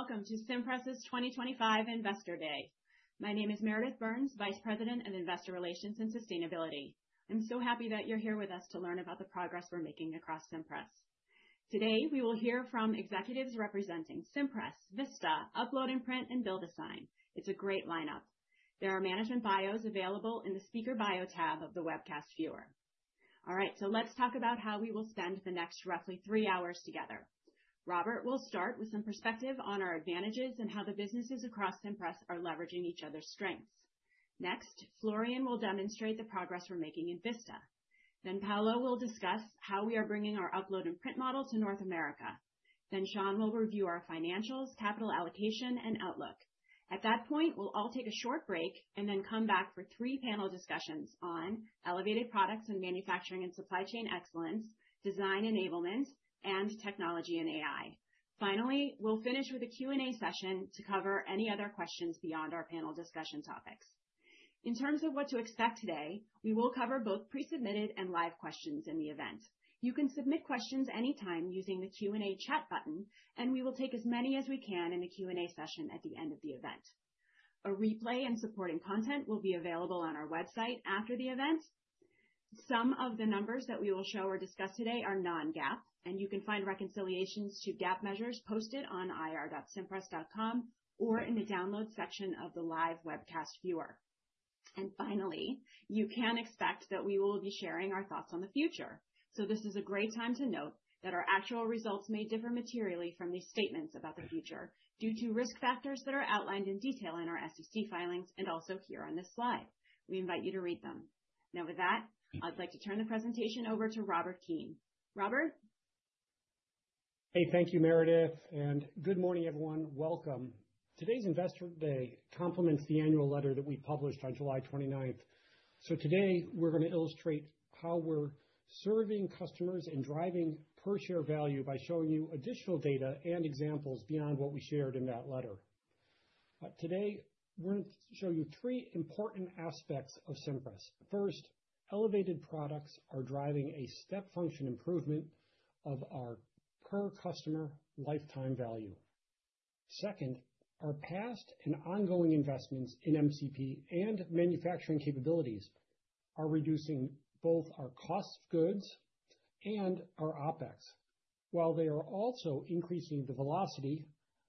Hello, and welcome to Cimpress's 2025 Investor Day. My name is Meredith Burns, Vice President of Investor Relations and Sustainability. I'm so happy that you're here with us to learn about the progress we're making across Cimpress. Today, we will hear from executives representing Cimpress, Vista, Upload & Print, and BuildASign. It's a great lineup. There are management bios available in the Speaker Bio tab of the webcast viewer. All right, so let's talk about how we will spend the next roughly three hours together. Robert will start with some perspective on our advantages and how the businesses across Cimpress are leveraging each other's strengths. Next, Florian will demonstrate the progress we're making in Vista. Then Paolo will discuss how we are bringing our Upload & Print model to North America. Then Sean will review our financials, capital allocation, and outlook. At that point, we'll all take a short break and then come back for three panel discussions on elevated products and manufacturing and supply chain excellence, design enablement, and technology and AI. Finally, we'll finish with a Q&A session to cover any other questions beyond our panel discussion topics. In terms of what to expect today, we will cover both pre-submitted and live questions in the event. You can submit questions anytime using the Q&A chat button, and we will take as many as we can in the Q&A session at the end of the event. A replay and supporting content will be available on our website after the event. Some of the numbers that we will show or discuss today are non-GAAP, and you can find reconciliations to GAAP measures posted on ir.cimpress.com or in the download section of the live webcast viewer. Finally, you can expect that we will be sharing our thoughts on the future. This is a great time to note that our actual results may differ materially from these statements about the future due to risk factors that are outlined in detail in our SEC filings and also here on this slide. We invite you to read them. Now, with that, I'd like to turn the presentation over to Robert Keane. Robert? Hey, thank you, Meredith. And good morning, everyone. Welcome. Today's Investor Day complements the annual letter that we published on July 29th. So today, we're going to illustrate how we're serving customers and driving per-share value by showing you additional data and examples beyond what we shared in that letter. Today, we're going to show you three important aspects of Cimpress. First, elevated products are driving a step function improvement of our per-customer lifetime value. Second, our past and ongoing investments in MCP and manufacturing capabilities are reducing both our cost of goods and our OpEx, while they are also increasing the velocity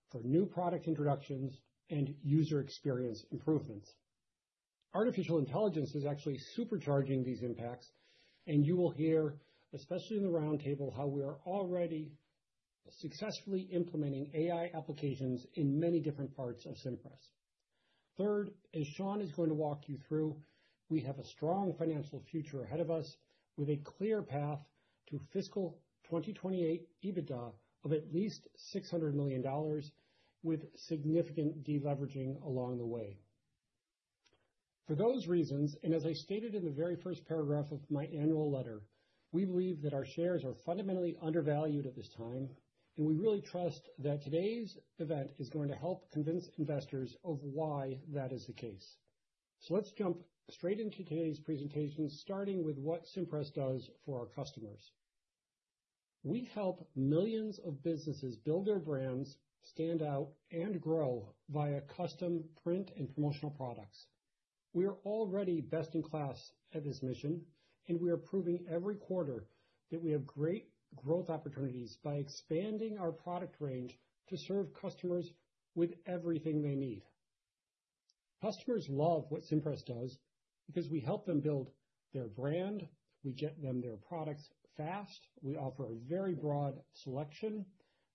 for new product introductions and user experience improvements. Artificial intelligence is actually supercharging these impacts, and you will hear, especially in the roundtable, how we are already successfully implementing AI applications in many different parts of Cimpress. Third, as Sean is going to walk you through, we have a strong financial future ahead of us with a clear path to fiscal 2028 EBITDA of at least $600 million, with significant deleveraging along the way. For those reasons, and as I stated in the very first paragraph of my annual letter, we believe that our shares are fundamentally undervalued at this time, and we really trust that today's event is going to help convince investors of why that is the case. So let's jump straight into today's presentation, starting with what Cimpress does for our customers. We help millions of businesses build their brands, stand out, and grow via custom print and promotional products. We are already best in class at this mission, and we are proving every quarter that we have great growth opportunities by expanding our product range to serve customers with everything they need. Customers love what Cimpress does because we help them build their brand. We get them their products fast. We offer a very broad selection.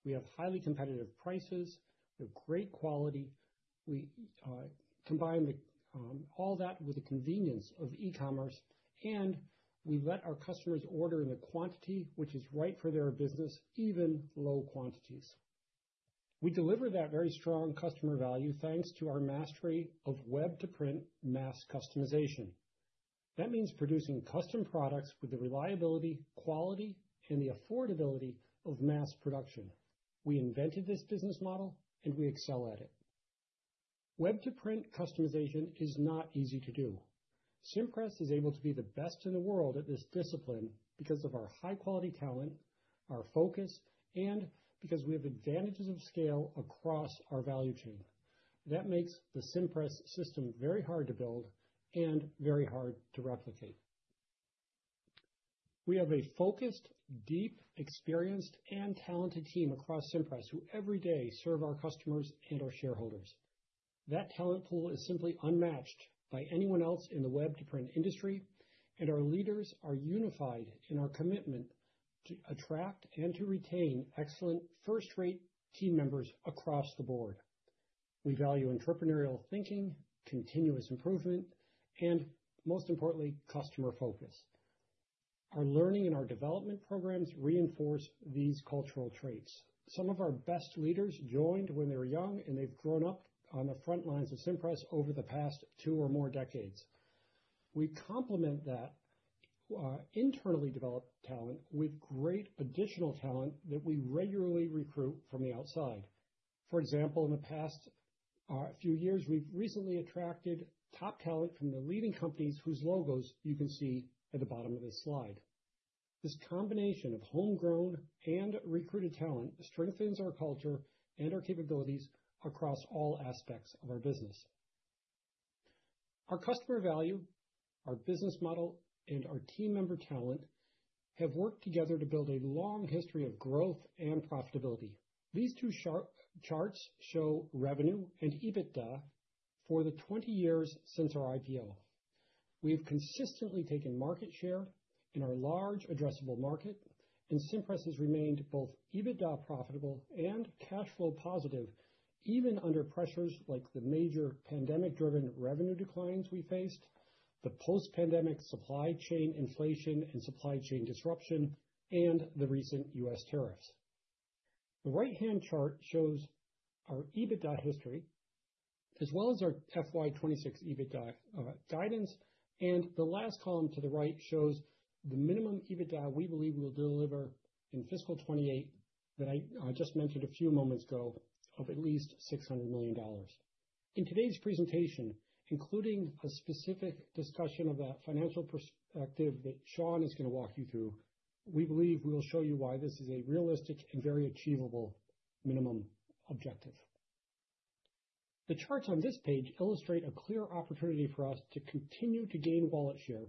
We have highly competitive prices. We have great quality. We combine all that with the convenience of e-commerce, and we let our customers order in the quantity which is right for their business, even low quantities. We deliver that very strong customer value thanks to our mastery of web-to-print mass customization. That means producing custom products with the reliability, quality, and the affordability of mass production. We invented this business model, and we excel at it. Web-to-print customization is not easy to do. Cimpress is able to be the best in the world at this discipline because of our high-quality talent, our focus, and because we have advantages of scale across our value chain. That makes the Cimpress system very hard to build and very hard to replicate. We have a focused, deep, experienced, and talented team across Cimpress who every day serve our customers and our shareholders. That talent pool is simply unmatched by anyone else in the web-to-print industry, and our leaders are unified in our commitment to attract and to retain excellent first-rate team members across the board. We value entrepreneurial thinking, continuous improvement, and most importantly, customer focus. Our learning and our development programs reinforce these cultural traits. Some of our best leaders joined when they were young, and they've grown up on the front lines of Cimpress over the past two or more decades. We complement that internally developed talent with great additional talent that we regularly recruit from the outside. For example, in the past few years, we've recently attracted top talent from the leading companies whose logos you can see at the bottom of this slide. This combination of homegrown and recruited talent strengthens our culture and our capabilities across all aspects of our business. Our customer value, our business model, and our team member talent have worked together to build a long history of growth and profitability. These two charts show revenue and EBITDA for the 20 years since our IPO. We have consistently taken market share in our large addressable market, and Cimpress has remained both EBITDA profitable and cash flow positive, even under pressures like the major pandemic-driven revenue declines we faced, the post-pandemic supply chain inflation and supply chain disruption, and the recent U.S. tariffs. The right-hand chart shows our EBITDA history, as well as our FY26 EBITDA guidance, and the last column to the right shows the minimum EBITDA we believe we will deliver in fiscal 28 that I just mentioned a few moments ago of at least $600 million. In today's presentation, including a specific discussion of that financial perspective that Sean is going to walk you through, we believe we will show you why this is a realistic and very achievable minimum objective. The charts on this page illustrate a clear opportunity for us to continue to gain wallet share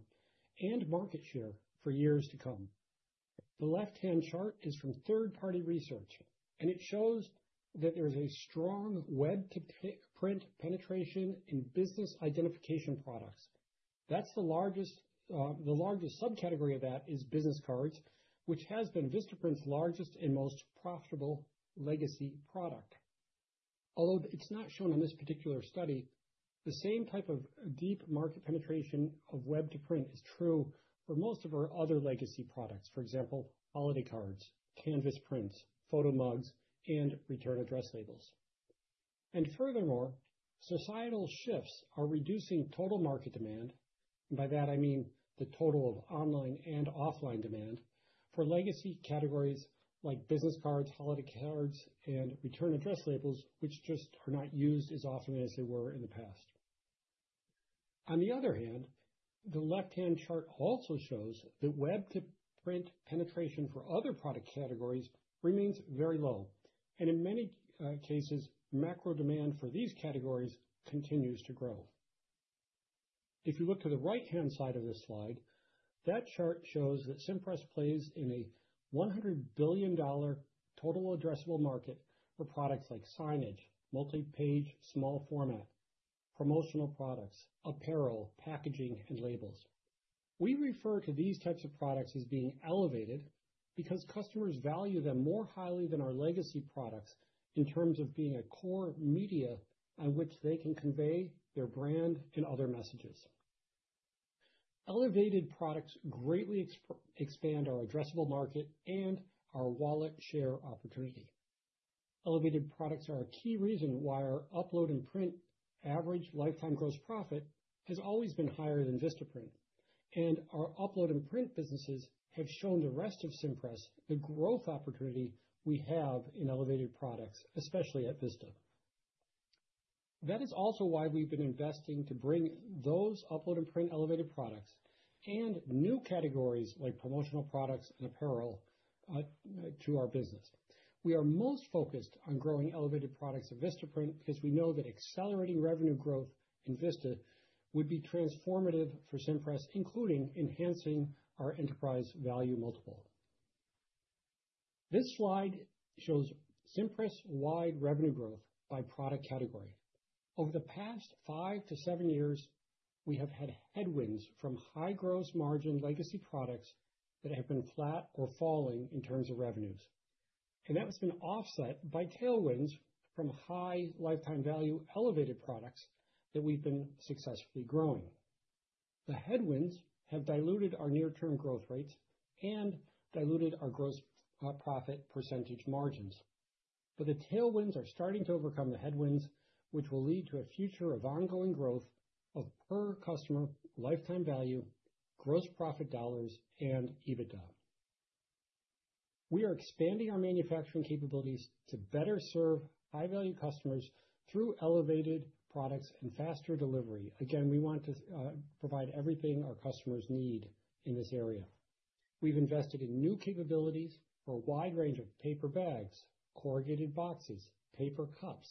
and market share for years to come. The left-hand chart is from third-party research, and it shows that there is a strong web-to-print penetration in business identification products. The largest subcategory of that is business cards, which has been Vistaprint's largest and most profitable legacy product. Although it's not shown in this particular study, the same type of deep market penetration of web-to-print is true for most of our other legacy products, for example, holiday cards, canvas prints, photo mugs, and return address labels. And furthermore, societal shifts are reducing total market demand, and by that, I mean the total of online and offline demand for legacy categories like business cards, holiday cards, and return address labels, which just are not used as often as they were in the past. On the other hand, the left-hand chart also shows that web-to-print penetration for other product categories remains very low, and in many cases, macro demand for these categories continues to grow. If you look to the right-hand side of this slide, that chart shows that Cimpress plays in a $100 billion total addressable market for products like signage, multi-page, small format, promotional products, apparel, packaging, and labels. We refer to these types of products as being elevated because customers value them more highly than our legacy products in terms of being a core media on which they can convey their brand and other messages. Elevated products greatly expand our addressable market and our wallet share opportunity. Elevated products are a key reason why our Upload & Print average lifetime gross profit has always been higher than Vistaprint, and our Upload & Print businesses have shown the rest of Cimpress the growth opportunity we have in elevated products, especially at Vista. That is also why we've been investing to bring those Upload & Print elevated products and new categories like promotional products and apparel to our business. We are most focused on growing elevated products at Vistaprint because we know that accelerating revenue growth in Vista would be transformative for Cimpress, including enhancing our enterprise value multiple. This slide shows Cimpress-wide revenue growth by product category. Over the past five to seven years, we have had headwinds from high gross margin legacy products that have been flat or falling in terms of revenues, and that has been offset by tailwinds from high lifetime value elevated products that we've been successfully growing. The headwinds have diluted our near-term growth rates and diluted our gross profit percentage margins, but the tailwinds are starting to overcome the headwinds, which will lead to a future of ongoing growth of per-customer lifetime value, gross profit dollars, and EBITDA. We are expanding our manufacturing capabilities to better serve high-value customers through elevated products and faster delivery. Again, we want to provide everything our customers need in this area. We've invested in new capabilities for a wide range of paper bags, corrugated boxes, paper cups,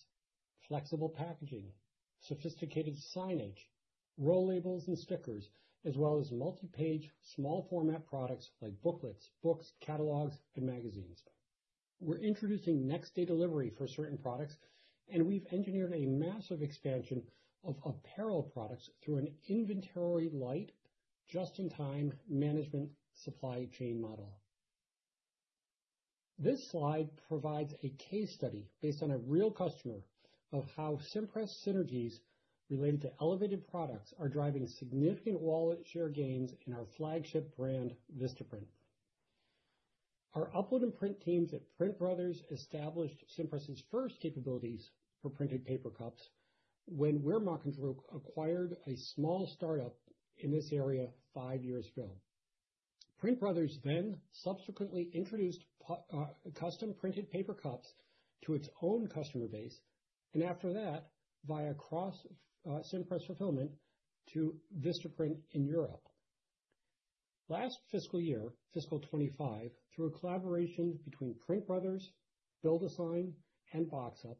flexible packaging, sophisticated signage, roll labels and stickers, as well as multi-page, small format products like booklets, books, catalogs, and magazines. We're introducing next-day delivery for certain products, and we've engineered a massive expansion of apparel products through an inventory-light, just-in-time management supply chain model. This slide provides a case study based on a real customer of how Cimpress synergies related to elevated products are driving significant wallet share gains in our flagship brand, Vistaprint. Our Upload & Print teams at PrintBrothers established Cimpress' first capabilities for printed paper cups when WIRmachenDRUCK acquired a small startup in this area five years ago. PrintBrothers then subsequently introduced custom printed paper cups to its own customer base, and after that, via Cross-Cimpress fulfillment to Vistaprint in Europe. Last fiscal year, fiscal 2025, through a collaboration between PrintBrothers, BuildASign, and BoxUp,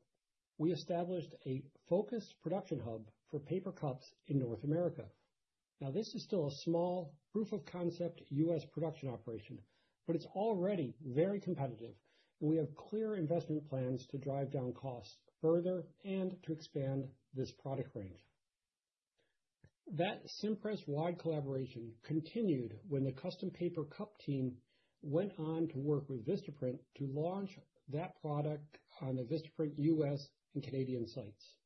we established a focused production hub for paper cups in North America. Now, this is still a small proof-of-concept U.S. production operation, but it's already very competitive, and we have clear investment plans to drive down costs further and to expand this product range. That Cimpress-wide collaboration continued when the custom paper cup team went on to work with Vistaprint to launch that product on the Vistaprint U.S. and Canadian sites.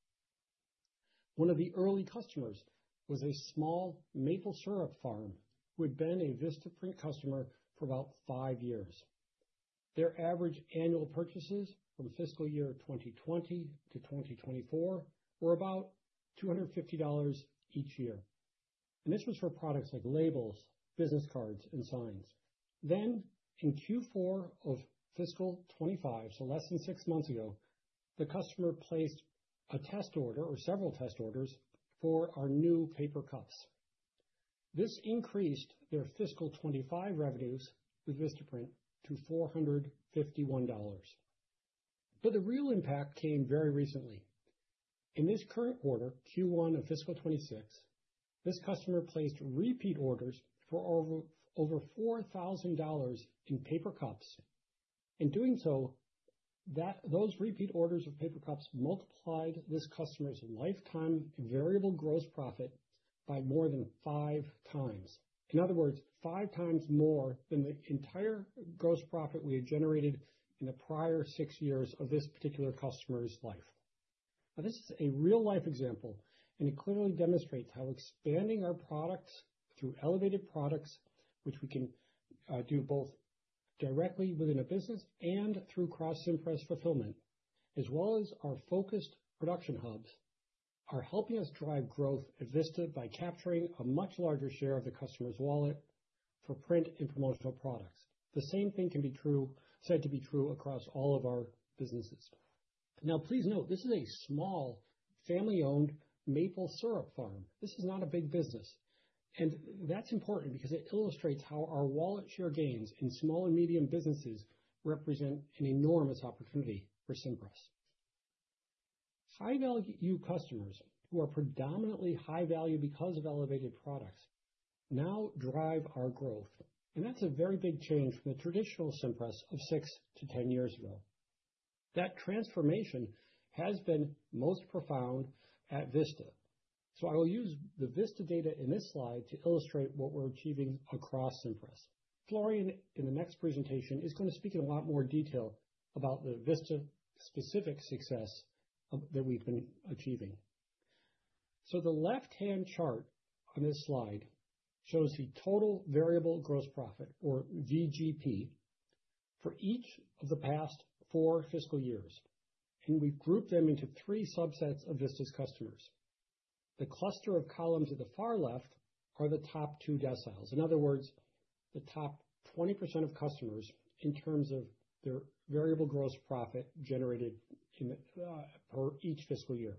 One of the early customers was a small maple syrup farm who had been a Vistaprint customer for about five years. Their average annual purchases from fiscal year 2020 to 2024 were about $250 each year, and this was for products like labels, business cards, and signs. Then, in Q4 of fiscal 2025, so less than six months ago, the customer placed a test order or several test orders for our new paper cups. This increased their fiscal 2025 revenues with Vistaprint to $451. But the real impact came very recently. In this current quarter, Q1 of fiscal 2026, this customer placed repeat orders for over $4,000 in paper cups, and doing so, those repeat orders of paper cups multiplied this customer's lifetime variable gross profit by more than five times. In other words, five times more than the entire gross profit we had generated in the prior six years of this particular customer's life. Now, this is a real-life example, and it clearly demonstrates how expanding our products through elevated products, which we can do both directly within a business and through cross-Cimpress fulfillment, as well as our focused production hubs, are helping us drive growth at Vista by capturing a much larger share of the customer's wallet for print and promotional products. The same thing can be said to be true across all of our businesses. Now, please note, this is a small family-owned maple syrup farm. This is not a big business, and that's important because it illustrates how our wallet share gains in small and medium businesses represent an enormous opportunity for Cimpress. High-value customers who are predominantly high-value because of elevated products now drive our growth, and that's a very big change from the traditional Cimpress of six to ten years ago. That transformation has been most profound at Vista, so I will use the Vista data in this slide to illustrate what we're achieving across Cimpress. Florian, in the next presentation, is going to speak in a lot more detail about the Vista-specific success that we've been achieving. So the left-hand chart on this slide shows the total variable gross profit, or VGP, for each of the past four fiscal years, and we've grouped them into three subsets of Vista's customers. The cluster of columns at the far left are the top two deciles. In other words, the top 20% of customers in terms of their variable gross profit generated per each fiscal year.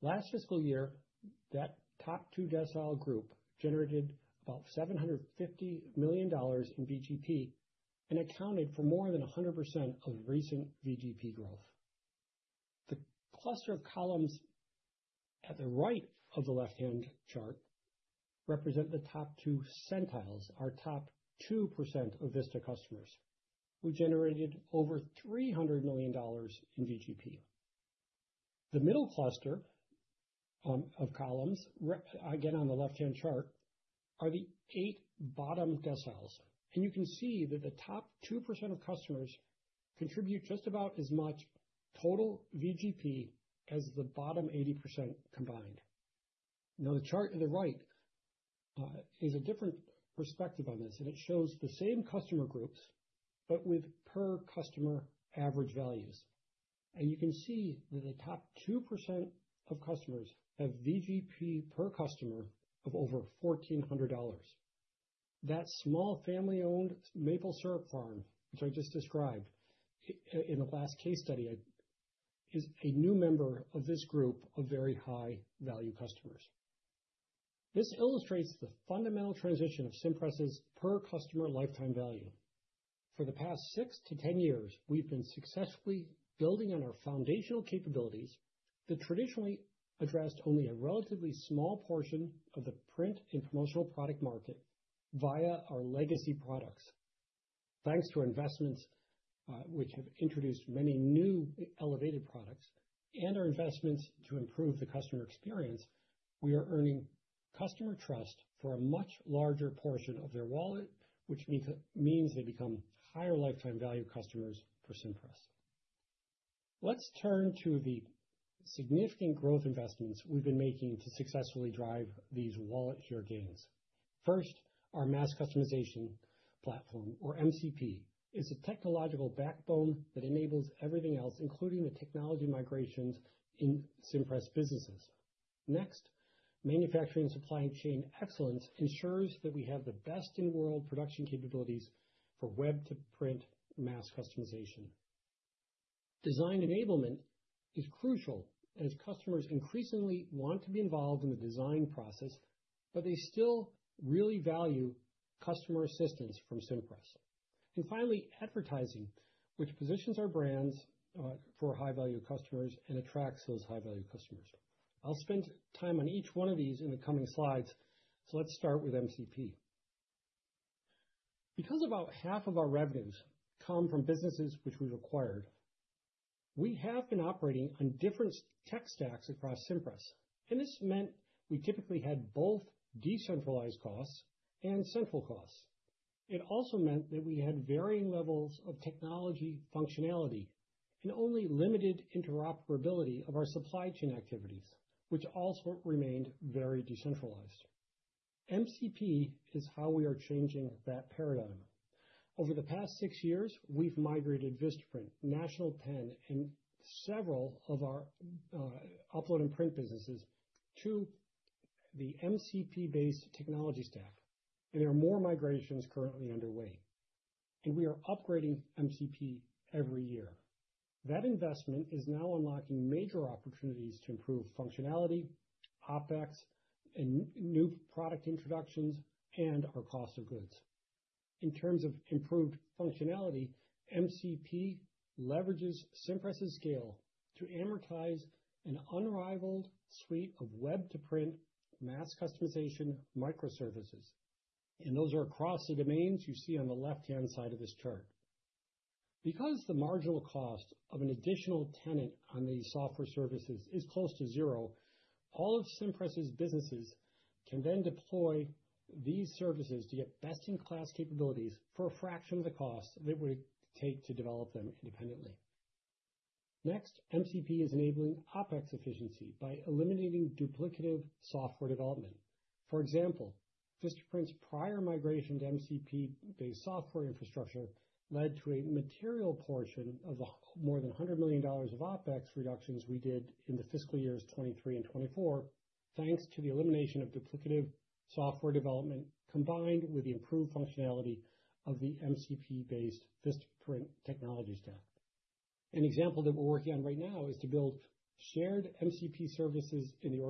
Last fiscal year, that top two decile group generated about $750 million in VGP and accounted for more than 100% of recent VGP growth. The cluster of columns at the right of the left-hand chart represent the top two percentiles, our top 2% of Vista customers, who generated over $300 million in VGP. The middle cluster of columns, again on the left-hand chart, are the eight bottom deciles, and you can see that the top 2% of customers contribute just about as much total VGP as the bottom 80% combined. Now, the chart to the right is a different perspective on this, and it shows the same customer groups but with per-customer average values, and you can see that the top 2% of customers have VGP per customer of over $1,400. That small family-owned maple syrup farm, which I just described in the last case study, is a new member of this group of very high-value customers. This illustrates the fundamental transition of Cimpress' per-customer lifetime value. For the past six to 10 years, we've been successfully building on our foundational capabilities that traditionally addressed only a relatively small portion of the print and promotional product market via our legacy products. Thanks to investments which have introduced many new elevated products and our investments to improve the customer experience, we are earning customer trust for a much larger portion of their wallet, which means they become higher lifetime value customers for Cimpress. Let's turn to the significant growth investments we've been making to successfully drive these wallet share gains. First, our mass customization platform, or MCP, is a technological backbone that enables everything else, including the technology migrations in Cimpress businesses. Next, manufacturing supply chain excellence ensures that we have the best-in-world production capabilities for web-to-print mass customization. Design enablement is crucial as customers increasingly want to be involved in the design process, but they still really value customer assistance from Cimpress, and finally, advertising, which positions our brands for high-value customers and attracts those high-value customers. I'll spend time on each one of these in the coming slides, so let's start with MCP. Because about half of our revenues come from businesses which we've acquired, we have been operating on different tech stacks across Cimpress, and this meant we typically had both decentralized costs and central costs. It also meant that we had varying levels of technology functionality and only limited interoperability of our supply chain activities, which also remained very decentralized. MCP is how we are changing that paradigm. Over the past six years, we've migrated Vistaprint, National Pen, and several of our Upload & Print businesses to the MCP-based technology stack, and there are more migrations currently underway, and we are upgrading MCP every year. That investment is now unlocking major opportunities to improve functionality, OpEx, and new product introductions, and our cost of goods. In terms of improved functionality, MCP leverages Cimpress' scale to amortize an unrivaled suite of web-to-print mass customization microservices, and those are across the domains you see on the left-hand side of this chart. Because the marginal cost of an additional tenant on the software services is close to zero, all of Cimpress' businesses can then deploy these services to get best-in-class capabilities for a fraction of the cost they would take to develop them independently. Next, MCP is enabling OpEx efficiency by eliminating duplicative software development. For example, Vistaprint's prior migration to MCP-based software infrastructure led to a material portion of the more than $100 million of OpEx reductions we did in the fiscal years 2023 and 2024, thanks to the elimination of duplicative software development combined with the improved functionality of the MCP-based Vistaprint technology stack. An example that we're working on right now is to build shared MCP services in the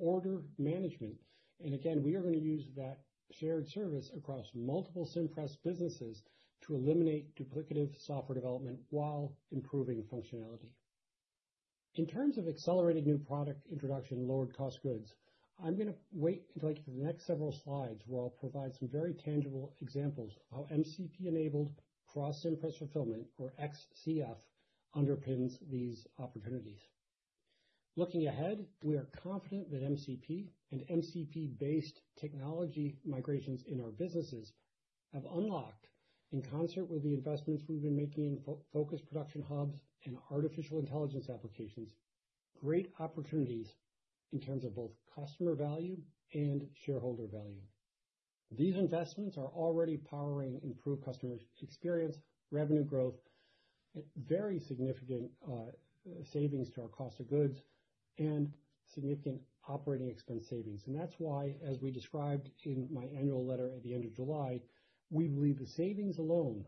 order management, and again, we are going to use that shared service across multiple Cimpress businesses to eliminate duplicative software development while improving functionality. In terms of accelerated new product introduction and lowered cost goods, I'm going to wait until I get to the next several slides where I'll provide some very tangible examples of how MCP-enabled cross-Cimpress fulfillment, or XCF, underpins these opportunities. Looking ahead, we are confident that MCP and MCP-based technology migrations in our businesses have unlocked, in concert with the investments we've been making in focused production hubs and artificial intelligence applications, great opportunities in terms of both customer value and shareholder value. These investments are already powering improved customer experience, revenue growth, very significant savings to our cost of goods, and significant operating expense savings, and that's why, as we described in my annual letter at the end of July, we believe the savings alone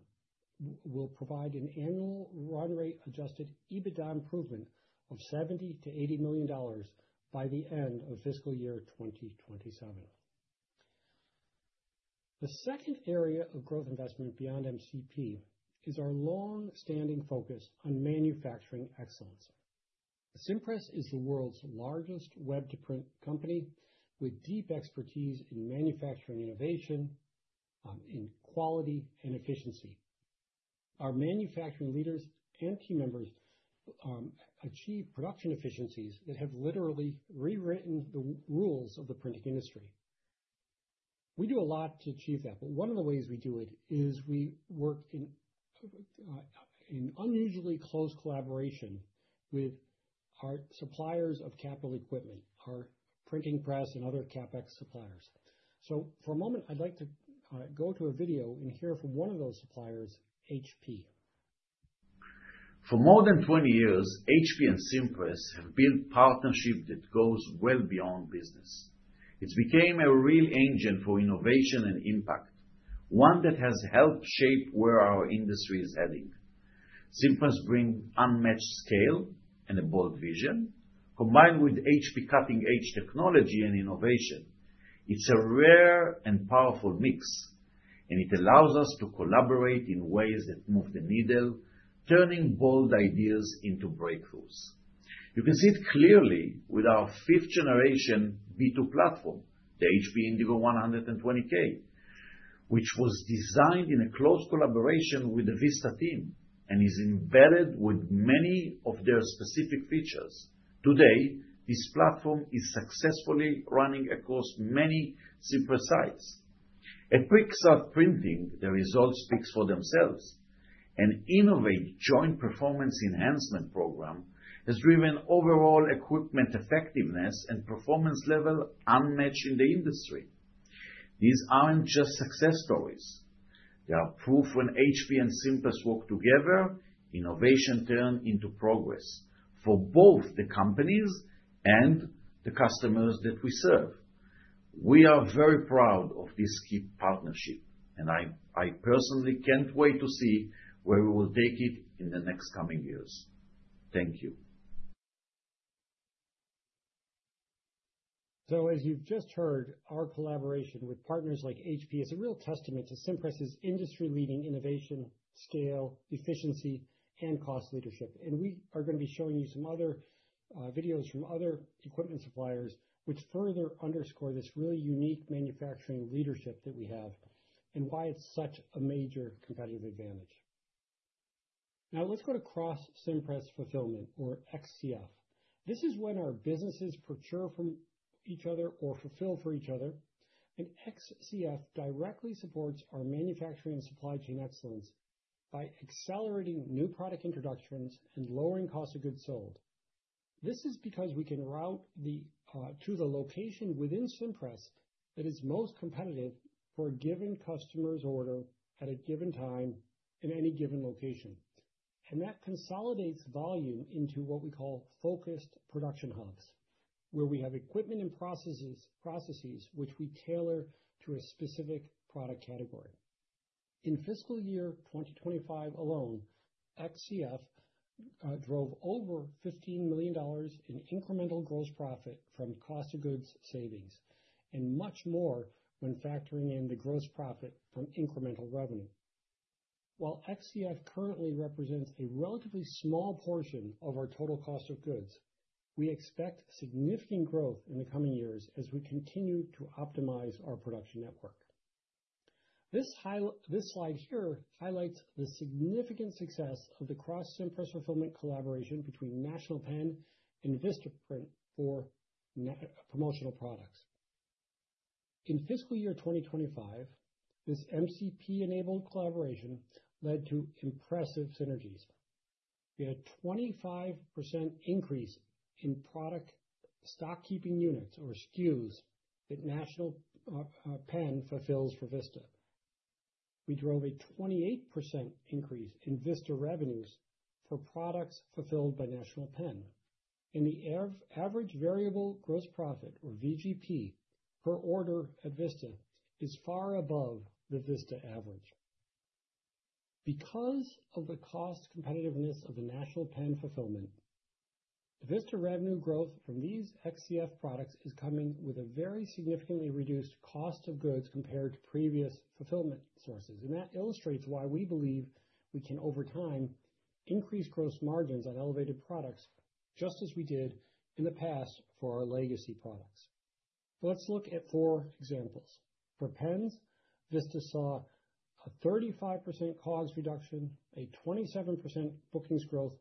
will provide an annual run-rate-adjusted EBITDA improvement of $70-$80 million by the end of fiscal year 2027. The second area of growth investment beyond MCP is our long-standing focus on manufacturing excellence. Cimpress is the world's largest web-to-print company with deep expertise in manufacturing innovation, in quality, and efficiency. Our manufacturing leaders and team members achieve production efficiencies that have literally rewritten the rules of the printing industry. We do a lot to achieve that, but one of the ways we do it is we work in unusually close collaboration with our suppliers of capital equipment, our printing press, and other CapEx suppliers. So for a moment, I'd like to go to a video and hear from one of those suppliers, HP. For more than 20 years, HP and Cimpress have built partnerships that go well beyond business. It's became a real engine for innovation and impact, one that has helped shape where our industry is heading. Cimpress brings unmatched scale and a bold vision, combined with HP cutting-edge technology and innovation. It's a rare and powerful mix, and it allows us to collaborate in ways that move the needle, turning bold ideas into breakthroughs. You can see it clearly with our fifth-generation B2 platform, the HP Indigo 120K, which was designed in close collaboration with the Vista team and is embedded with many of their specific features. Today, this platform is successfully running across many Cimpress sites. At Pixartprinting, the results speak for themselves. An innovative joint performance enhancement program has driven overall equipment effectiveness and performance level unmatched in the industry. These aren't just success stories. They are proof when HP and Cimpress work together, innovation turned into progress for both the companies and the customers that we serve. We are very proud of this key partnership, and I personally can't wait to see where we will take it in the next coming years. Thank you. As you've just heard, our collaboration with partners like HP is a real testament to Cimpress' industry-leading innovation, scale, efficiency, and cost leadership, and we are going to be showing you some other videos from other equipment suppliers which further underscore this really unique manufacturing leadership that we have and why it's such a major competitive advantage. Now, let's go to Cross-Cimpress Fulfillment, or XCF. This is when our businesses procure from each other or fulfill for each other, and XCF directly supports our manufacturing and supply chain excellence by accelerating new product introductions and lowering cost of goods sold. This is because we can route to the location within Cimpress that is most competitive for a given customer's order at a given time in any given location, and that consolidates volume into what we call focused production hubs, where we have equipment and processes which we tailor to a specific product category. In fiscal year 2025 alone, XCF drove over $15 million in incremental gross profit from cost of goods savings and much more when factoring in the gross profit from incremental revenue. While XCF currently represents a relatively small portion of our total cost of goods, we expect significant growth in the coming years as we continue to optimize our production network. This slide here highlights the significant success of the cross-Cimpress fulfillment collaboration between National Pen and Vistaprint for promotional products. In fiscal year 2025, this MCP-enabled collaboration led to impressive synergies. We had a 25% increase in product stock-keeping units, or SKUs, that National Pen fulfills for Vista. We drove a 28% increase in Vista revenues for products fulfilled by National Pen, and the average variable gross profit, or VGP, per order at Vista is far above the Vista average. Because of the cost competitiveness of the National Pen fulfillment, the Vista revenue growth from these XCF products is coming with a very significantly reduced cost of goods compared to previous fulfillment sources, and that illustrates why we believe we can, over time, increase gross margins on elevated products just as we did in the past for our legacy products. Let's look at four examples. For pens, Vista saw a 35% cost reduction, a 27% bookings growth,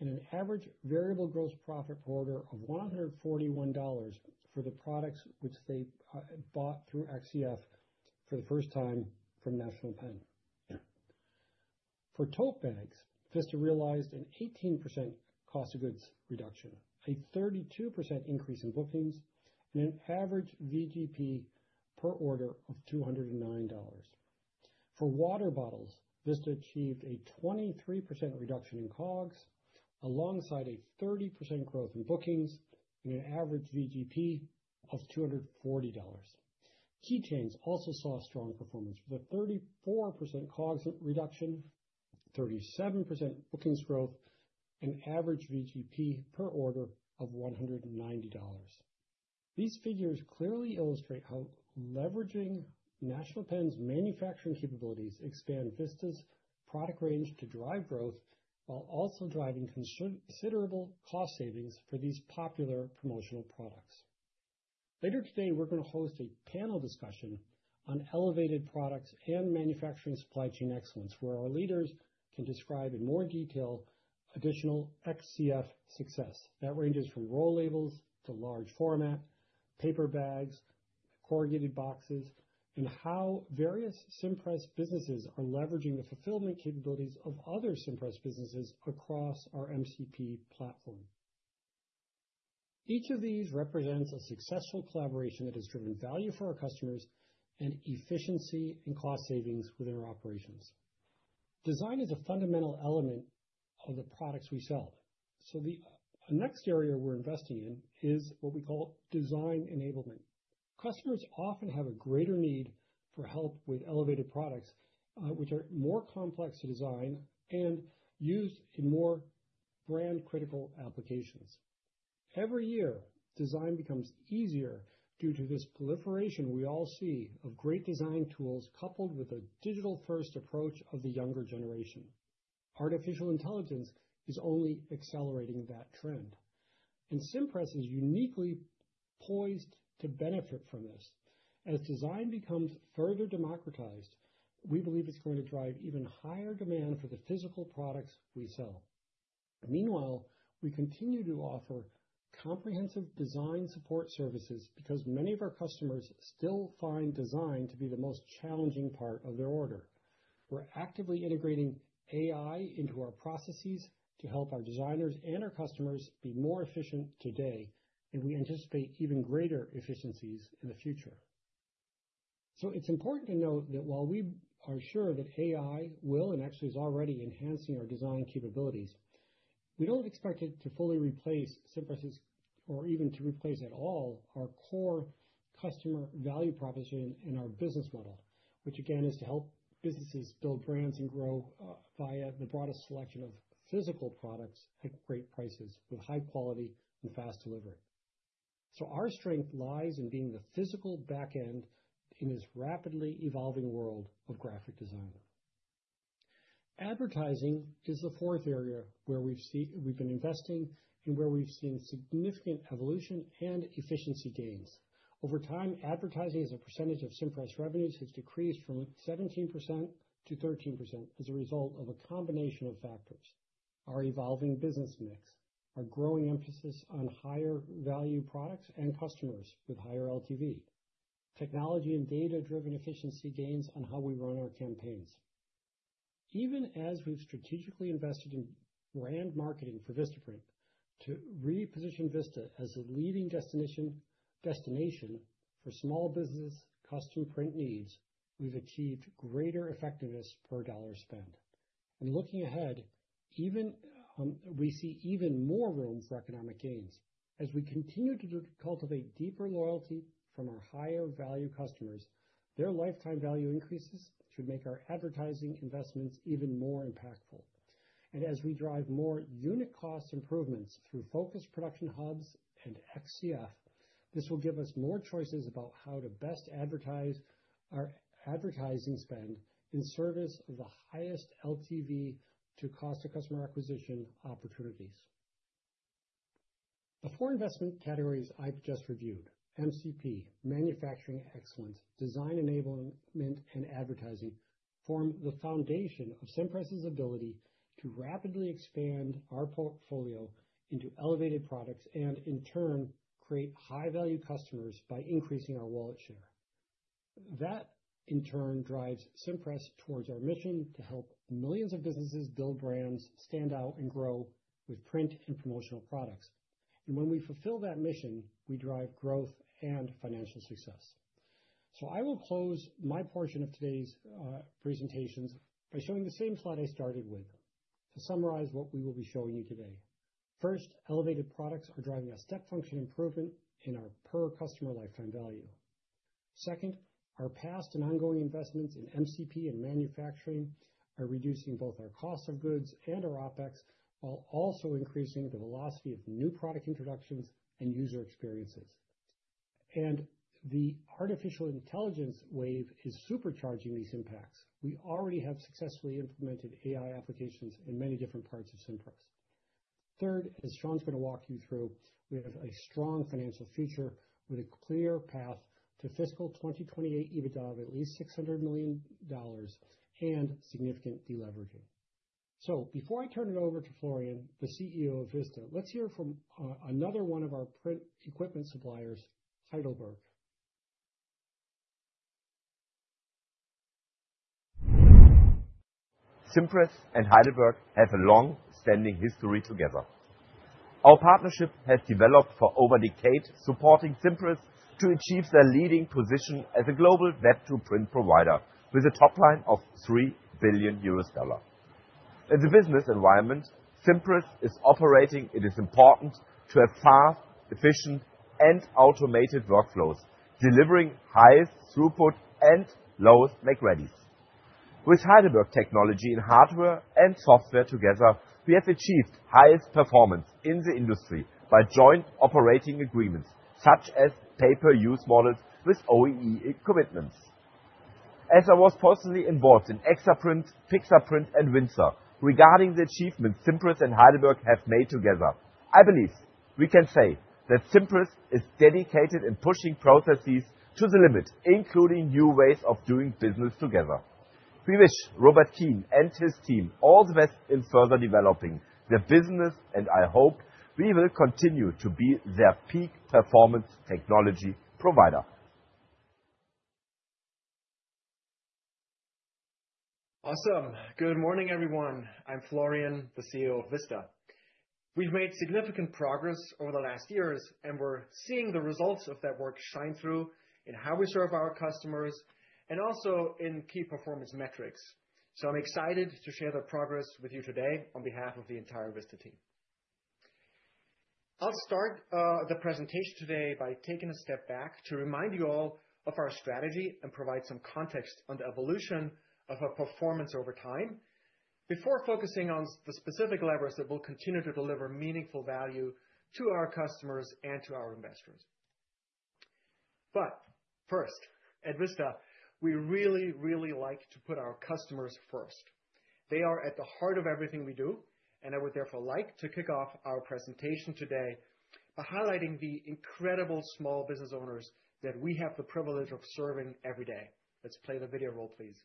and an average variable gross profit per order of $141 for the products which they bought through XCF for the first time from National Pen. For tote bags, Vista realized an 18% cost of goods reduction, a 32% increase in bookings, and an average VGP per order of $209. For water bottles, Vista achieved a 23% reduction in COGS alongside a 30% growth in bookings and an average VGP of $240. Keychains also saw strong performance with a 34% COGS reduction, 37% bookings growth, and an average VGP per order of $190. These figures clearly illustrate how leveraging National Pen's manufacturing capabilities expands Vista's product range to drive growth while also driving considerable cost savings for these popular promotional products. Later today, we're going to host a panel discussion on elevated products and manufacturing supply chain excellence, where our leaders can describe in more detail additional XCF success that ranges from roll labels to large format, paper bags, corrugated boxes, and how various Cimpress businesses are leveraging the fulfillment capabilities of other Cimpress businesses across our MCP platform. Each of these represents a successful collaboration that has driven value for our customers and efficiency and cost savings within our operations. Design is a fundamental element of the products we sell, so the next area we're investing in is what we call design enablement. Customers often have a greater need for help with elevated products which are more complex to design and used in more brand-critical applications. Every year, design becomes easier due to this proliferation we all see of great design tools coupled with a digital-first approach of the younger generation. Artificial intelligence is only accelerating that trend, and Cimpress is uniquely poised to benefit from this. As design becomes further democratized, we believe it's going to drive even higher demand for the physical products we sell. Meanwhile, we continue to offer comprehensive design support services because many of our customers still find design to be the most challenging part of their order. We're actively integrating AI into our processes to help our designers and our customers be more efficient today, and we anticipate even greater efficiencies in the future. So it's important to note that while we are sure that AI will and actually is already enhancing our design capabilities, we don't expect it to fully replace Cimpress' or even to replace at all our core customer value proposition and our business model, which again is to help businesses build brands and grow via the broadest selection of physical products at great prices with high quality and fast delivery. So our strength lies in being the physical backend in this rapidly evolving world of graphic design. Advertising is the fourth area where we've been investing and where we've seen significant evolution and efficiency gains. Over time, advertising as a percentage of Cimpress revenues has decreased from 17% to 13% as a result of a combination of factors: our evolving business mix, our growing emphasis on higher value products and customers with higher LTV, technology and data-driven efficiency gains on how we run our campaigns. Even as we've strategically invested in brand marketing for Vistaprint to reposition Vista as a leading destination for small business custom print needs, we've achieved greater effectiveness per dollar spent. And looking ahead, we see even more room for economic gains as we continue to cultivate deeper loyalty from our higher value customers. Their lifetime value increases should make our advertising investments even more impactful, and as we drive more unit cost improvements through focused production hubs and XCF, this will give us more choices about how to best advertise our advertising spend in service of the highest LTV to cost of customer acquisition opportunities. The four investment categories I've just reviewed (MCP, manufacturing excellence, design enablement, and advertising) form the foundation of Cimpress' ability to rapidly expand our portfolio into elevated products and, in turn, create high-value customers by increasing our wallet share. That, in turn, drives Cimpress towards our mission to help millions of businesses build brands, stand out, and grow with print and promotional products, and when we fulfill that mission, we drive growth and financial success. So I will close my portion of today's presentations by showing the same slide I started with to summarize what we will be showing you today. First, elevated products are driving a step function improvement in our per customer lifetime value. Second, our past and ongoing investments in MCP and manufacturing are reducing both our cost of goods and our OpEx while also increasing the velocity of new product introductions and user experiences, and the Artificial Intelligence wave is supercharging these impacts. We already have successfully implemented AI applications in many different parts of Cimpress. Third, as Sean's going to walk you through, we have a strong financial future with a clear path to fiscal 2028 EBITDA of at least $600 million and significant deleveraging. So before I turn it over to Florian, the CEO of Vista, let's hear from another one of our print equipment suppliers, Heidelberg. Cimpress and Heidelberg have a long-standing history together. Our partnership has developed for over a decade, supporting Cimpress to achieve their leading position as a global web-to-print provider with a top line of EUR 3 billion. In the business environment Cimpress is operating, it is important to have fast, efficient, and automated workflows, delivering highest throughput and lowest lead times. With Heidelberg technology and hardware and software together, we have achieved highest performance in the industry by joint operating agreements such as pay-per-use models with OEE commitments. As I was personally involved in Exaprint, Pixartprinting, and Windsor regarding the achievements Cimpress and Heidelberg have made together, I believe we can say that Cimpress is dedicated in pushing processes to the limit, including new ways of doing business together. We wish Robert Keane and his team all the best in further developing their business, and I hope we will continue to be their peak performance technology provider. Awesome. Good morning, everyone. I'm Florian, the CEO of Vista. We've made significant progress over the last years, and we're seeing the results of that work shine through in how we serve our customers and also in key performance metrics. So I'm excited to share the progress with you today on behalf of the entire Vista team. I'll start the presentation today by taking a step back to remind you all of our strategy and provide some context on the evolution of our performance over time before focusing on the specific levers that will continue to deliver meaningful value to our customers and to our investors. But first, at Vista, we really, really like to put our customers first. They are at the heart of everything we do, and I would therefore like to kick off our presentation today by highlighting the incredible small business owners that we have the privilege of serving every day. Let's play the video roll, please.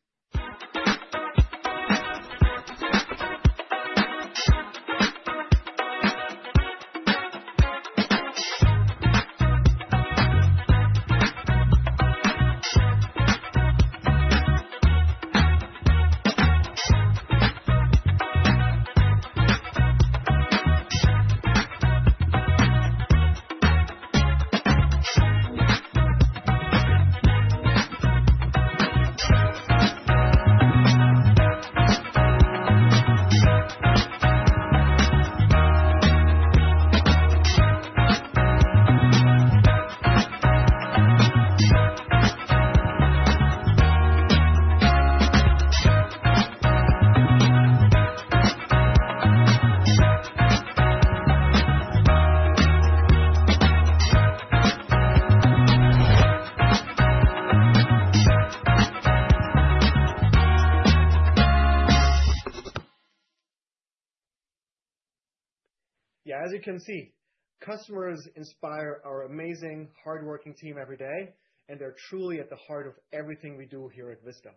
Yeah, as you can see, customers inspire our amazing hardworking team every day, and they're truly at the heart of everything we do here at Vista.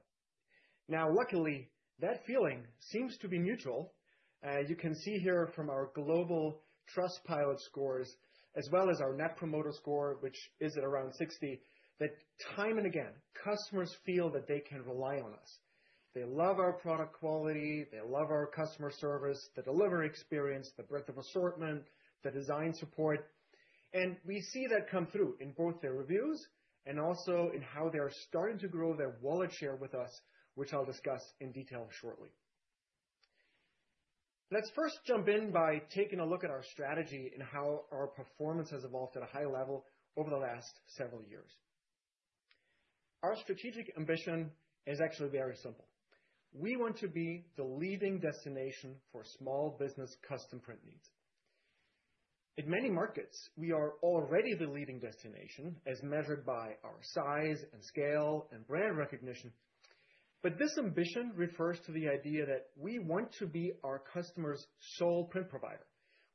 Now, luckily, that feeling seems to be mutual. You can see here from our global Trustpilot scores as well as our Net Promoter Score, which is at around 60, that time and again, customers feel that they can rely on us. They love our product quality. They love our customer service, the delivery experience, the breadth of assortment, the design support, and we see that come through in both their reviews and also in how they are starting to grow their wallet share with us, which I'll discuss in detail shortly. Let's first jump in by taking a look at our strategy and how our performance has evolved at a high level over the last several years. Our strategic ambition is actually very simple. We want to be the leading destination for small business custom print needs. In many markets, we are already the leading destination as measured by our size and scale and brand recognition, but this ambition refers to the idea that we want to be our customer's sole print provider,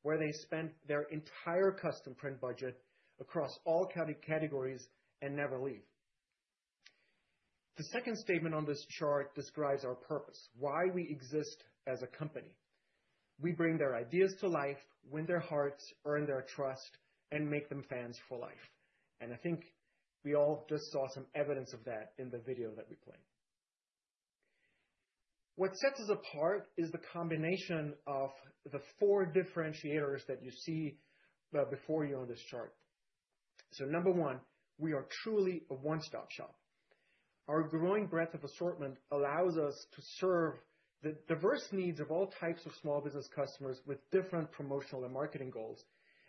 where they spend their entire custom print budget across all categories and never leave. The second statement on this chart describes our purpose, why we exist as a company. We bring their ideas to life, win their hearts, earn their trust, and make them fans for life. And I think we all just saw some evidence of that in the video that we played. What sets us apart is the combination of the four differentiators that you see before you on this chart. So number one, we are truly a one-stop shop. Our growing breadth of assortment allows us to serve the diverse needs of all types of small business customers with different promotional and marketing goals,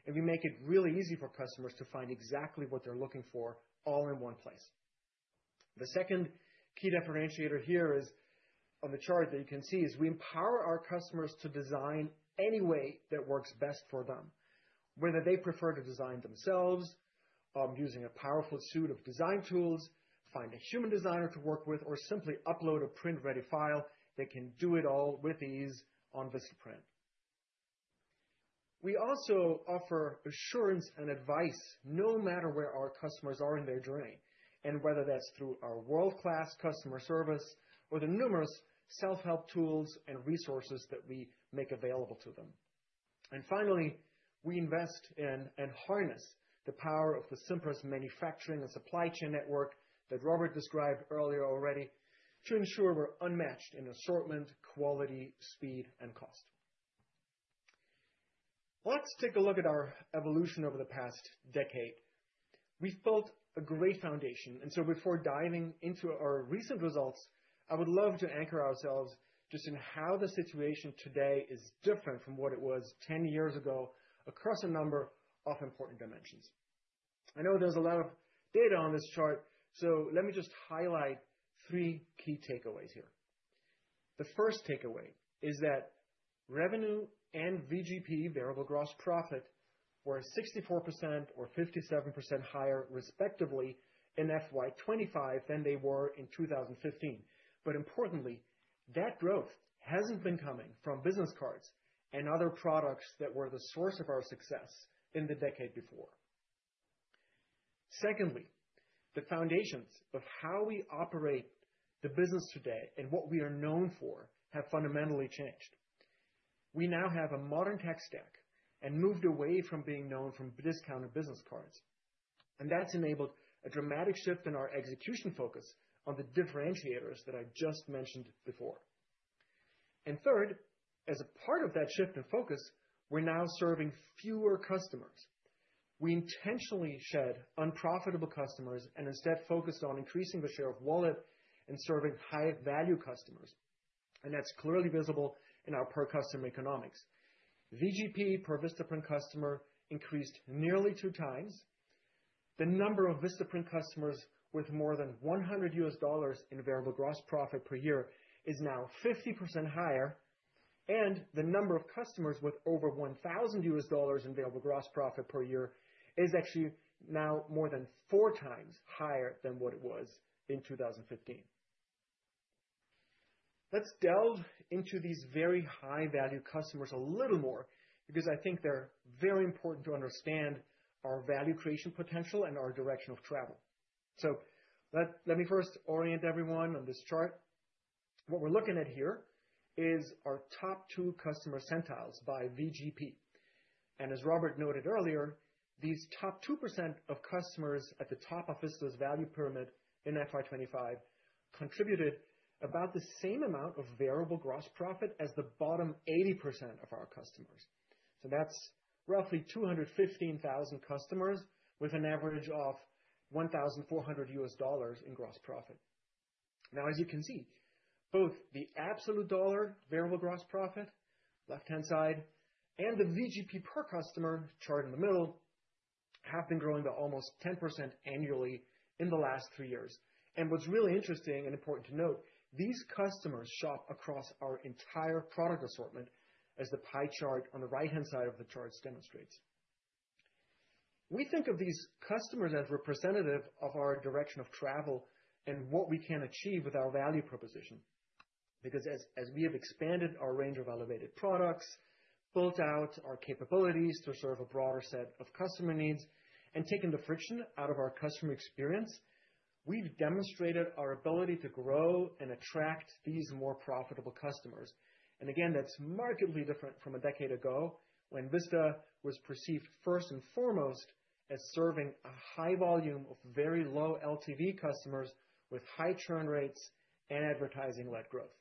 and we make it really easy for customers to find exactly what they're looking for all in one place. The second key differentiator here is on the chart that you can see is we empower our customers to design any way that works best for them, whether they prefer to design themselves using a powerful suite of design tools, find a human designer to work with, or simply upload a print-ready file, they can do it all with ease on Vistaprint. We also offer assurance and advice no matter where our customers are in their journey, and whether that's through our world-class customer service or the numerous self-help tools and resources that we make available to them, and finally, we invest in and harness the power of the Cimpress manufacturing and supply chain network that Robert described earlier already to ensure we're unmatched in assortment, quality, speed, and cost. Let's take a look at our evolution over the past decade. We've built a great foundation, and so before diving into our recent results, I would love to anchor ourselves just in how the situation today is different from what it was 10 years ago across a number of important dimensions. I know there's a lot of data on this chart, so let me just highlight three key takeaways here. The first takeaway is that revenue and VGP, variable gross profit, were 64% or 57% higher, respectively, in FY25 than they were in 2015. But importantly, that growth hasn't been coming from business cards and other products that were the source of our success in the decade before. Secondly, the foundations of how we operate the business today and what we are known for have fundamentally changed. We now have a modern tech stack and moved away from being known for discounted business cards, and that's enabled a dramatic shift in our execution focus on the differentiators that I just mentioned before. Third, as a part of that shift in focus, we're now serving fewer customers. We intentionally shed unprofitable customers and instead focused on increasing the share of wallet and serving high-value customers, and that's clearly visible in our per customer economics. VGP per Vistaprint customer increased nearly two times. The number of Vistaprint customers with more than $100 in variable gross profit per year is now 50% higher, and the number of customers with over $1,000 in variable gross profit per year is actually now more than four times higher than what it was in 2015. Let's delve into these very high-value customers a little more because I think they're very important to understand our value creation potential and our direction of travel. So let me first orient everyone on this chart. What we're looking at here is our top two customer centiles by VGP, and as Robert noted earlier, these top 2% of customers at the top of Vista's value pyramid in FY25 contributed about the same amount of variable gross profit as the bottom 80% of our customers. So that's roughly 215,000 customers with an average of $1,400 in gross profit. Now, as you can see, both the absolute dollar variable gross profit, left-hand side, and the VGP per customer chart in the middle have been growing by almost 10% annually in the last three years. What's really interesting and important to note, these customers shop across our entire product assortment, as the pie chart on the right-hand side of the charts demonstrates. We think of these customers as representative of our direction of travel and what we can achieve with our value proposition because as we have expanded our range of elevated products, built out our capabilities to serve a broader set of customer needs, and taken the friction out of our customer experience, we've demonstrated our ability to grow and attract these more profitable customers. Again, that's markedly different from a decade ago when Vista was perceived first and foremost as serving a high volume of very low LTV customers with high churn rates and advertising-led growth.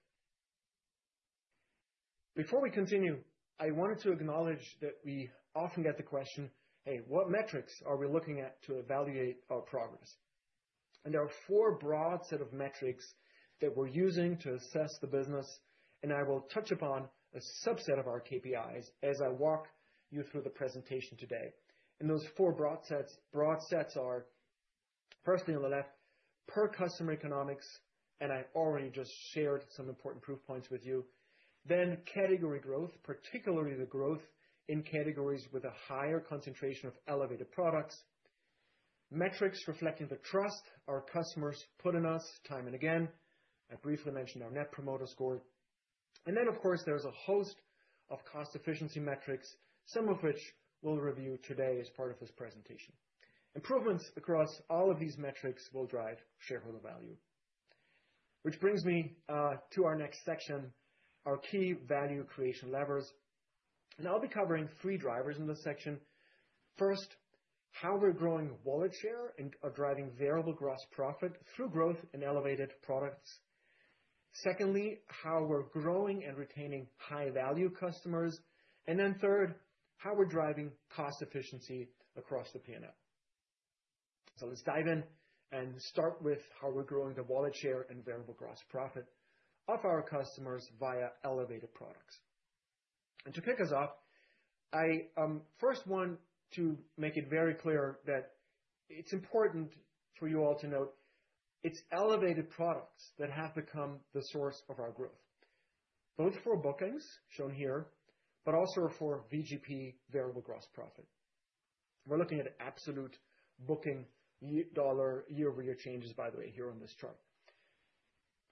Before we continue, I wanted to acknowledge that we often get the question, "Hey, what metrics are we looking at to evaluate our progress?" And there are four broad sets of metrics that we're using to assess the business, and I will touch upon a subset of our KPIs as I walk you through the presentation today. And those four broad sets are firstly on the left, per customer economics, and I already just shared some important proof points with you. Then category growth, particularly the growth in categories with a higher concentration of elevated products. Metrics reflecting the trust our customers put in us time and again. I briefly mentioned our Net Promoter Score. And then, of course, there's a host of cost efficiency metrics, some of which we'll review today as part of this presentation. Improvements across all of these metrics will drive shareholder value, which brings me to our next section, our key value creation levers, and I'll be covering three drivers in this section. First, how we're growing wallet share and driving variable gross profit through growth in elevated products. Secondly, how we're growing and retaining high-value customers, and then third, how we're driving cost efficiency across the P&L, so let's dive in and start with how we're growing the wallet share and variable gross profit of our customers via elevated products, and to kick us off, I first want to make it very clear that it's important for you all to note it's elevated products that have become the source of our growth, both for bookings shown here, but also for VGP variable gross profit. We're looking at absolute booking dollar year-over-year changes, by the way, here on this chart.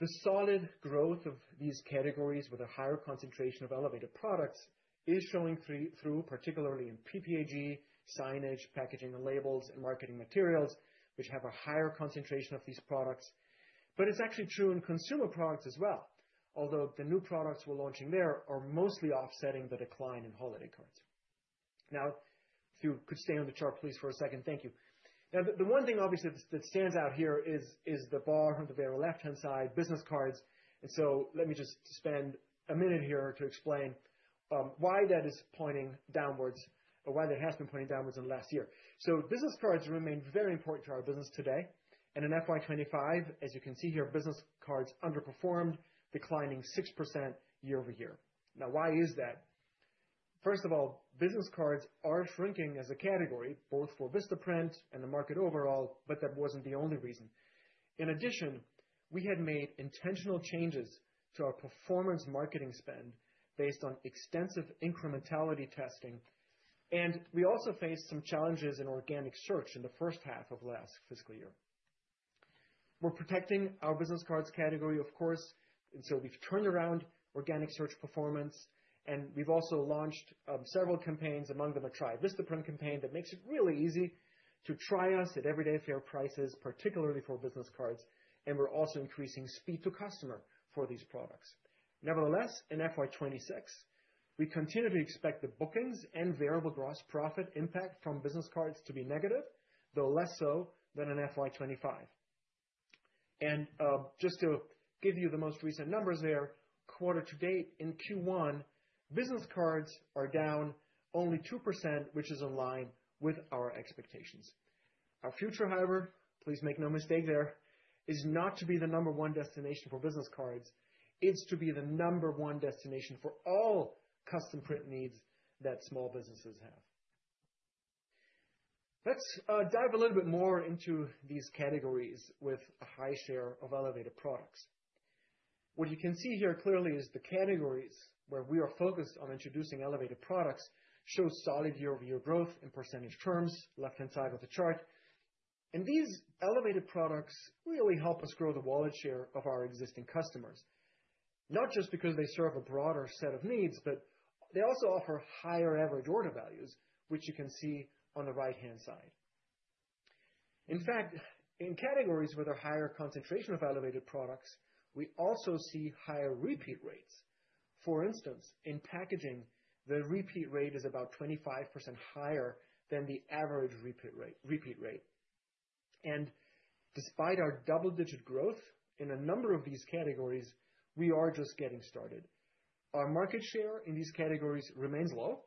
The solid growth of these categories with a higher concentration of elevated products is showing through, particularly in PPAG, signage, packaging, and labels, and marketing materials, which have a higher concentration of these products. But it's actually true in consumer products as well, although the new products we're launching there are mostly offsetting the decline in holiday cards. Now, if you could stay on the chart, please, for a second. Thank you. Now, the one thing obviously that stands out here is the bar on the very left-hand side, business cards. And so let me just spend a minute here to explain why that is pointing downwards or why that has been pointing downwards in the last year. So business cards remain very important to our business today. And in FY25, as you can see here, business cards underperformed, declining 6% year-over-year. Now, why is that? First of all, business cards are shrinking as a category, both for Vistaprint and the market overall, but that wasn't the only reason. In addition, we had made intentional changes to our performance marketing spend based on extensive incrementality testing, and we also faced some challenges in organic search in the first half of last fiscal year. We're protecting our business cards category, of course, and so we've turned around organic search performance, and we've also launched several campaigns, among them a Try Vistaprint campaign that makes it really easy to try us at everyday fair prices, particularly for business cards, and we're also increasing speed to customer for these products. Nevertheless, in FY26, we continue to expect the bookings and variable gross profit impact from business cards to be negative, though less so than in FY25. And just to give you the most recent numbers there, quarter to date in Q1, business cards are down only 2%, which is in line with our expectations. Our future, however, please make no mistake there, is not to be the number one destination for business cards. It's to be the number one destination for all custom print needs that small businesses have. Let's dive a little bit more into these categories with a high share of elevated products. What you can see here clearly is the categories where we are focused on introducing elevated products show solid year-over-year growth in percentage terms, left-hand side of the chart, and these elevated products really help us grow the wallet share of our existing customers, not just because they serve a broader set of needs, but they also offer higher average order values, which you can see on the right-hand side. In fact, in categories with a higher concentration of elevated products, we also see higher repeat rates. For instance, in packaging, the repeat rate is about 25% higher than the average repeat rate, and despite our double-digit growth in a number of these categories, we are just getting started. Our market share in these categories remains low,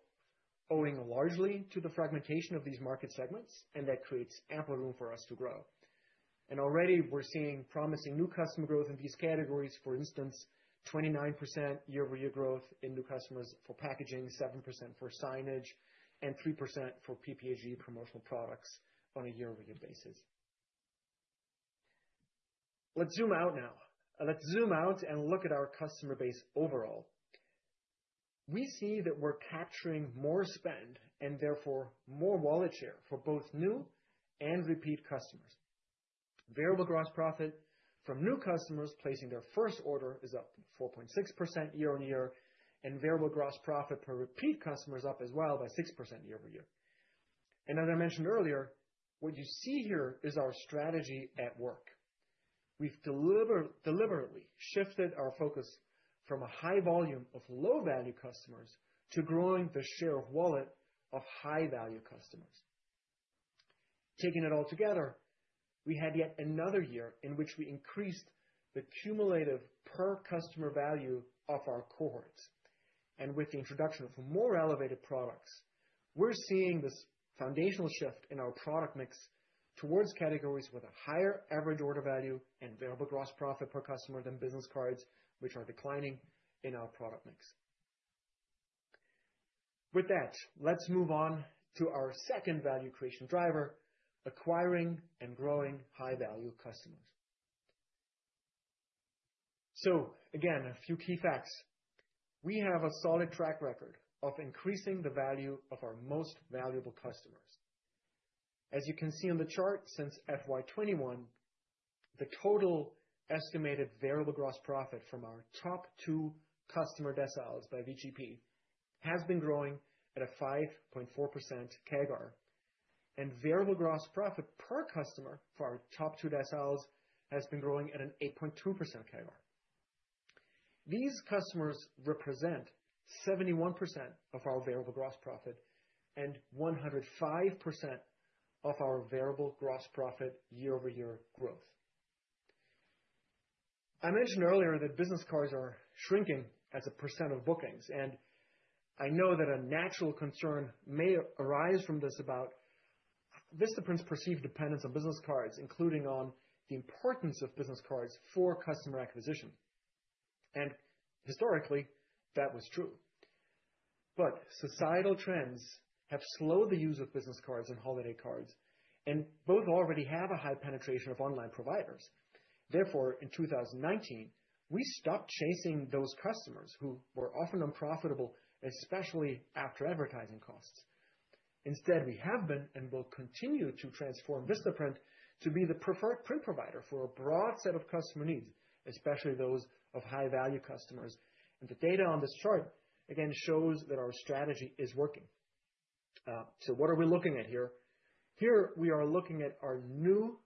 owing largely to the fragmentation of these market segments, and that creates ample room for us to grow, and already, we're seeing promising new customer growth in these categories. For instance, 29% year-over-year growth in new customers for packaging, 7% for signage, and 3% for PPAG promotional products on a year-over-year basis. Let's zoom out now. Let's zoom out and look at our customer base overall. We see that we're capturing more spend and therefore more wallet share for both new and repeat customers. Variable gross profit from new customers placing their first order is up 4.6% year-on-year, and variable gross profit per repeat customer is up as well by 6% year-over-year. And as I mentioned earlier, what you see here is our strategy at work. We've deliberately shifted our focus from a high volume of low-value customers to growing the share of wallet of high-value customers. Taking it all together, we had yet another year in which we increased the cumulative per customer value of our cohorts. And with the introduction of more elevated products, we're seeing this foundational shift in our product mix towards categories with a higher average order value and variable gross profit per customer than business cards, which are declining in our product mix. With that, let's move on to our second value creation driver, acquiring and growing high-value customers. So again, a few key facts. We have a solid track record of increasing the value of our most valuable customers. As you can see on the chart, since FY21, the total estimated variable gross profit from our top two customer deciles by VGP has been growing at a 5.4% CAGR, and variable gross profit per customer for our top two deciles has been growing at an 8.2% CAGR. These customers represent 71% of our variable gross profit and 105% of our variable gross profit year-over-year growth. I mentioned earlier that business cards are shrinking as a % of bookings, and I know that a natural concern may arise from this about Vistaprint's perceived dependence on business cards, including on the importance of business cards for customer acquisition, and historically, that was true, but societal trends have slowed the use of business cards and holiday cards, and both already have a high penetration of online providers. Therefore, in 2019, we stopped chasing those customers who were often unprofitable, especially after advertising costs. Instead, we have been and will continue to transform Vistaprint to be the preferred print provider for a broad set of customer needs, especially those of high-value customers, and the data on this chart, again, shows that our strategy is working. So what are we looking at here? Here we are looking at our new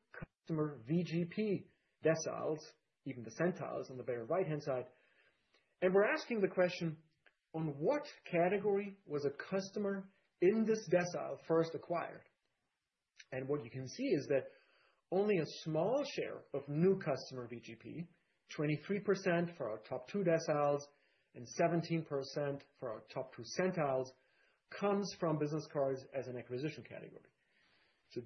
customer VGP deciles, even the centiles on the very right-hand side, and we're asking the question, on what category was a customer in this decile first acquired, and what you can see is that only a small share of new customer VGP, 23% for our top two deciles and 17% for our top two centiles, comes from business cards as an acquisition category.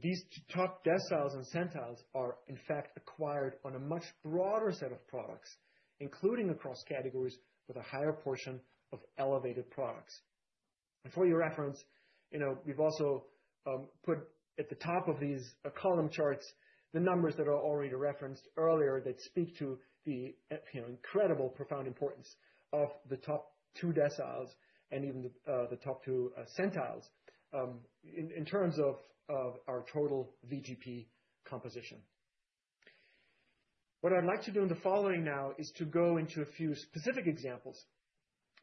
These top deciles and centiles are, in fact, acquired on a much broader set of products, including across categories with a higher portion of elevated products. For your reference, we've also put at the top of these column charts the numbers that are already referenced earlier that speak to the incredible profound importance of the top two deciles and even the top two centiles in terms of our total VGP composition. What I'd like to do in the following now is to go into a few specific examples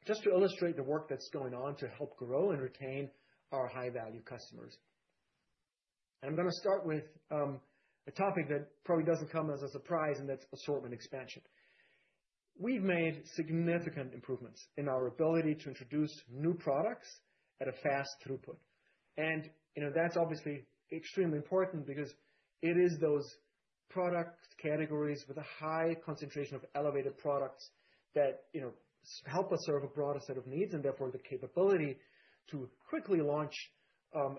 just to illustrate the work that's going on to help grow and retain our high-value customers. I'm going to start with a topic that probably doesn't come as a surprise, and that's assortment expansion. We've made significant improvements in our ability to introduce new products at a fast throughput. And that's obviously extremely important because it is those product categories with a high concentration of elevated products that help us serve a broader set of needs, and therefore the capability to quickly launch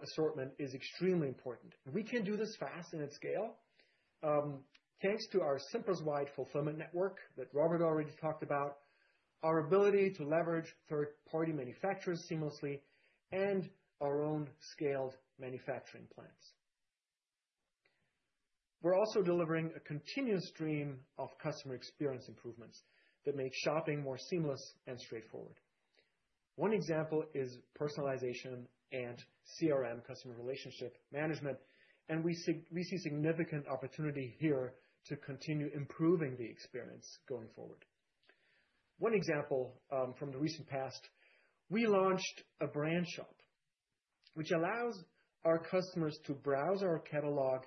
assortment is extremely important. We can do this fast and at scale, thanks to our Cimpress-wide fulfillment network that Robert already talked about, our ability to leverage third-party manufacturers seamlessly, and our own scaled manufacturing plants. We're also delivering a continuous stream of customer experience improvements that make shopping more seamless and straightforward. One example is personalization and CRM, customer relationship management, and we see significant opportunity here to continue improving the experience going forward. One example from the recent past, we launched a Brand Shop, which allows our customers to browse our catalog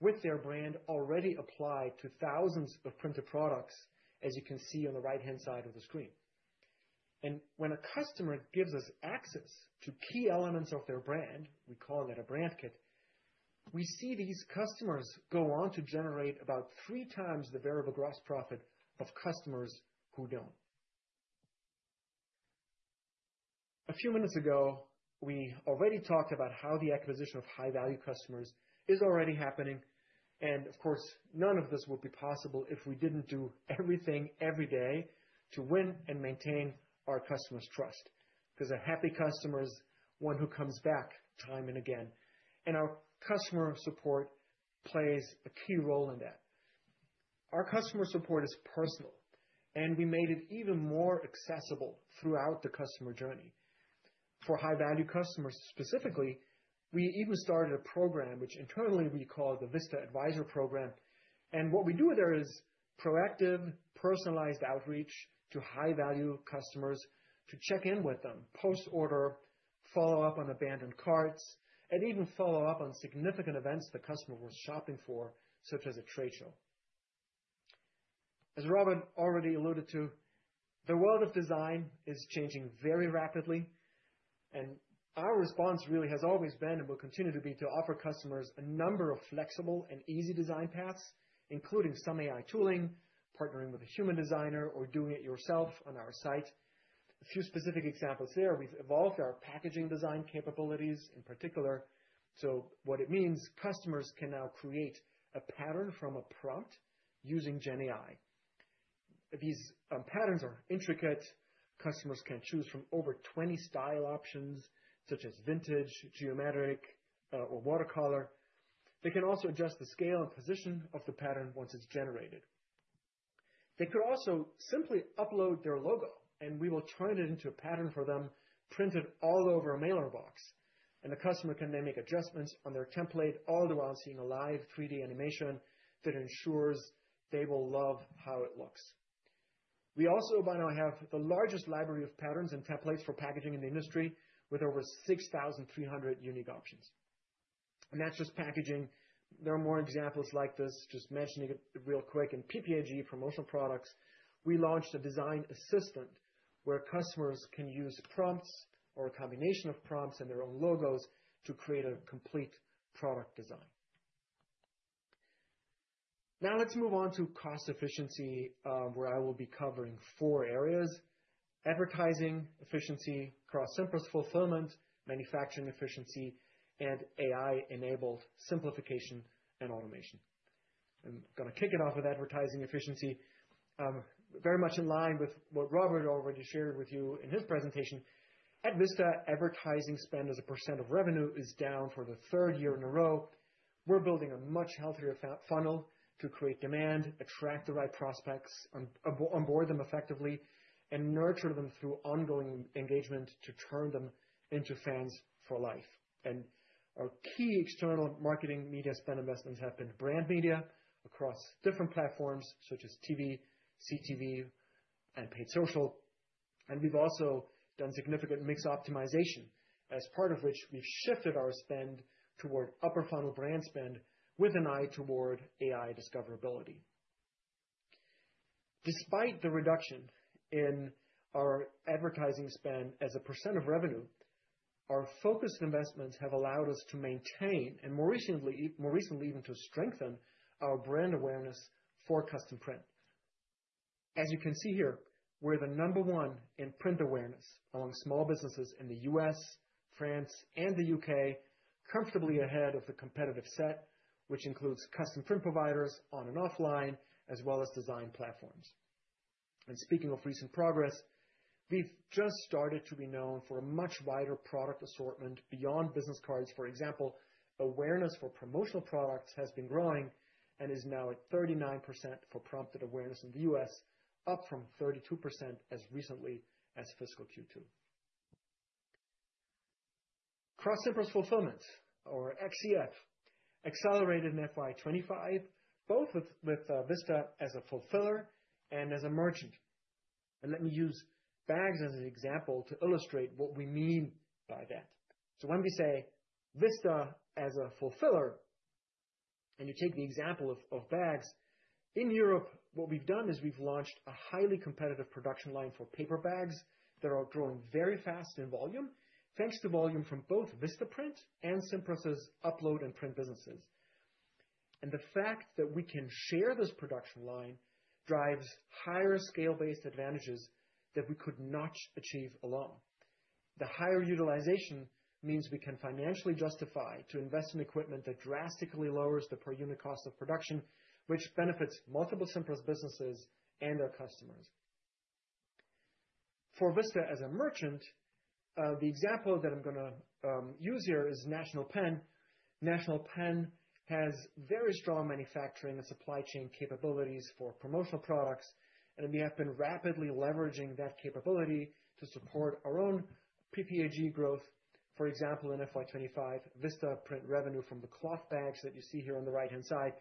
with their brand already applied to thousands of printed products, as you can see on the right-hand side of the screen. And when a customer gives us access to key elements of their brand, we call that a brand kit. We see these customers go on to generate about three times the variable gross profit of customers who don't. A few minutes ago, we already talked about how the acquisition of high-value customers is already happening. And of course, none of this would be possible if we didn't do everything every day to win and maintain our customers' trust, because a happy customer is one who comes back time and again. And our customer support plays a key role in that. Our customer support is personal, and we made it even more accessible throughout the customer journey. For high-value customers specifically, we even started a program, which internally we call the Vista Advisor Program. What we do there is proactive personalized outreach to high-value customers to check in with them, post order, follow up on abandoned carts, and even follow up on significant events the customer was shopping for, such as a trade show. As Robert already alluded to, the world of design is changing very rapidly, and our response really has always been and will continue to be to offer customers a number of flexible and easy design paths, including some AI tooling, partnering with a human designer, or doing it yourself on our site. A few specific examples there, we've evolved our packaging design capabilities in particular. What it means, customers can now create a pattern from a prompt using GenAI. These patterns are intricate. Customers can choose from over 20 style options, such as vintage, geometric, or watercolor. They can also adjust the scale and position of the pattern once it's generated. They could also simply upload their logo, and we will turn it into a pattern for them, printed all over a mailer box, and the customer can then make adjustments on their template all the while seeing a live 3D animation that ensures they will love how it looks. We also by now have the largest library of patterns and templates for packaging in the industry, with over 6,300 unique options. And that's just packaging. There are more examples like this, just mentioning it real quick. In PPAG promotional products, we launched a Design Assistant where customers can use prompts or a combination of prompts and their own logos to create a complete product design. Now let's move on to cost efficiency, where I will be covering four areas: advertising efficiency, cross-Cimpress fulfillment, manufacturing efficiency, and AI-enabled simplification and automation. I'm going to kick it off with advertising efficiency, very much in line with what Robert already shared with you in his presentation. At Vista, advertising spend as a % of revenue is down for the third year in a row. We're building a much healthier funnel to create demand, attract the right prospects, onboard them effectively, and nurture them through ongoing engagement to turn them into fans for life. Our key external marketing media spend investments have been brand media across different platforms, such as TV, CTV, and paid social. We've also done significant mix optimization, as part of which we've shifted our spend toward upper funnel brand spend with an eye toward AI discoverability. Despite the reduction in our advertising spend as a percent of revenue, our focused investments have allowed us to maintain, and more recently even to strengthen, our brand awareness for custom print. As you can see here, we're the number one in print awareness among small businesses in the U.S., France, and the U.K., comfortably ahead of the competitive set, which includes custom print providers on and offline, as well as design platforms. Speaking of recent progress, we've just started to be known for a much wider product assortment beyond business cards. For example, awareness for promotional products has been growing and is now at 39% for prompted awareness in the U.S., up from 32% as recently as fiscal Q2. Cross-Cimpress Fulfillment, or XCF, accelerated in FY25, both with Vista as a fulfiller and as a merchant. And let me use bags as an example to illustrate what we mean by that. So when we say Vista as a fulfiller, and you take the example of bags, in Europe, what we've done is we've launched a highly competitive production line for paper bags that are growing very fast in volume, thanks to volume from both Vistaprint and Cimpress's upload and print businesses. And the fact that we can share this production line drives higher scale-based advantages that we could not achieve alone. The higher utilization means we can financially justify to invest in equipment that drastically lowers the per unit cost of production, which benefits multiple Cimpress businesses and our customers. For Vista as a merchant, the example that I'm going to use here is National Pen. National Pen has very strong manufacturing and supply chain capabilities for promotional products, and we have been rapidly leveraging that capability to support our own PPAG growth. For example, in FY25, Vistaprint revenue from the cloth bags that you see here on the right-hand side,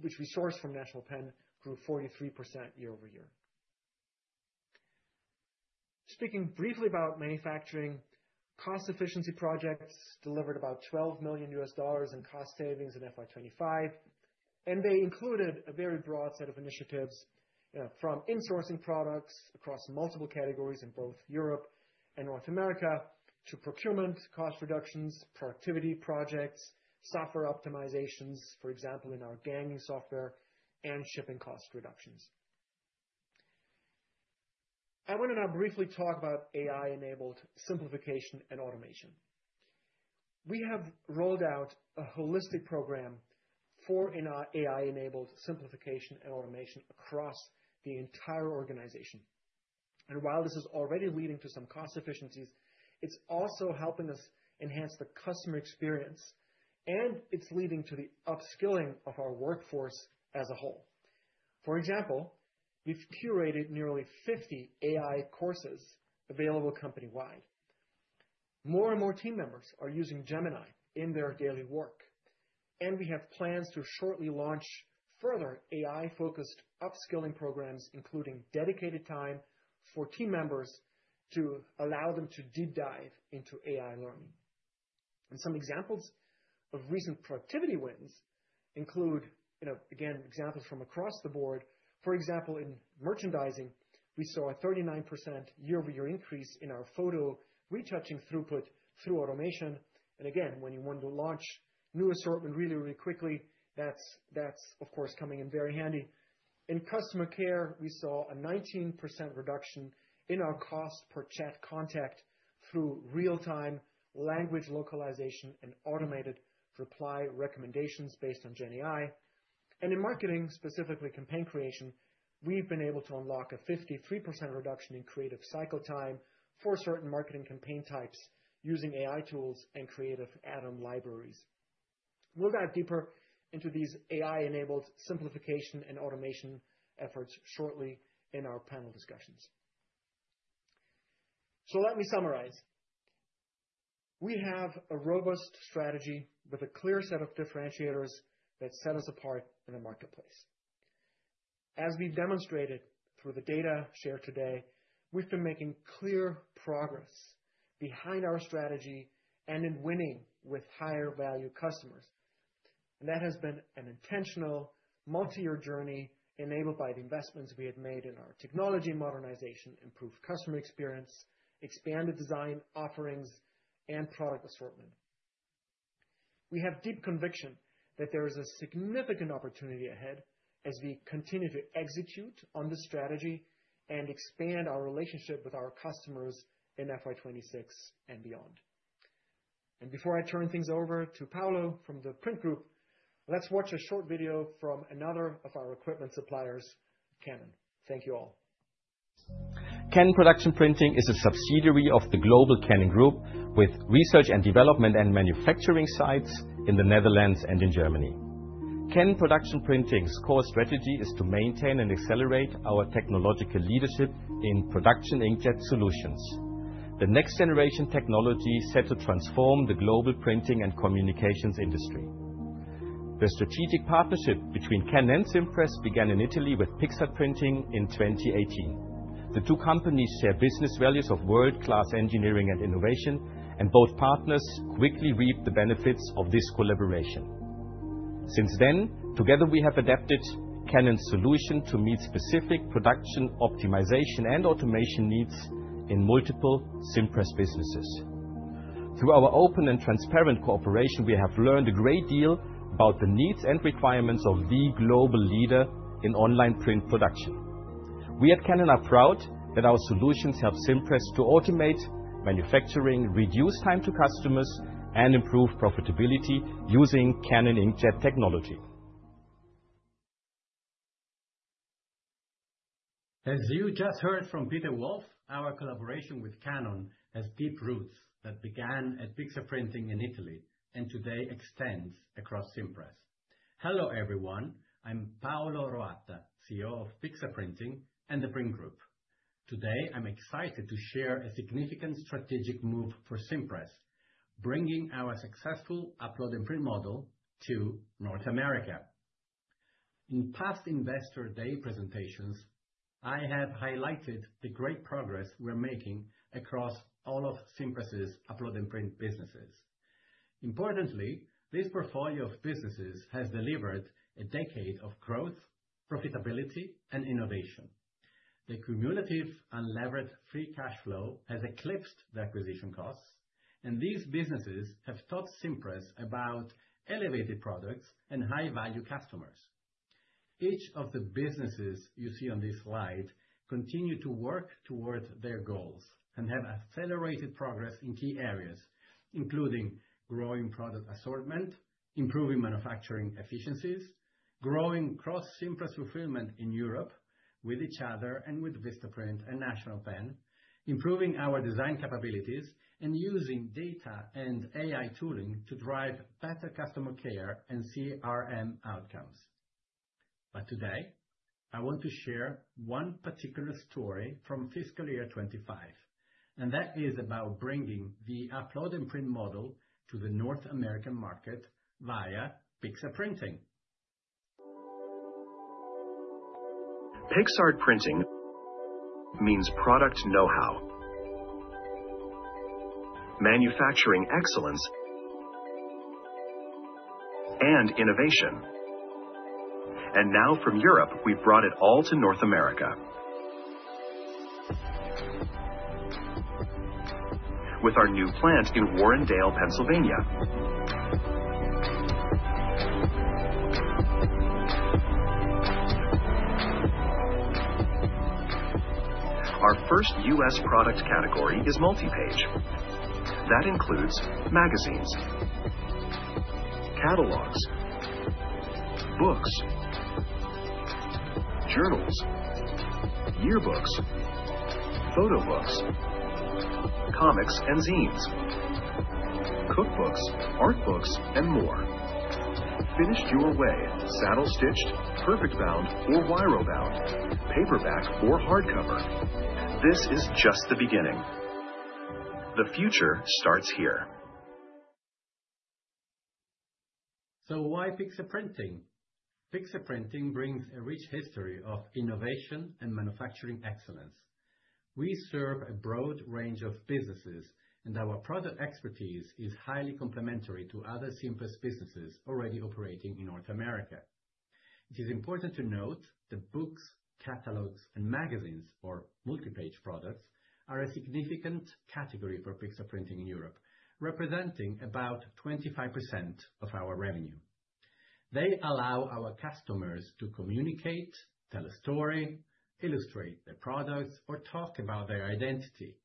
which we source from National Pen, grew 43% year over year. Speaking briefly about manufacturing, cost efficiency projects delivered about $12 million in cost savings in FY25, and they included a very broad set of initiatives from insourcing products across multiple categories in both Europe and North America to procurement cost reductions, productivity projects, software optimizations, for example, in our ganging software, and shipping cost reductions. I want to now briefly talk about AI-enabled simplification and automation. We have rolled out a holistic program for AI-enabled simplification and automation across the entire organization. While this is already leading to some cost efficiencies, it's also helping us enhance the customer experience, and it's leading to the upskilling of our workforce as a whole. For example, we've curated nearly 50 AI courses available company-wide. More and more team members are using Gemini in their daily work, and we have plans to shortly launch further AI-focused upskilling programs, including dedicated time for team members to allow them to deep dive into AI learning. Some examples of recent productivity wins include, again, examples from across the board. For example, in merchandising, we saw a 39% year-over-year increase in our photo retouching throughput through automation. Again, when you want to launch new assortment really, really quickly, that's, of course, coming in very handy. In customer care, we saw a 19% reduction in our cost per chat contact through real-time language localization and automated reply recommendations based on GenAI, and in marketing, specifically campaign creation, we've been able to unlock a 53% reduction in creative cycle time for certain marketing campaign types using AI tools and creative atom libraries. We'll dive deeper into these AI-enabled simplification and automation efforts shortly in our panel discussions, so let me summarize. We have a robust strategy with a clear set of differentiators that set us apart in the marketplace. As we've demonstrated through the data shared today, we've been making clear progress behind our strategy and in winning with higher value customers, and that has been an intentional multi-year journey enabled by the investments we had made in our technology modernization, improved customer experience, expanded design offerings, and product assortment. We have deep conviction that there is a significant opportunity ahead as we continue to execute on this strategy and expand our relationship with our customers in FY26 and beyond, and before I turn things over to Paolo from the Print Group, let's watch a short video from another of our equipment suppliers, Canon. Thank you all. Canon Production Printing is a subsidiary of the global Canon Group with research and development and manufacturing sites in the Netherlands and in Germany. Canon Production Printing's core strategy is to maintain and accelerate our technological leadership in production inkjet solutions, the next generation technology set to transform the global printing and communications industry. The strategic partnership between Canon and Cimpress began in Italy with Pixartprinting in 2018. The two companies share business values of world-class engineering and innovation, and both partners quickly reaped the benefits of this collaboration. Since then, together we have adapted Canon's solution to meet specific production optimization and automation needs in multiple Cimpress businesses. Through our open and transparent cooperation, we have learned a great deal about the needs and requirements of the global leader in online print production. We at Canon are proud that our solutions help Cimpress to automate manufacturing, reduce time to customers, and improve profitability using Canon inkjet technology. As you just heard from Peter Wolff, our collaboration with Canon has deep roots that began at Pixartprinting in Italy and today extends across Cimpress. Hello everyone. I'm Paolo Roatta, CEO of Pixartprinting and the Print Group. Today, I'm excited to share a significant strategic move for Cimpress, bringing our successful upload-and-print model to North America. In past Investor Day presentations, I have highlighted the great progress we're making across all of Cimpress' upload-and-print businesses. Importantly, this portfolio of businesses has delivered a decade of growth, profitability, and innovation. The cumulative unleveraged free cash flow has eclipsed the acquisition costs, and these businesses have taught Cimpress about elevated products and high-value customers. Each of the businesses you see on this slide continues to work toward their goals and have accelerated progress in key areas, including growing product assortment, improving manufacturing efficiencies, growing cross-Cimpress Fulfillment in Europe with each other and with Vistaprint and National Pen, improving our design capabilities, and using data and AI tooling to drive better customer care and CRM outcomes. But today, I want to share one particular story from fiscal year 25, and that is about bringing the upload-and-print model to the North American market via Pixartprinting. Pixartprinting means product know-how, manufacturing excellence, and innovation. Now from Europe, we've brought it all to North America with our new plant in Warrendale, Pennsylvania. Our first US product category is multi-page. That includes magazines, catalogs, books, journals, yearbooks, photo books, comics, and zines, cookbooks, art books, and more. Finished your way, saddle-stitched, perfect-bound, or Wire-O bound, paperback or hardcover, this is just the beginning. The future starts here. Why Pixartprinting? Pixartprinting brings a rich history of innovation and manufacturing excellence. We serve a broad range of businesses, and our product expertise is highly complementary to other Cimpress businesses already operating in North America. It is important to note that books, catalogs, and magazines, or multi-page products, are a significant category for Pixartprinting in Europe, representing about 25% of our revenue. They allow our customers to communicate, tell a story, illustrate their products, or talk about their identity.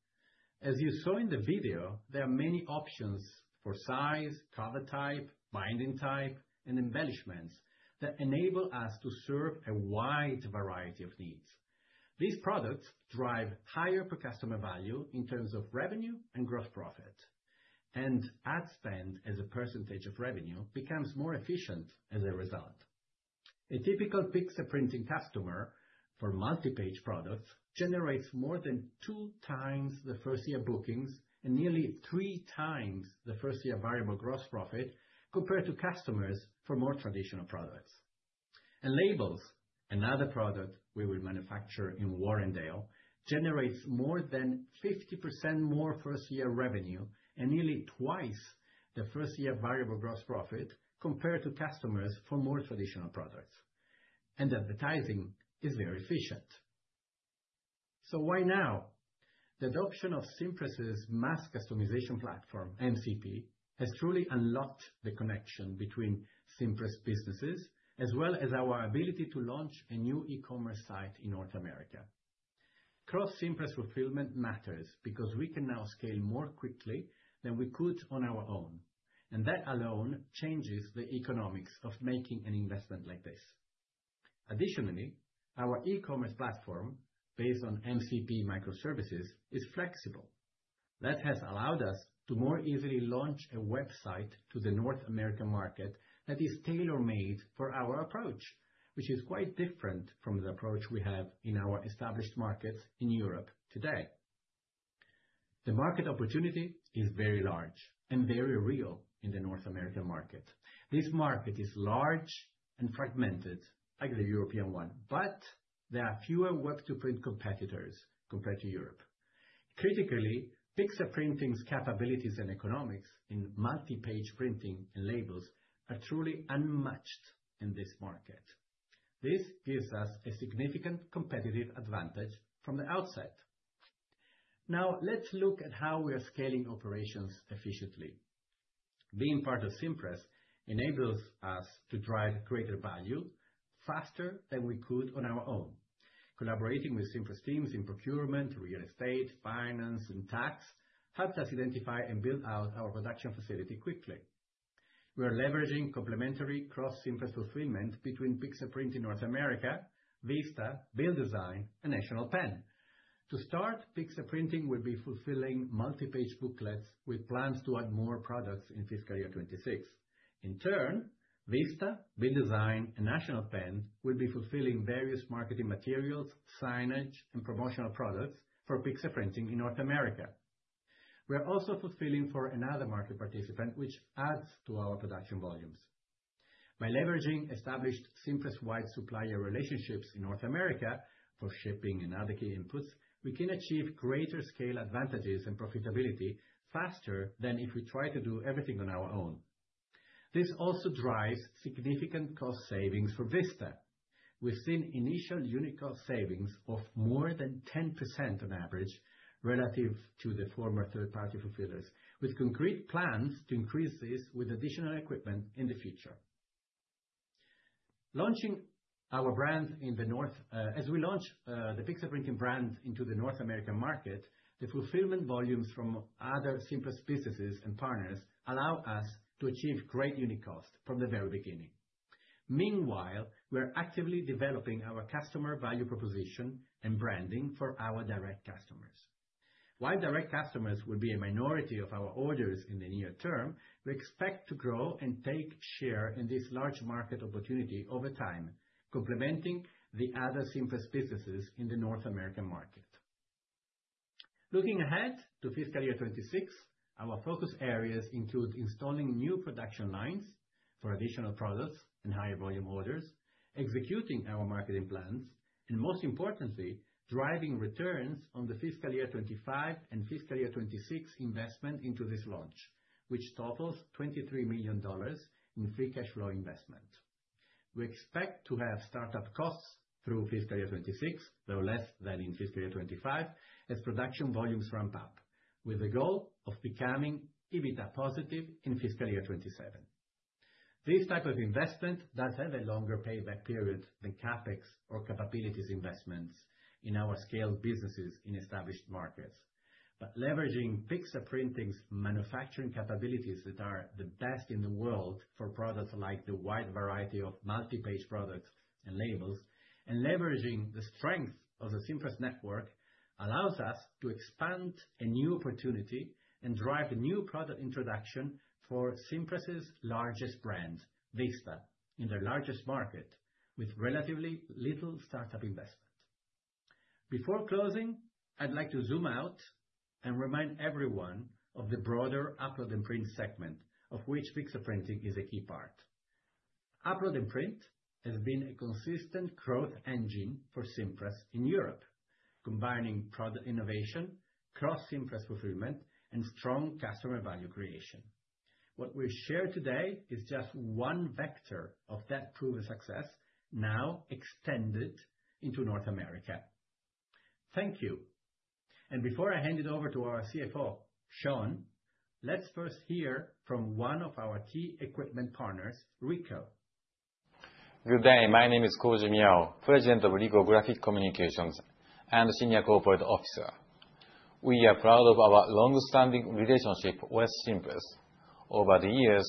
As you saw in the video, there are many options for size, cover type, binding type, and embellishments that enable us to serve a wide variety of needs. These products drive higher per customer value in terms of revenue and gross profit, and ad spend as a percentage of revenue becomes more efficient as a result. A typical Pixartprinting customer for multi-page products generates more than two times the first-year bookings and nearly three times the first-year variable gross profit compared to customers for more traditional products. And labels, another product we will manufacture in Warrendale, generates more than 50% more first-year revenue and nearly twice the first-year variable gross profit compared to customers for more traditional products. And advertising is very efficient. So why now? The adoption of Cimpress's mass customization platform, MCP, has truly unlocked the connection between Cimpress businesses as well as our ability to launch a new e-commerce site in North America. Cross-Cimpress Fulfillment matters because we can now scale more quickly than we could on our own, and that alone changes the economics of making an investment like this. Additionally, our e-commerce platform based on MCP microservices is flexible. That has allowed us to more easily launch a website to the North American market that is tailor-made for our approach, which is quite different from the approach we have in our established markets in Europe today. The market opportunity is very large and very real in the North American market. This market is large and fragmented like the European one, but there are fewer web-to-print competitors compared to Europe. Critically, Pixartprinting's capabilities and economics in multi-page printing and labels are truly unmatched in this market. This gives us a significant competitive advantage from the outset. Now, let's look at how we are scaling operations efficiently. Being part of Cimpress enables us to drive greater value faster than we could on our own. Collaborating with Cimpress teams in procurement, real estate, finance, and tax helped us identify and build out our production facility quickly. We are leveraging complementary Cross-Cimpress Fulfillment between Pixartprinting North America, Vista, BuildASign, and National Pen. To start, Pixartprinting will be fulfilling multi-page booklets with plans to add more products in fiscal year 2026. In turn, Vista, BuildASign, and National Pen will be fulfilling various marketing materials, signage, and promotional products for Pixartprinting in North America. We are also fulfilling for another market participant, which adds to our production volumes. By leveraging established Cimpress-wide supplier relationships in North America for shipping and other key inputs, we can achieve greater scale advantages and profitability faster than if we try to do everything on our own. This also drives significant cost savings for Vista. We've seen initial unit cost savings of more than 10% on average relative to the former third-party fulfillers, with concrete plans to increase this with additional equipment in the future. Launching our brand in the North, as we launch the Pixartprinting brand into the North American market, the fulfillment volumes from other Cimpress businesses and partners allow us to achieve great unit cost from the very beginning. Meanwhile, we are actively developing our customer value proposition and branding for our direct customers. While direct customers will be a minority of our orders in the near term, we expect to grow and take share in this large market opportunity over time, complementing the other Cimpress businesses in the North American market. Looking ahead to fiscal year 2026, our focus areas include installing new production lines for additional products and higher volume orders, executing our marketing plans, and most importantly, driving returns on the fiscal year 2025 and fiscal year 2026 investment into this launch, which totals $23 million in free cash flow investment. We expect to have startup costs through fiscal year 2026, though less than in fiscal year 2025, as production volumes ramp up, with the goal of becoming EBITDA positive in fiscal year 2027. This type of investment does have a longer payback period than CapEx or capabilities investments in our scaled businesses in established markets. But leveraging Pixartprinting's manufacturing capabilities that are the best in the world for products like the wide variety of multi-page products and labels, and leveraging the strength of the Cimpress network, allows us to expand a new opportunity and drive a new product introduction for Cimpress's largest brand, Vista, in their largest market, with relatively little startup investment. Before closing, I'd like to zoom out and remind everyone of the broader upload-and-print segment, of which Pixartprinting is a key part. Upload-and-print has been a consistent growth engine for Cimpress in Europe, combining product innovation, cross-Cimpress Fulfillment, and strong customer value creation. What we share today is just one vector of that proven success, now extended into North America. Thank you. And before I hand it over to our CFO, Sean, let's first hear from one of our key equipment partners, Ricoh. Good day, my name is Koji Miyao, President of Ricoh Graphic Communications and Senior Corporate Officer. We are proud of our long-standing relationship with Cimpress. Over the years,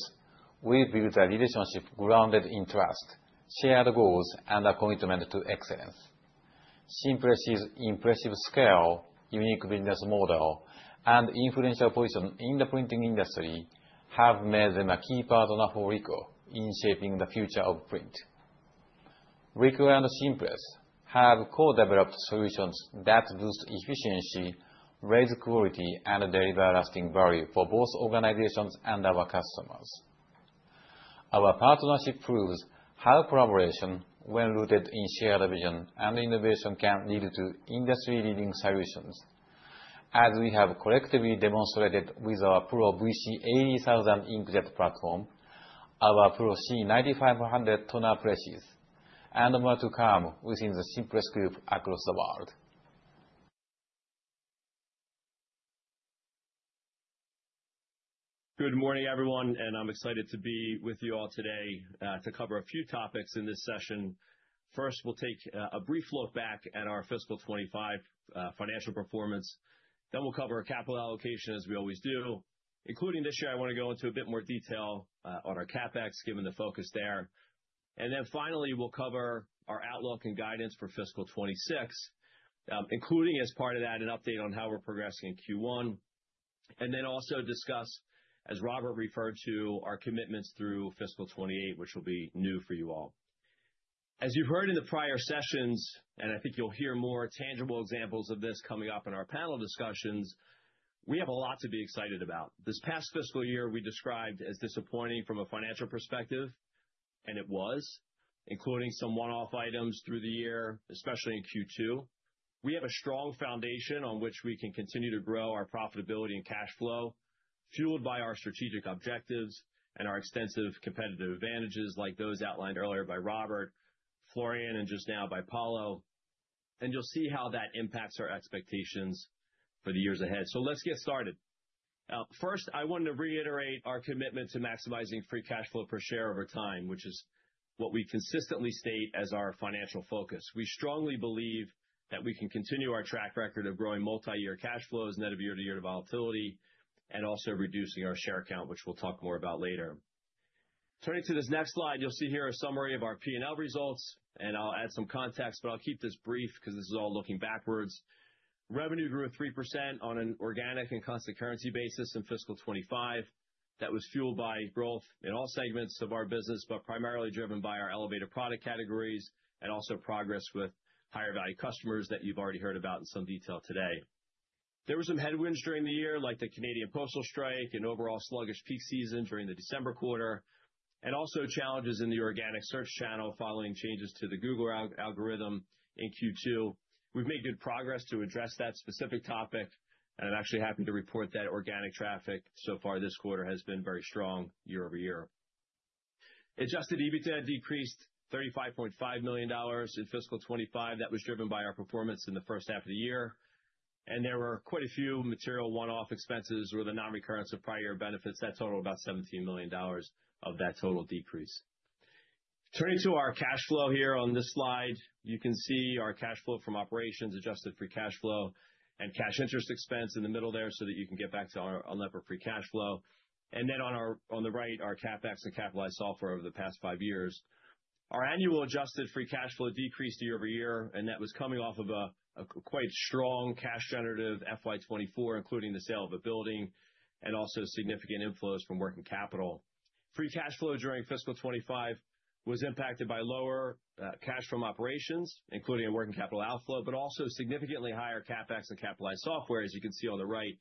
we've built a relationship grounded in trust, shared goals, and a commitment to excellence. Cimpress's impressive scale, unique business model, and influential position in the printing industry have made them a key partner for Ricoh in shaping the future of print. Ricoh and Cimpress have co-developed solutions that boost efficiency, raise quality, and deliver lasting value for both organizations and our customers. Our partnership proves how collaboration, when rooted in shared vision and innovation, can lead to industry-leading solutions. As we have collectively demonstrated with our Pro VC80000 inkjet platform, our Pro C9500 toner presses, and more to come within the Cimpress group across the world. Good morning, everyone, and I'm excited to be with you all today to cover a few topics in this session. First, we'll take a brief look back at our fiscal 25 financial performance. Then we'll cover our capital allocation, as we always do. Including this year, I want to go into a bit more detail on our CapEx, given the focus there. And then finally, we'll cover our outlook and guidance for fiscal 26, including as part of that, an update on how we're progressing in Q1. And then also discuss, as Robert referred to, our commitments through fiscal 28, which will be new for you all. As you've heard in the prior sessions, and I think you'll hear more tangible examples of this coming up in our panel discussions, we have a lot to be excited about. This past fiscal year, we described as disappointing from a financial perspective, and it was, including some one-off items through the year, especially in Q2. We have a strong foundation on which we can continue to grow our profitability and cash flow, fueled by our strategic objectives and our extensive competitive advantages, like those outlined earlier by Robert, Florian, and just now by Paolo. You'll see how that impacts our expectations for the years ahead. Let's get started. First, I want to reiterate our commitment to maximizing free cash flow per share over time, which is what we consistently state as our financial focus. We strongly believe that we can continue our track record of growing multi-year cash flows, net of year-to-year volatility, and also reducing our share count, which we'll talk more about later. Turning to this next slide, you'll see here a summary of our P&L results, and I'll add some context, but I'll keep this brief because this is all looking backwards. Revenue grew 3% on an organic and constant currency basis in fiscal 2025. That was fueled by growth in all segments of our business, but primarily driven by our elevated product categories and also progress with higher-value customers that you've already heard about in some detail today. There were some headwinds during the year, like the Canadian postal strike and overall sluggish peak season during the December quarter, and also challenges in the organic search channel following changes to the Google algorithm in Q2. We've made good progress to address that specific topic, and I'm actually happy to report that organic traffic so far this quarter has been very strong year over year. Adjusted EBITDA decreased $35.5 million in fiscal 25. That was driven by our performance in the first half of the year. There were quite a few material one-off expenses or the non-recurrence of prior year benefits that totaled about $17 million of that total decrease. Turning to our cash flow here on this slide, you can see our cash flow from operations, adjusted free cash flow, and cash interest expense in the middle there so that you can get back to our unlevered free cash flow. Then on the right, our CapEx and capitalized software over the past five years. Our annual adjusted free cash flow decreased year over year, and that was coming off of a quite strong cash-generative FY24, including the sale of a building and also significant inflows from working capital. Free cash flow during fiscal 2025 was impacted by lower cash from operations, including working capital outflow, but also significantly higher CapEx and capitalized software, as you can see on the right,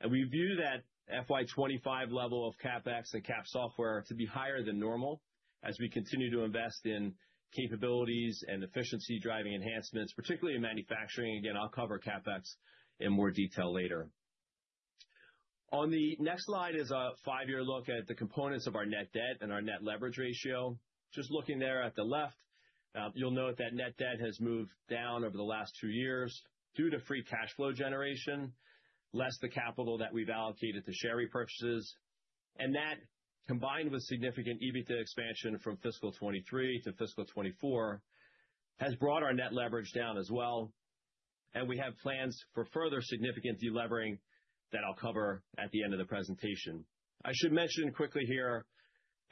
and we view that FY25 level of CapEx and Capitalized Software to be higher than normal as we continue to invest in capabilities and efficiency-driving enhancements, particularly in manufacturing. Again, I'll cover CapEx in more detail later. On the next slide is a five-year look at the components of our net debt and our net leverage ratio. Just looking there at the left, you'll note that net debt has moved down over the last two years due to free cash flow generation, less the capital that we've allocated to share repurchases, and that, combined with significant EBITDA expansion from fiscal 2023 to fiscal 2024, has brought our net leverage down as well. We have plans for further significant delevering that I'll cover at the end of the presentation. I should mention quickly here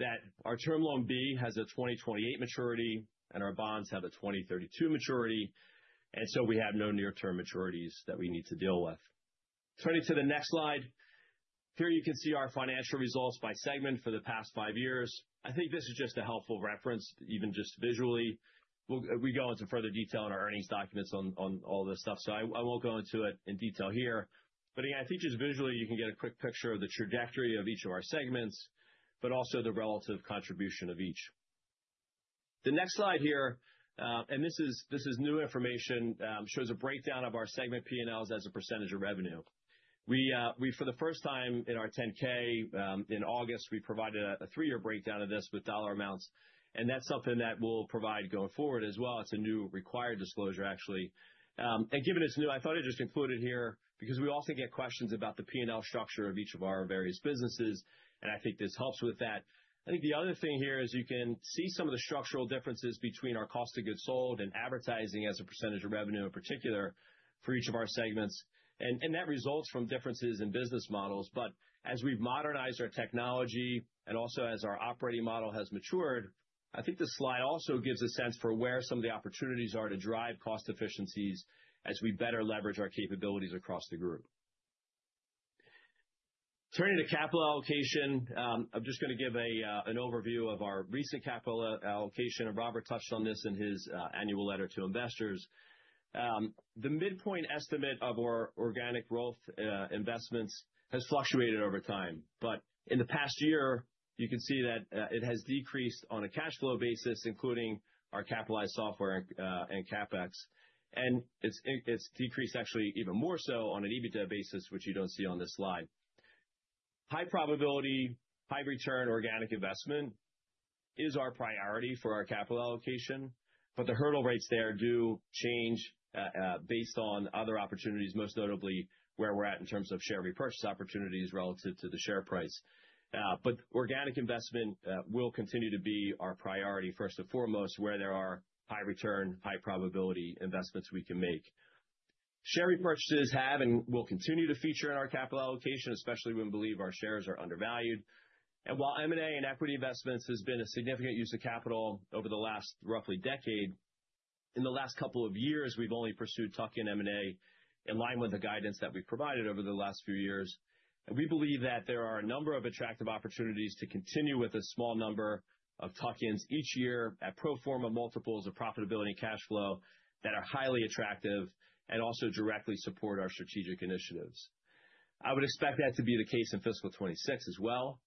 that our Term Loan B has a 2028 maturity and our bonds have a 2032 maturity. And so we have no near-term maturities that we need to deal with. Turning to the next slide, here you can see our financial results by segment for the past five years. I think this is just a helpful reference, even just visually. We go into further detail in our earnings documents on all this stuff, so I won't go into it in detail here. But again, I think just visually, you can get a quick picture of the trajectory of each of our segments, but also the relative contribution of each. The next slide here, and this is new information, shows a breakdown of our segment P&Ls as a percentage of revenue. For the first time in our 10-K in August, we provided a three-year breakdown of this with dollar amounts. And that's something that we'll provide going forward as well. It's a new required disclosure, actually. And given it's new, I thought I'd just include it here because we often get questions about the P&L structure of each of our various businesses, and I think this helps with that. I think the other thing here is you can see some of the structural differences between our cost of goods sold and advertising as a percentage of revenue in particular for each of our segments. And that results from differences in business models. But as we've modernized our technology and also as our operating model has matured, I think the slide also gives a sense for where some of the opportunities are to drive cost efficiencies as we better leverage our capabilities across the group. Turning to capital allocation, I'm just going to give an overview of our recent capital allocation. And Robert touched on this in his annual letter to investors. The midpoint estimate of our organic growth investments has fluctuated over time. But in the past year, you can see that it has decreased on a cash flow basis, including our capitalized software and CapEx. And it's decreased actually even more so on an EBITDA basis, which you don't see on this slide. High probability, high-return organic investment is our priority for our capital allocation, but the hurdle rates there do change based on other opportunities, most notably where we're at in terms of share repurchase opportunities relative to the share price, but organic investment will continue to be our priority first and foremost, where there are high-return, high-probability investments we can make. Share repurchases have and will continue to feature in our capital allocation, especially when we believe our shares are undervalued, and while M&A and equity investments have been a significant use of capital over the last roughly decade, in the last couple of years, we've only pursued tuck-in M&A in line with the guidance that we've provided over the last few years. We believe that there are a number of attractive opportunities to continue with a small number of tuck-ins each year at pro forma multiples of profitability and cash flow that are highly attractive and also directly support our strategic initiatives. I would expect that to be the case in fiscal 2026 as well.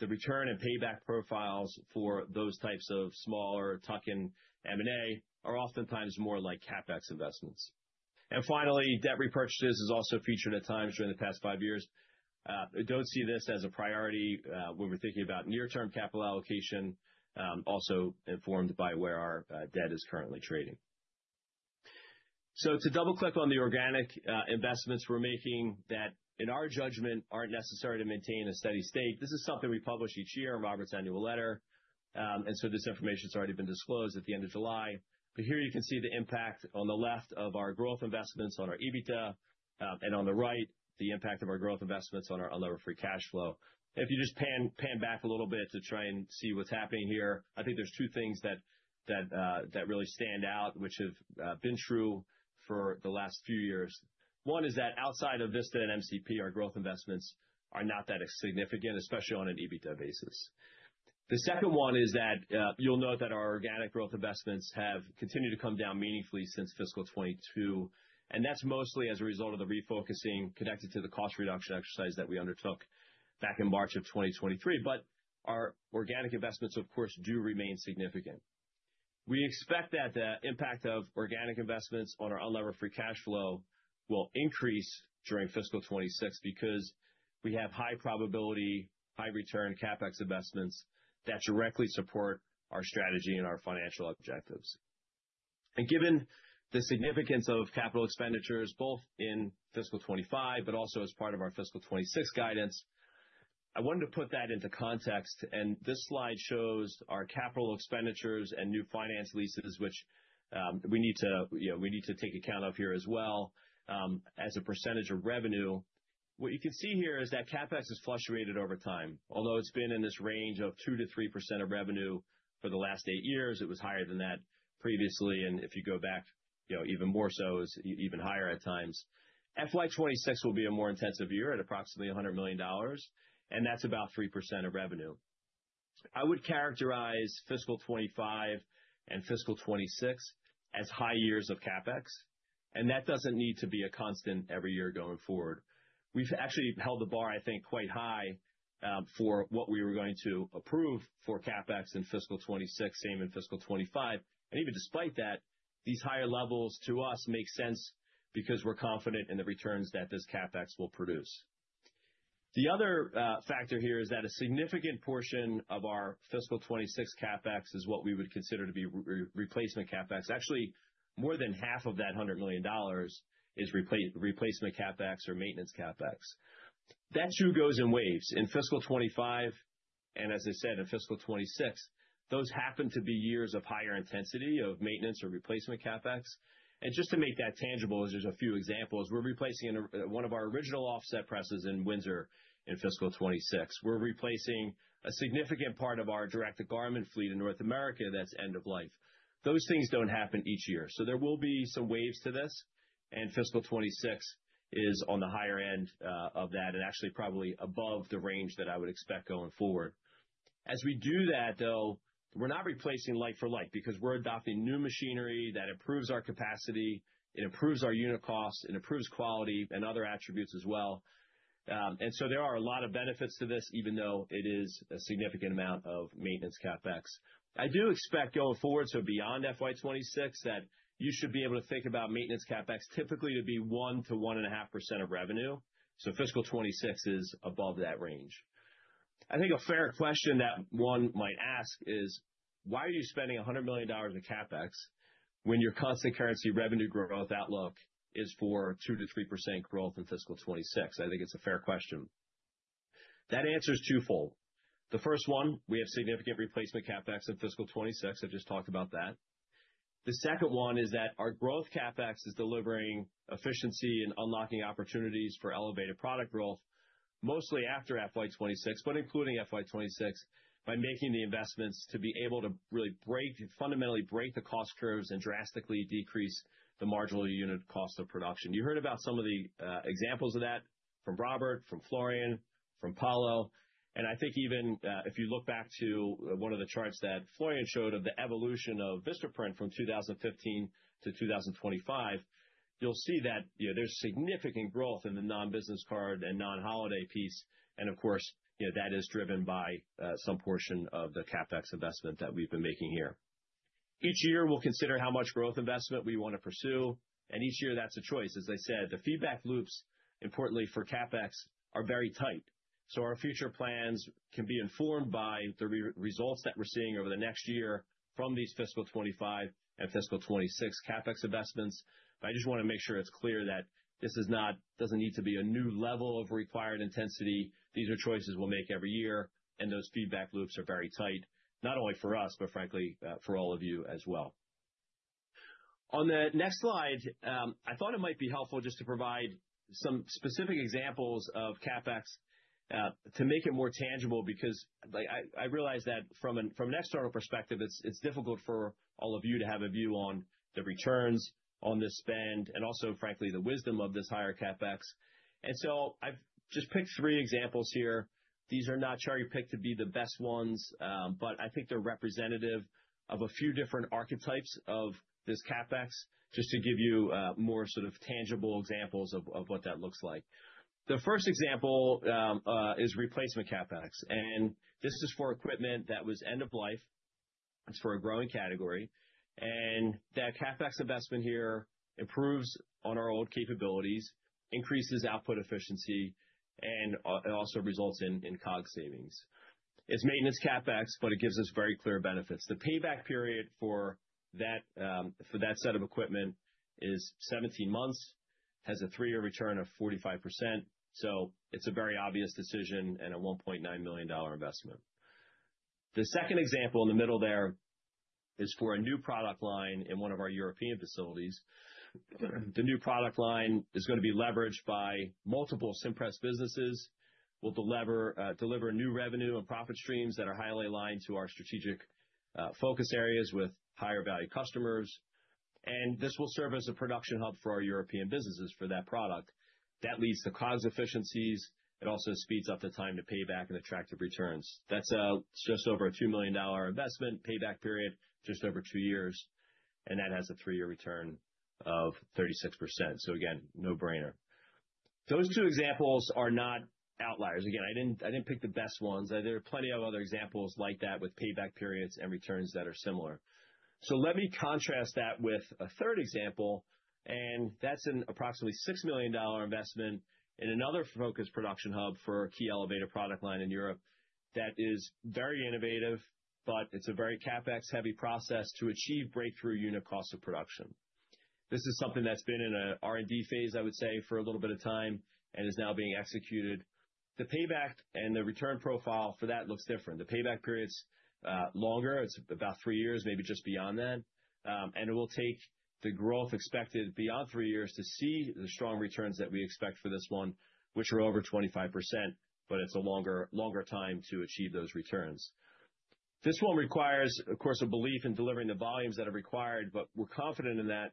The return and payback profiles for those types of smaller tuck-in M&A are oftentimes more like CapEx investments. Finally, debt repurchases have also featured at times during the past five years. We don't see this as a priority when we're thinking about near-term capital allocation, also informed by where our debt is currently trading. To double-click on the organic investments we're making that, in our judgment, aren't necessary to maintain a steady state. This is something we publish each year in Robert's annual letter. This information has already been disclosed at the end of July. But here you can see the impact on the left of our growth investments on our EBITDA, and on the right, the impact of our growth investments on our unlevered free cash flow. If you just pan back a little bit to try and see what's happening here, I think there's two things that really stand out, which have been true for the last few years. One is that outside of Vista and MCP, our growth investments are not that significant, especially on an EBITDA basis. The second one is that you'll note that our organic growth investments have continued to come down meaningfully since fiscal 2022. That's mostly as a result of the refocusing connected to the cost reduction exercise that we undertook back in March of 2023. Our organic investments, of course, do remain significant. We expect that the impact of organic investments on our unlevered free cash flow will increase during fiscal 26 because we have high-probability, high-return CapEx investments that directly support our strategy and our financial objectives. Given the significance of capital expenditures, both in fiscal 25, but also as part of our fiscal 26 guidance, I wanted to put that into context. This slide shows our capital expenditures and new finance leases, which we need to take account of here as well as a percentage of revenue. What you can see here is that CapEx has fluctuated over time. Although it's been in this range of 2%-3% of revenue for the last eight years, it was higher than that previously. If you go back even more so, it's even higher at times. FY26 will be a more intensive year at approximately $100 million, and that's about 3% of revenue. I would characterize fiscal 25 and fiscal 26 as high years of CapEx, and that doesn't need to be a constant every year going forward. We've actually held the bar, I think, quite high for what we were going to approve for CapEx in fiscal 26, same in fiscal 25, and even despite that, these higher levels to us make sense because we're confident in the returns that this CapEx will produce. The other factor here is that a significant portion of our fiscal 26 CapEx is what we would consider to be replacement CapEx. Actually, more than half of that $100 million is replacement CapEx or maintenance CapEx. That too goes in waves. In fiscal 2025, and as I said, in fiscal 2026, those happen to be years of higher intensity of maintenance or replacement CapEx. And just to make that tangible, as there's a few examples, we're replacing one of our original offset presses in Windsor in fiscal 2026. We're replacing a significant part of our direct garment fleet in North America that's end of life. Those things don't happen each year. So there will be some waves to this. And fiscal 2026 is on the higher end of that and actually probably above the range that I would expect going forward. As we do that, though, we're not replacing like for like because we're adopting new machinery that improves our capacity. It improves our unit costs. It improves quality and other attributes as well. And so there are a lot of benefits to this, even though it is a significant amount of maintenance CapEx. I do expect going forward, so beyond FY26, that you should be able to think about maintenance CapEx typically to be 1%-1.5% of revenue. So fiscal 26 is above that range. I think a fair question that one might ask is, why are you spending $100 million in CapEx when your constant currency revenue growth outlook is for 2%-3% growth in fiscal 26? I think it's a fair question. That answer is twofold. The first one, we have significant replacement CapEx in fiscal 26. I've just talked about that. The second one is that our growth CapEx is delivering efficiency and unlocking opportunities for elevated product growth, mostly after FY26, but including FY26, by making the investments to be able to really fundamentally break the cost curves and drastically decrease the marginal unit cost of production. You heard about some of the examples of that from Robert, from Florian, from Paolo. And I think even if you look back to one of the charts that Florian showed of the evolution of Vistaprint from 2015 to 2025, you'll see that there's significant growth in the non-business card and non-holiday piece. And of course, that is driven by some portion of the CapEx investment that we've been making here. Each year, we'll consider how much growth investment we want to pursue. And each year, that's a choice. As I said, the feedback loops, importantly for CapEx, are very tight. So our future plans can be informed by the results that we're seeing over the next year from these fiscal 2025 and fiscal 2026 CapEx investments. But I just want to make sure it's clear that this doesn't need to be a new level of required intensity. These are choices we'll make every year. And those feedback loops are very tight, not only for us, but frankly, for all of you as well. On the next slide, I thought it might be helpful just to provide some specific examples of CapEx to make it more tangible because I realize that from an external perspective, it's difficult for all of you to have a view on the returns on this spend and also, frankly, the wisdom of this higher CapEx. And so I've just picked three examples here. These are not cherry-picked to be the best ones, but I think they're representative of a few different archetypes of this CapEx just to give you more sort of tangible examples of what that looks like. The first example is replacement CapEx. And this is for equipment that was end of life. It's for a growing category. And that CapEx investment here improves on our old capabilities, increases output efficiency, and also results in COGS savings. It's maintenance CapEx, but it gives us very clear benefits. The payback period for that set of equipment is 17 months, has a three-year return of 45%. So it's a very obvious decision and a $1.9 million investment. The second example in the middle there is for a new product line in one of our European facilities. The new product line is going to be leveraged by multiple Cimpress businesses. We'll deliver new revenue and profit streams that are highly aligned to our strategic focus areas with higher-value customers. This will serve as a production hub for our European businesses for that product. That leads to COGS efficiencies. It also speeds up the time to payback and attractive returns. That's just over a $2 million investment payback period, just over two years. That has a three-year return of 36%. Again, no brainer. Those two examples are not outliers. I didn't pick the best ones. There are plenty of other examples like that with payback periods and returns that are similar. Let me contrast that with a third example. That's an approximately $6 million investment in another focused production hub for a key elevated product line in Europe that is very innovative, but it's a very CapEx-heavy process to achieve breakthrough unit cost of production. This is something that's been in an R&D phase, I would say, for a little bit of time and is now being executed. The payback and the return profile for that looks different. The payback period's longer. It's about three years, maybe just beyond that. And it will take the growth expected beyond three years to see the strong returns that we expect for this one, which are over 25%, but it's a longer time to achieve those returns. This one requires, of course, a belief in delivering the volumes that are required, but we're confident in that.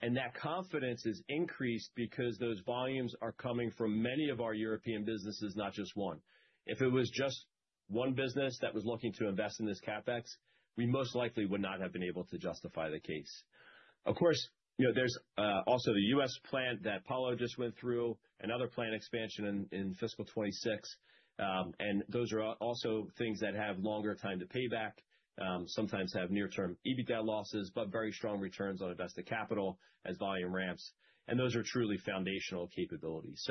And that confidence is increased because those volumes are coming from many of our European businesses, not just one. If it was just one business that was looking to invest in this CapEx, we most likely would not have been able to justify the case. Of course, there's also the U.S. plant that Paolo just went through and other plant expansion in fiscal 26. Those are also things that have longer time to payback, sometimes have near-term EBITDA losses, but very strong returns on invested capital as volume ramps. Those are truly foundational capabilities.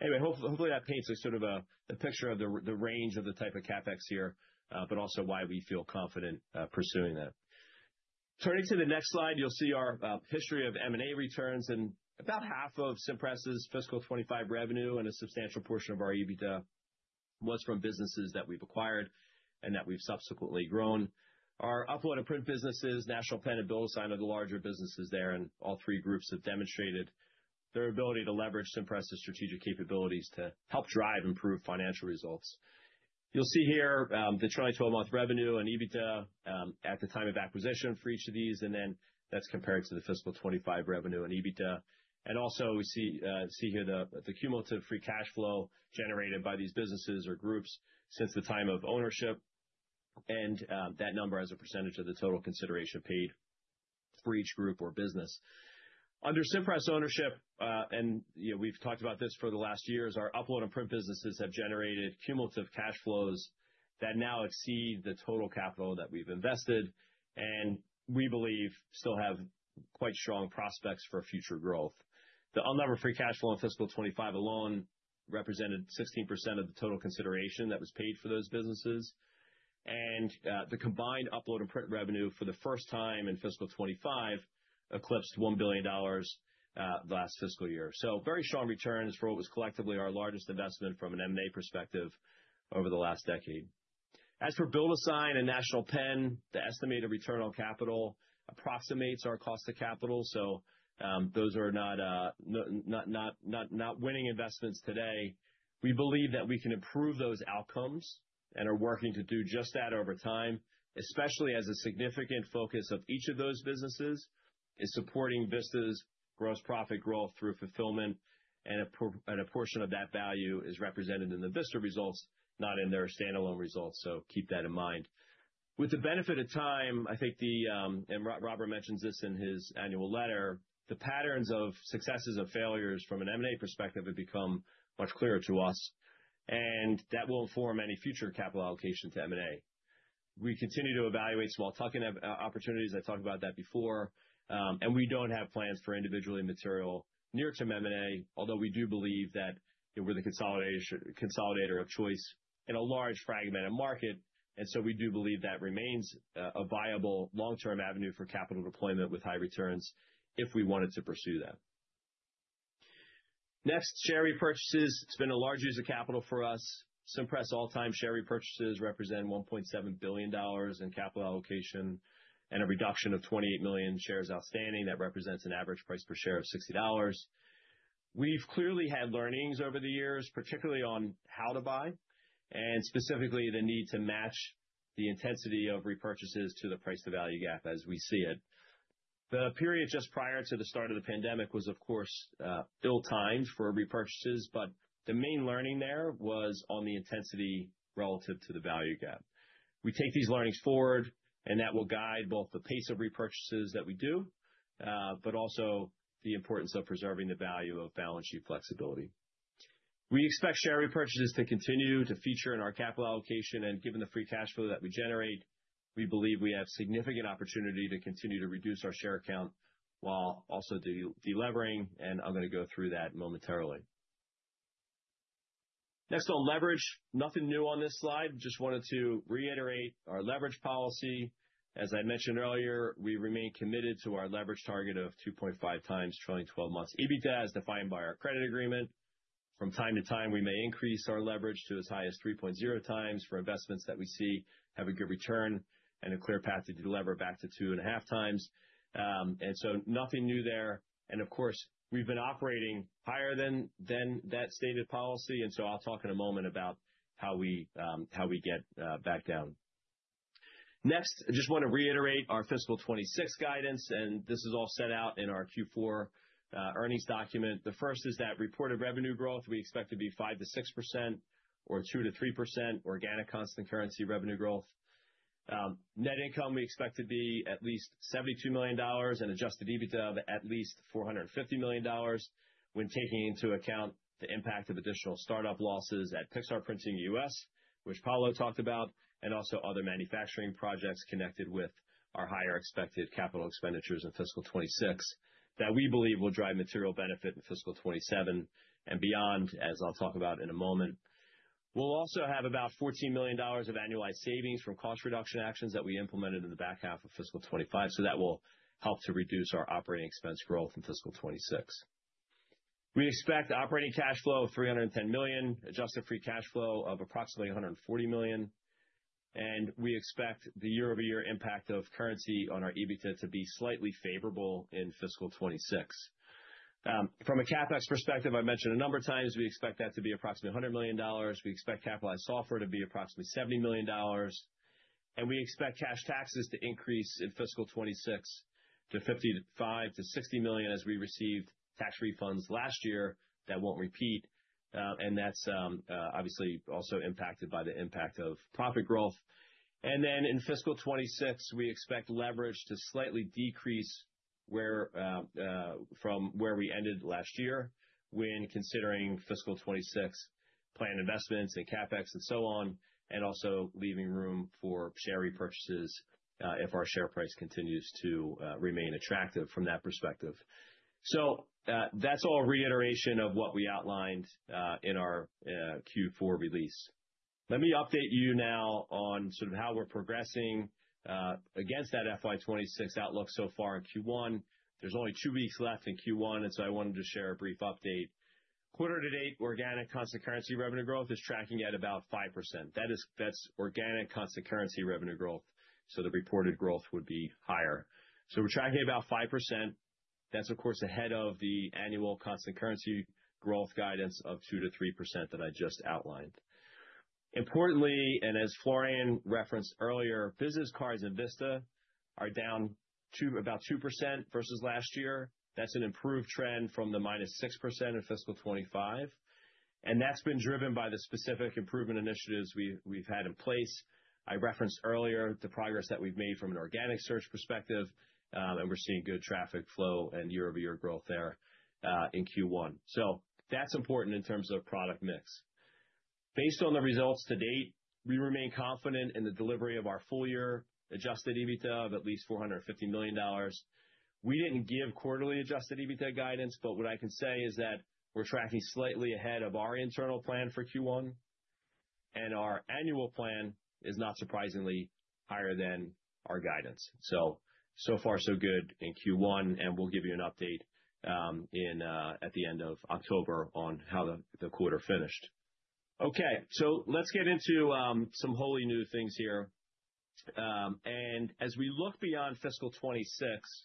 Anyway, hopefully that paints sort of the picture of the range of the type of CapEx here, but also why we feel confident pursuing that. Turning to the next slide, you'll see our history of M&A returns. About half of Cimpress's fiscal 25 revenue and a substantial portion of our EBITDA was from businesses that we've acquired and that we've subsequently grown. Our upload and print businesses, National Pen and BuildASign, of the larger businesses there. All three groups have demonstrated their ability to leverage Cimpress's strategic capabilities to help drive improved financial results. You'll see here the trailing 12-month revenue and EBITDA at the time of acquisition for each of these, and then that's compared to the fiscal 25 revenue and EBITDA, and also we see here the cumulative free cash flow generated by these businesses or groups since the time of ownership, and that number as a percentage of the total consideration paid for each group or business. Under Cimpress ownership, and we've talked about this for the last years, our upload and print businesses have generated cumulative cash flows that now exceed the total capital that we've invested and we believe still have quite strong prospects for future growth. The unlevered free cash flow in fiscal 25 alone represented 16% of the total consideration that was paid for those businesses, and the combined upload and print revenue for the first time in fiscal 25 eclipsed $1 billion last fiscal year. So very strong returns for what was collectively our largest investment from an M&A perspective over the last decade. As for BuildASign and National Pen, the estimated return on capital approximates our cost of capital. So those are not winning investments today. We believe that we can improve those outcomes and are working to do just that over time, especially as a significant focus of each of those businesses is supporting Vista's gross profit growth through fulfillment. And a portion of that value is represented in the Vista results, not in their standalone results. So keep that in mind. With the benefit of time, I think, and Robert mentions this in his annual letter, the patterns of successes and failures from an M&A perspective have become much clearer to us. And that will inform any future capital allocation to M&A. We continue to evaluate small tuck-in opportunities. I talked about that before. And we don't have plans for individually material near-term M&A, although we do believe that we're the consolidator of choice in a large fragmented market. And so we do believe that remains a viable long-term avenue for capital deployment with high returns if we wanted to pursue that. Next, share repurchases. It's been a large use of capital for us. Cimpress all-time share repurchases represent $1.7 billion in capital allocation and a reduction of 28 million shares outstanding. That represents an average price per share of $60. We've clearly had learnings over the years, particularly on how to buy and specifically the need to match the intensity of repurchases to the price-to-value gap as we see it. The period just prior to the start of the pandemic was, of course, ill-timed for repurchases, but the main learning there was on the intensity relative to the value gap. We take these learnings forward, and that will guide both the pace of repurchases that we do, but also the importance of preserving the value of balance sheet flexibility. We expect share repurchases to continue to feature in our capital allocation, and given the free cash flow that we generate, we believe we have significant opportunity to continue to reduce our share count while also delivering, and I'm going to go through that momentarily. Next on leverage, nothing new on this slide. Just wanted to reiterate our leverage policy. As I mentioned earlier, we remain committed to our leverage target of 2.5 times trailing twelve months EBITDA as defined by our credit agreement. From time to time, we may increase our leverage to as high as 3.0 times for investments that we see have a good return and a clear path to deliver back to two and a half times. So nothing new there. Of course, we've been operating higher than that stated policy. I'll talk in a moment about how we get back down. Next, I just want to reiterate our fiscal 2026 guidance. This is all set out in our Q4 earnings document. The first is that reported revenue growth we expect to be 5%-6% or 2%-3% organic constant currency revenue growth. Net income we expect to be at least $72 million and adjusted EBITDA of at least $450 million when taking into account the impact of additional startup losses at Pixartprinting U.S., which Paolo talked about, and also other manufacturing projects connected with our higher expected capital expenditures in fiscal 2026 that we believe will drive material benefit in fiscal 2027 and beyond, as I'll talk about in a moment. We'll also have about $14 million of annualized savings from cost reduction actions that we implemented in the back half of fiscal 2025, so that will help to reduce our operating expense growth in fiscal 2026. We expect operating cash flow of $310 million, adjusted free cash flow of approximately $140 million, and we expect the year-over-year impact of currency on our EBITDA to be slightly favorable in fiscal 2026. From a CapEx perspective, I mentioned a number of times we expect that to be approximately $100 million. We expect capitalized software to be approximately $70 million, and we expect cash taxes to increase in fiscal 2026 to $55 million-$60 million as we received tax refunds last year that won't repeat, and that's obviously also impacted by the impact of profit growth, and then in fiscal 2026, we expect leverage to slightly decrease from where we ended last year when considering fiscal 2026 plan investments and CapEx and so on, and also leaving room for share repurchases if our share price continues to remain attractive from that perspective, so that's all reiteration of what we outlined in our Q4 release. Let me update you now on sort of how we're progressing against that FY2026 outlook so far in Q1. There's only two weeks left in Q1. And so I wanted to share a brief update. Quarter to date, organic constant currency revenue growth is tracking at about 5%. That's organic constant currency revenue growth. So the reported growth would be higher. So we're tracking about 5%. That's, of course, ahead of the annual constant currency growth guidance of 2%-3% that I just outlined. Importantly, and as Florian referenced earlier, business cards in Vista are down to about 2% versus last year. That's an improved trend from the minus 6% in fiscal 2025. And that's been driven by the specific improvement initiatives we've had in place. I referenced earlier the progress that we've made from an organic search perspective, and we're seeing good traffic flow and year-over-year growth there in Q1. So that's important in terms of product mix. Based on the results to date, we remain confident in the delivery of our full-year Adjusted EBITDA of at least $450 million. We didn't give quarterly Adjusted EBITDA guidance, but what I can say is that we're tracking slightly ahead of our internal plan for Q1, and our annual plan is not surprisingly higher than our guidance, so so far, so good in Q1, and we'll give you an update at the end of October on how the quarter finished. Okay, so let's get into some wholly new things here, and as we look beyond fiscal 2026,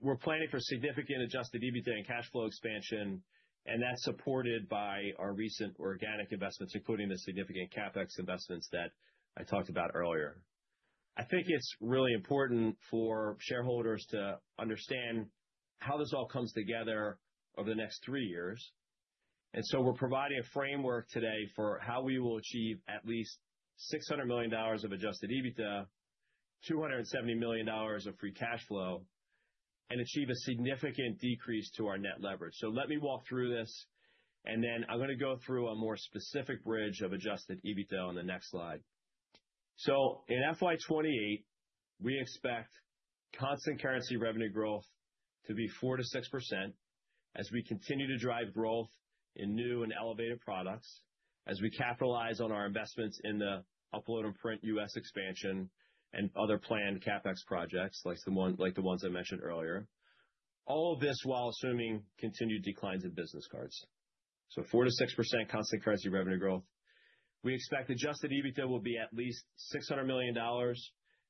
we're planning for significant Adjusted EBITDA and cash flow expansion, and that's supported by our recent organic investments, including the significant CapEx investments that I talked about earlier. I think it's really important for shareholders to understand how this all comes together over the next three years. And so we're providing a framework today for how we will achieve at least $600 million of Adjusted EBITDA, $270 million of free cash flow, and achieve a significant decrease to our net leverage. So let me walk through this. And then I'm going to go through a more specific bridge of Adjusted EBITDA on the next slide. So in FY28, we expect constant currency revenue growth to be 4%-6% as we continue to drive growth in new and elevated products as we capitalize on our investments in the upload and print US expansion and other planned CapEx projects like the ones I mentioned earlier. All of this while assuming continued declines in business cards. So 4%-6% constant currency revenue growth. We expect Adjusted EBITDA will be at least $600 million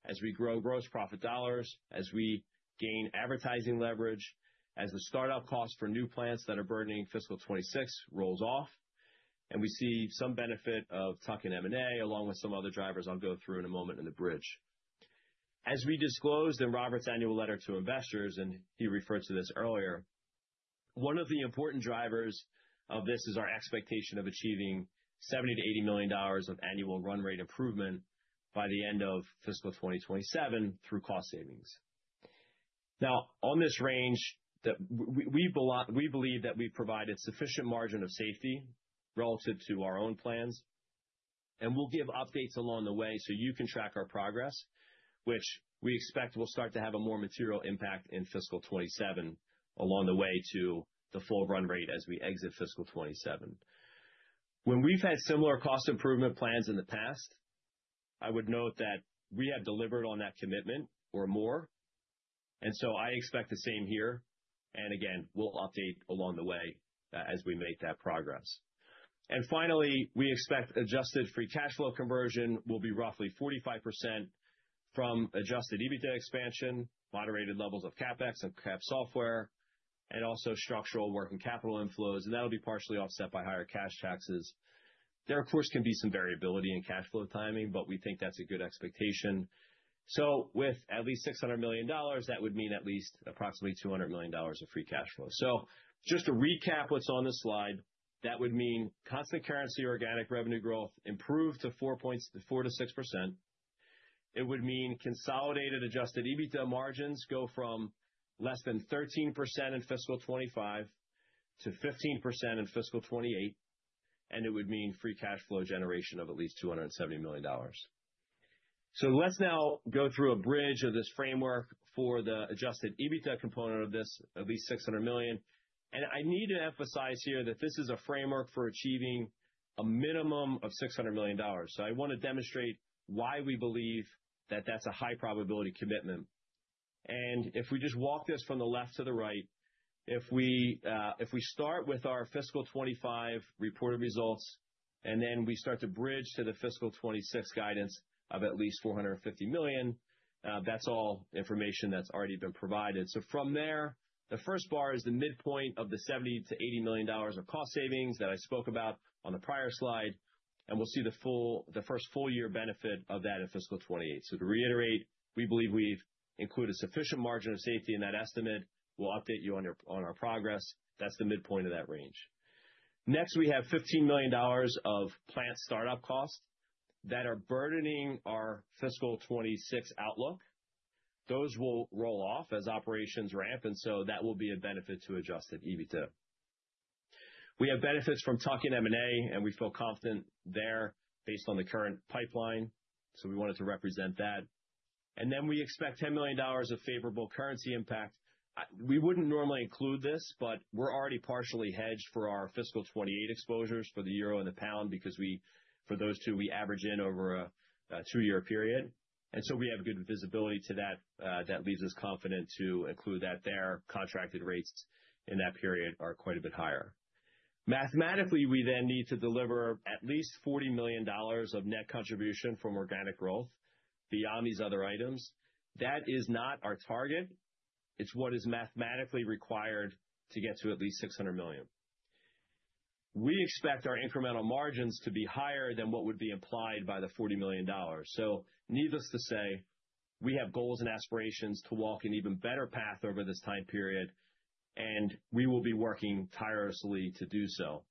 as we grow gross profit dollars, as we gain advertising leverage, as the startup costs for new plants that are burdening fiscal 2026 rolls off, and we see some benefit of tuck-in M&A along with some other drivers I'll go through in a moment in the bridge. As we disclosed in Robert's annual letter to investors, and he referred to this earlier, one of the important drivers of this is our expectation of achieving $70 million-$80 million of annual run rate improvement by the end of fiscal 2027 through cost savings. Now, on this range, we believe that we've provided sufficient margin of safety relative to our own plans. We'll give updates along the way so you can track our progress, which we expect will start to have a more material impact in fiscal 2027 along the way to the full run rate as we exit fiscal 2027. When we've had similar cost improvement plans in the past, I would note that we have delivered on that commitment or more. And so I expect the same here. And again, we'll update along the way as we make that progress. And finally, we expect adjusted free cash flow conversion will be roughly 45% from adjusted EBITDA expansion, moderated levels of CapEx and Cap software, and also structural working capital inflows. And that'll be partially offset by higher cash taxes. There, of course, can be some variability in cash flow timing, but we think that's a good expectation. With at least $600 million, that would mean at least approximately $200 million of free cash flow. Just to recap what's on this slide, that would mean constant currency organic revenue growth improved to 4%-6%. It would mean consolidated Adjusted EBITDA margins go from less than 13% in fiscal 2025 to 15% in fiscal 2028. And it would mean free cash flow generation of at least $270 million. Let's now go through a bridge of this framework for the Adjusted EBITDA component of this at least $600 million. And I need to emphasize here that this is a framework for achieving a minimum of $600 million. I want to demonstrate why we believe that that's a high-probability commitment. And if we just walk this from the left to the right, if we start with our fiscal 25 reported results and then we start to bridge to the fiscal 26 guidance of at least $450 million, that's all information that's already been provided. So from there, the first bar is the midpoint of the $70 million-$80 million of cost savings that I spoke about on the prior slide. And we'll see the first full-year benefit of that in fiscal 28. So to reiterate, we believe we've included sufficient margin of safety in that estimate. We'll update you on our progress. That's the midpoint of that range. Next, we have $15 million of plant startup costs that are burdening our fiscal 26 outlook. Those will roll off as operations ramp. And so that will be a benefit to Adjusted EBITDA. We have benefits from tucking M&A, and we feel confident there based on the current pipeline. So we wanted to represent that. And then we expect $10 million of favorable currency impact. We wouldn't normally include this, but we're already partially hedged for our fiscal 2028 exposures for the euro and the pound because for those two, we average in over a two-year period. And so we have good visibility to that. That leaves us confident to include that there. Contracted rates in that period are quite a bit higher. Mathematically, we then need to deliver at least $40 million of net contribution from organic growth beyond these other items. That is not our target. It's what is mathematically required to get to at least $600 million. We expect our incremental margins to be higher than what would be implied by the $40 million. So needless to say, we have goals and aspirations to walk an even better path over this time period. And we will be working tirelessly to do so.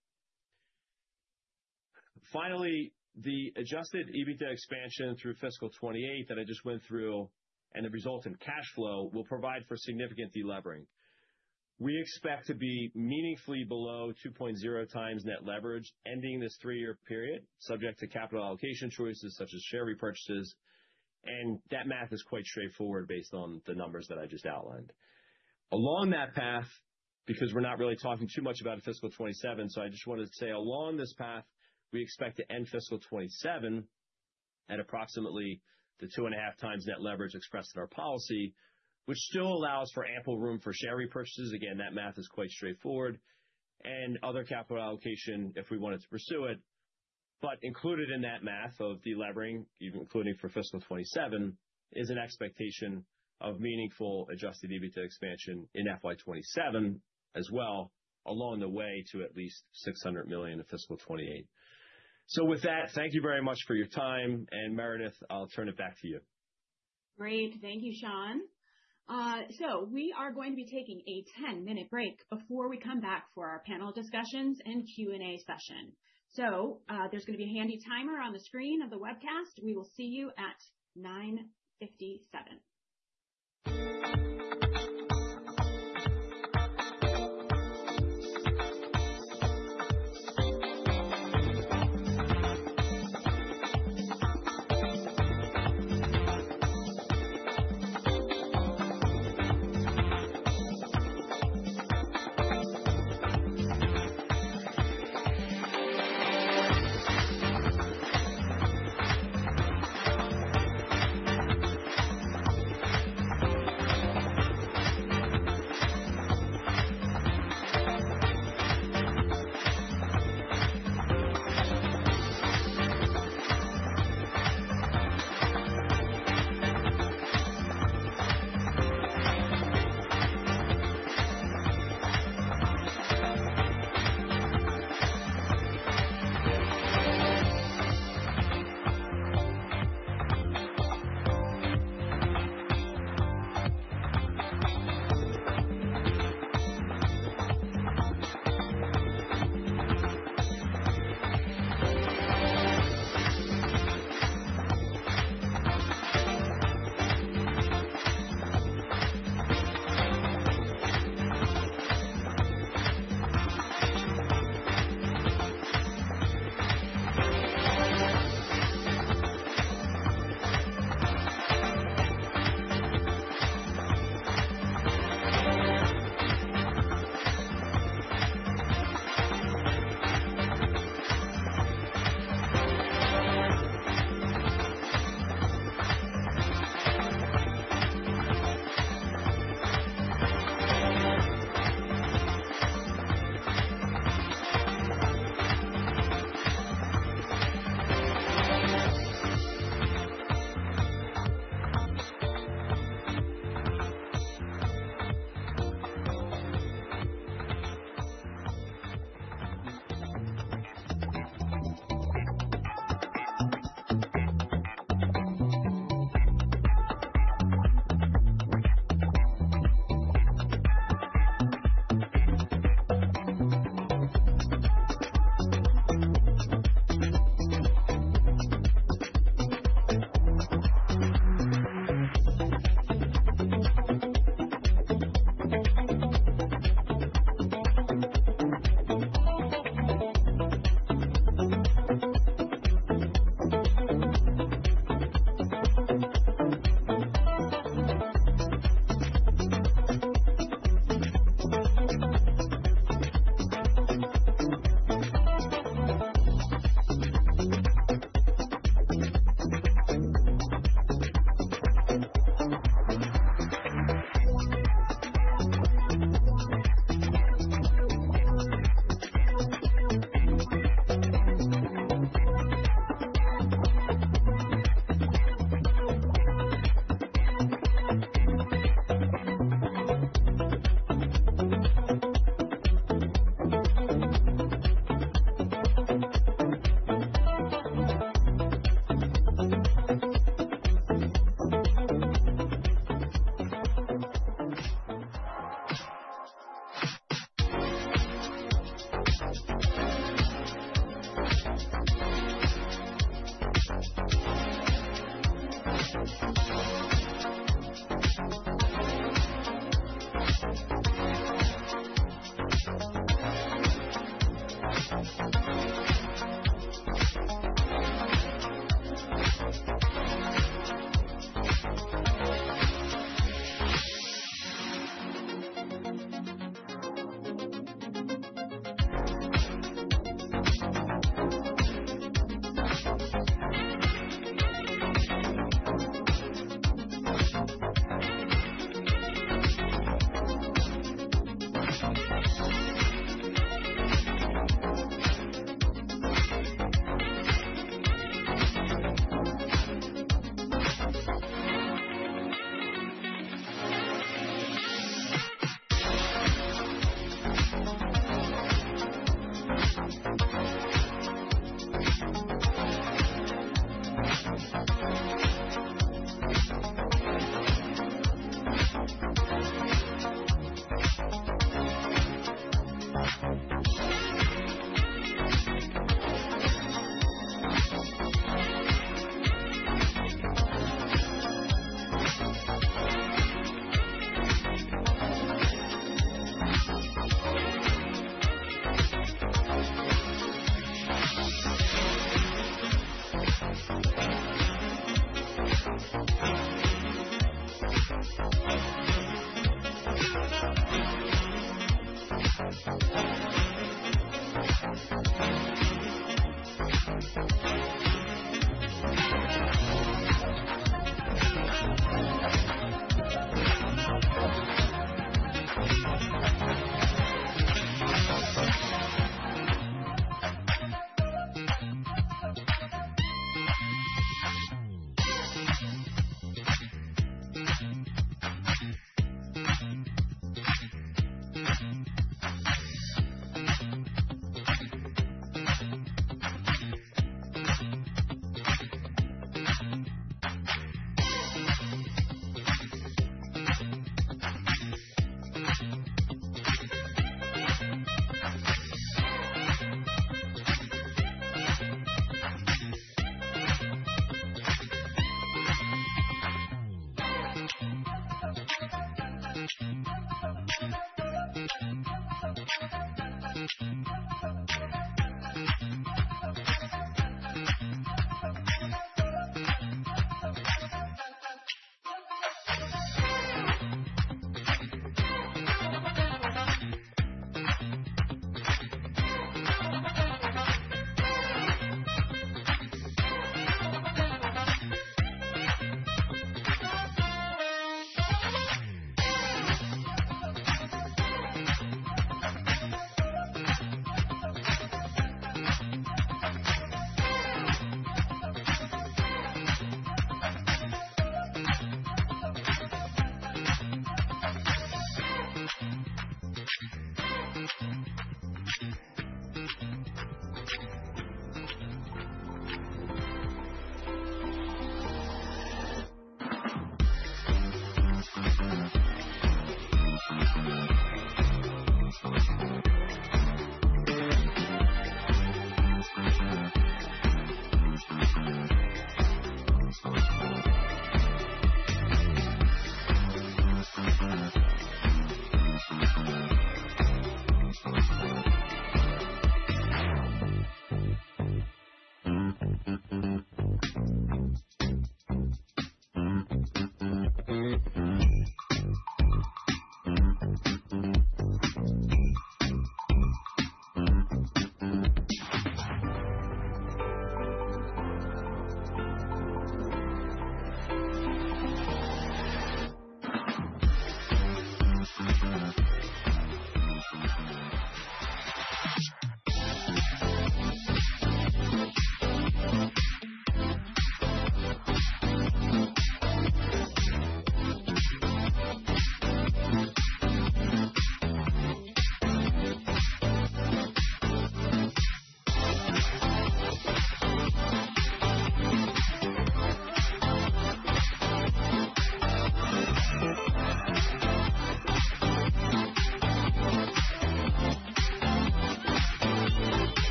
Finally, the Adjusted EBITDA expansion through fiscal 2028 that I just went through and the resultant cash flow will provide for significant delevering. We expect to be meaningfully below 2.0 times net leverage ending this three-year period, subject to capital allocation choices such as share repurchases. And that math is quite straightforward based on the numbers that I just outlined. Along that path, because we're not really talking too much about fiscal 2027, so I just wanted to say along this path, we expect to end fiscal 2027 at approximately the two and a half times net leverage expressed in our policy, which still allows for ample room for share repurchases. Again, that math is quite straightforward. Other capital allocation, if we wanted to pursue it, but included in that math of delevering, including for fiscal 2027, is an expectation of meaningful Adjusted EBITDA expansion in FY 2027 as well along the way to at least $600 million in fiscal 2028. With that, thank you very much for your time. Meredith, I'll turn it back to you. Great. Thank you, Sean. We are going to be taking a 10-minute break before we come back for our panel discussions and Q&A session. There's going to be a handy timer on the screen of the webcast. We will see you at 9:57 A.M. Come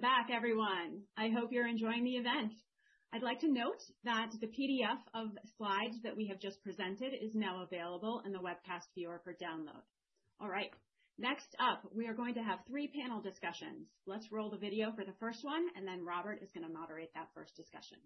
back, everyone. I hope you're enjoying the event. I'd like to note that the PDF of slides that we have just presented is now available in the webcast viewer for download. All right. Next up, we are going to have three panel discussions. Let's roll the video for the first one, and then Robert is going to moderate that first discussion.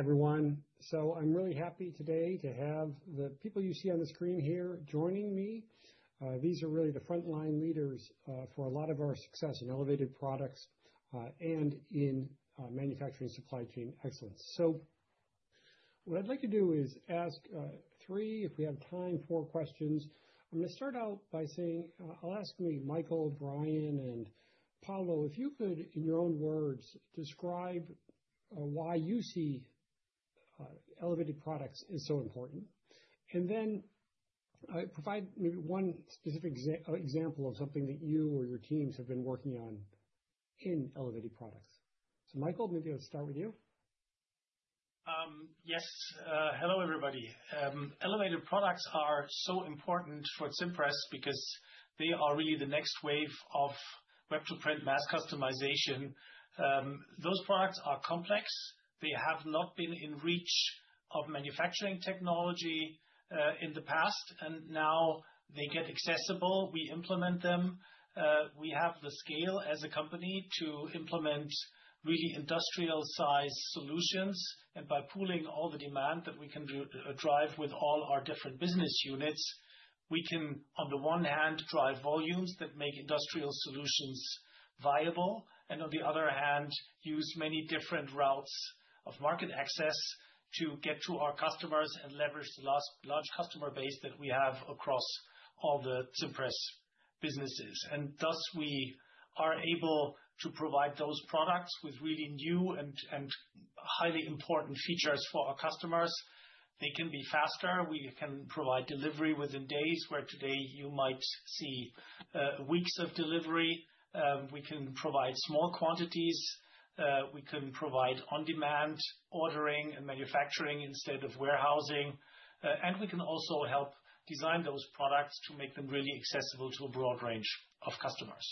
Hey, everyone. So I'm really happy today to have the people you see on the screen here joining me. These are really the frontline leaders for a lot of our success in elevated products and in manufacturing supply chain excellence. So what I'd like to do is ask three, if we have time, four questions. I'm going to start out by saying I'll ask maybe Michael, Bryan, and Paolo, if you could, in your own words, describe why you see elevated products as so important. And then provide maybe one specific example of something that you or your teams have been working on in elevated products. So Michael, maybe I'll start with you. Yes. Hello, everybody. Elevated products are so important for Cimpress because they are really the next wave of web-to-print mass customization. Those products are complex. They have not been in reach of manufacturing technology in the past, and now they get accessible. We implement them. We have the scale as a company to implement really industrial-sized solutions, and by pooling all the demand that we can drive with all our different business units, we can, on the one hand, drive volumes that make industrial solutions viable, and on the other hand, use many different routes of market access to get to our customers and leverage the large customer base that we have across all the Cimpress businesses, and thus, we are able to provide those products with really new and highly important features for our customers. They can be faster. We can provide delivery within days, where today you might see weeks of delivery. We can provide small quantities. We can provide on-demand ordering and manufacturing instead of warehousing. And we can also help design those products to make them really accessible to a broad range of customers.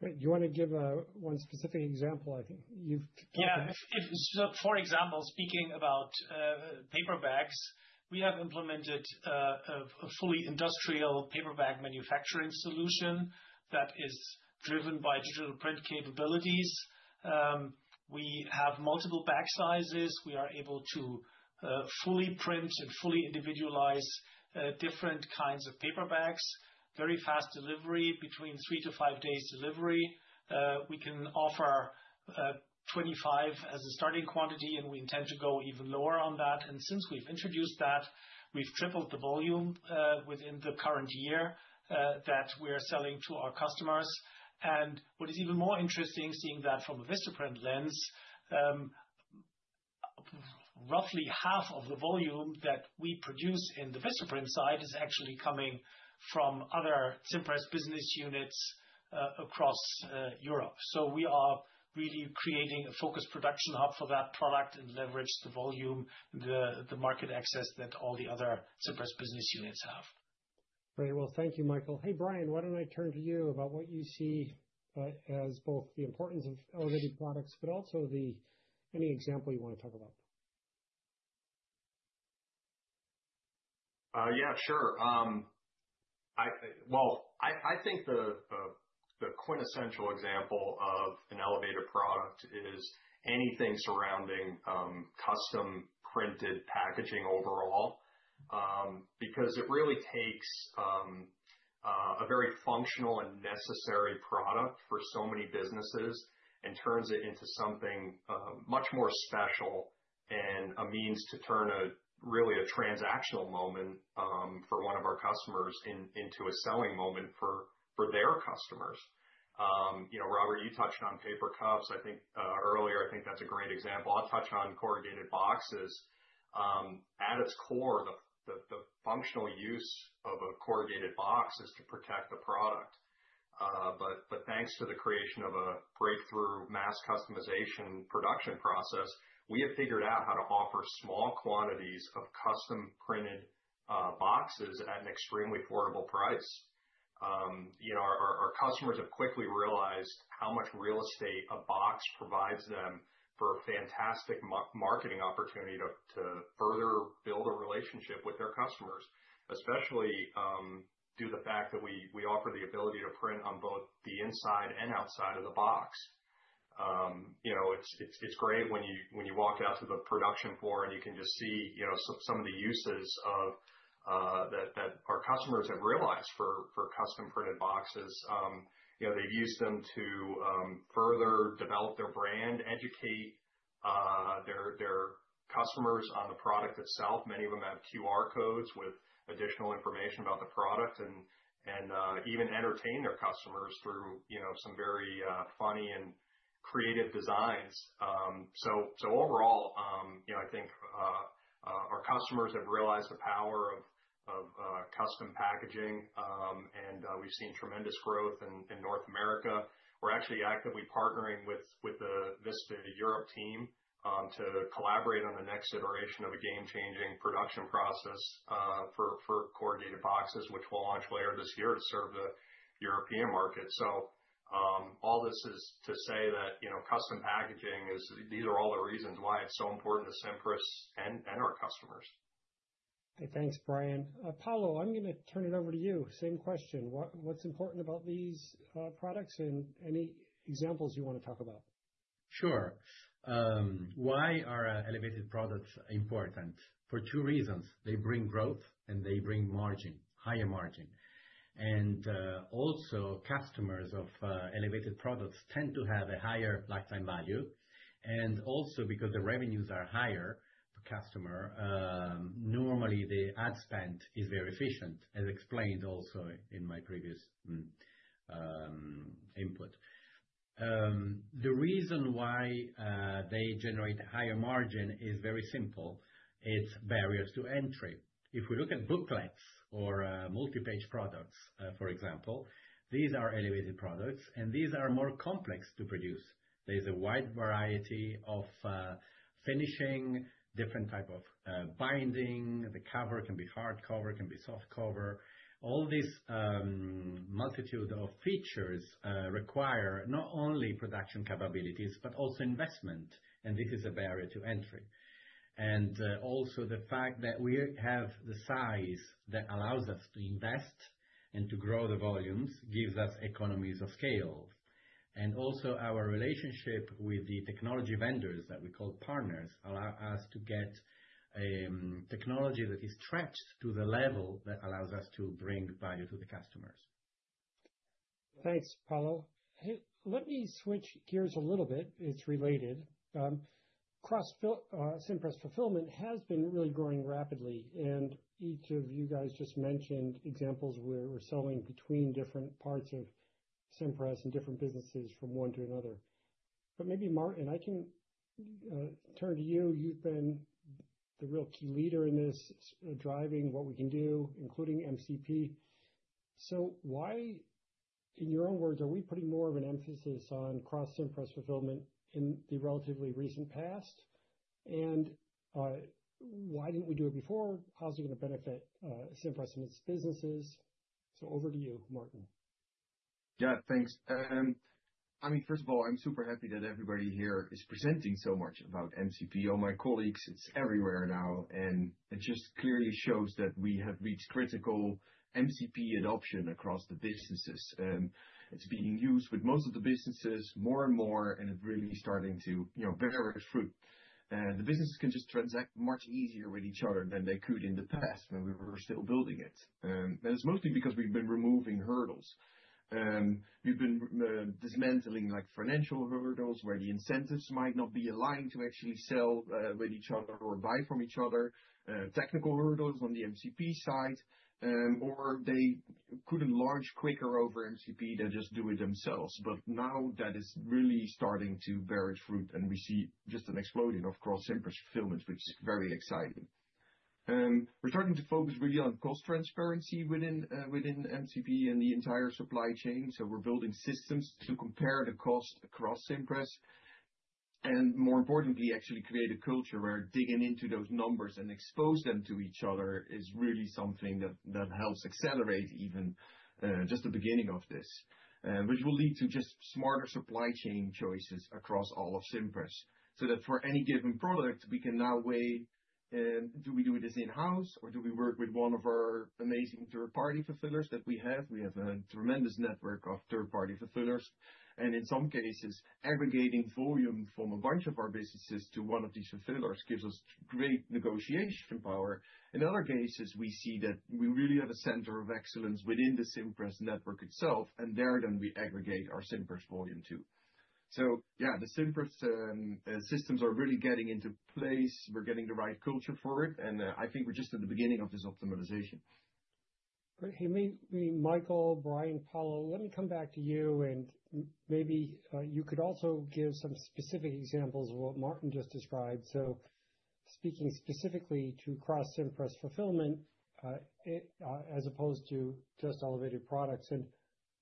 Great. Do you want to give one specific example? I think you've talked about. Yeah. For example, speaking about paper bags, we have implemented a fully industrial paper bag manufacturing solution that is driven by digital print capabilities. We have multiple bag sizes. We are able to fully print and fully individualize different kinds of paper bags, very fast delivery, between three to five days delivery. We can offer 25 as a starting quantity, and we intend to go even lower on that. Since we've introduced that, we've tripled the volume within the current year that we are selling to our customers. What is even more interesting, seeing that from a Vistaprint lens, roughly half of the volume that we produce in the Vistaprint side is actually coming from other Cimpress business units across Europe. We are really creating a focused production hub for that product and leverage the volume and the market access that all the other Cimpress business units have. Great. Well, thank you, Michael. Hey, Bryan, why don't I turn to you about what you see as both the importance of elevated products, but also any example you want to talk about? Yeah, sure. I think the quintessential example of an elevated product is anything surrounding custom printed packaging overall because it really takes a very functional and necessary product for so many businesses and turns it into something much more special and a means to turn really a transactional moment for one of our customers into a selling moment for their customers. Robert, you touched on paper cups. I think earlier, that's a great example. I'll touch on corrugated boxes. At its core, the functional use of a corrugated box is to protect the product. But thanks to the creation of a breakthrough mass customization production process, we have figured out how to offer small quantities of custom printed boxes at an extremely affordable price. Our customers have quickly realized how much real estate a box provides them for a fantastic marketing opportunity to further build a relationship with their customers, especially due to the fact that we offer the ability to print on both the inside and outside of the box. It's great when you walk out to the production floor and you can just see some of the uses that our customers have realized for custom printed boxes. They've used them to further develop their brand, educate their customers on the product itself. Many of them have QR codes with additional information about the product and even entertain their customers through some very funny and creative designs, so overall, I think our customers have realized the power of custom packaging, and we've seen tremendous growth in North America. We're actually actively partnering with the Vista Europe team to collaborate on the next iteration of a game-changing production process for corrugated boxes, which we'll launch later this year to serve the European market. So all this is to say that custom packaging is. These are all the reasons why it's so important to Cimpress and our customers. Thanks, Bryan. Paolo, I'm going to turn it over to you. Same question. What's important about these products and any examples you want to talk about? Sure. Why are elevated products important? For two reasons. They bring growth and they bring margin, higher margin. And also, customers of elevated products tend to have a higher lifetime value. And also because the revenues are higher per customer, normally the ad spend is very efficient, as explained also in my previous input. The reason why they generate higher margin is very simple. It's barriers to entry. If we look at booklets or multi-page products, for example, these are elevated products, and these are more complex to produce. There's a wide variety of finishing, different type of binding. The cover can be hardcover, can be softcover. All this multitude of features require not only production capabilities, but also investment, and this is a barrier to entry, and also the fact that we have the size that allows us to invest and to grow the volumes gives us economies of scale, and also our relationship with the technology vendors that we call partners allows us to get technology that is stretched to the level that allows us to bring value to the customers. Thanks, Paolo. Let me switch gears a little bit. It's related. Cross-Cimpress fulfillment has been really growing rapidly. And each of you guys just mentioned examples where we're selling between different parts of Cimpress and different businesses from one to another. But maybe, Maarten, I can turn to you. You've been the real key leader in this, driving what we can do, including MCP. So why, in your own words, are we putting more of an emphasis on cross-Cimpress fulfillment in the relatively recent past? And why didn't we do it before? How's it going to benefit Cimpress and its businesses? So over to you, Maarten. Yeah, thanks. I mean, first of all, I'm super happy that everybody here is presenting so much about MCP. All my colleagues, it's everywhere now. And it just clearly shows that we have reached critical MCP adoption across the businesses. And it's being used with most of the businesses more and more, and it's really starting to bear its fruit. The businesses can just transact much easier with each other than they could in the past when we were still building it, and it's mostly because we've been removing hurdles. We've been dismantling financial hurdles where the incentives might not be aligned to actually sell with each other or buy from each other, technical hurdles on the MCP side, or they could enlarge quicker over MCP than just do it themselves, but now that is really starting to bear its fruit, and we see just an explosion of cross-Cimpress fulfillment, which is very exciting. We're starting to focus really on cost transparency within MCP and the entire supply chain, so we're building systems to compare the cost across Cimpress. More importantly, actually create a culture where digging into those numbers and exposing them to each other is really something that helps accelerate even just the beginning of this, which will lead to just smarter supply chain choices across all of Cimpress so that for any given product, we can now weigh, do we do this in-house, or do we work with one of our amazing third-party fulfillers that we have? We have a tremendous network of third-party fulfillers. In some cases, aggregating volume from a bunch of our businesses to one of these fulfillers gives us great negotiation power. In other cases, we see that we really have a center of excellence within the Cimpress network itself, and there then we aggregate our Cimpress volume too. Yeah, the Cimpress systems are really getting into place. We're getting the right culture for it, and I think we're just at the beginning of this optimization. Great. Hey, Michael, Bryan, Paolo, let me come back to you, and maybe you could also give some specific examples of what Maarten just described. So, speaking specifically to Cross-Cimpress fulfillment as opposed to just elevated products. And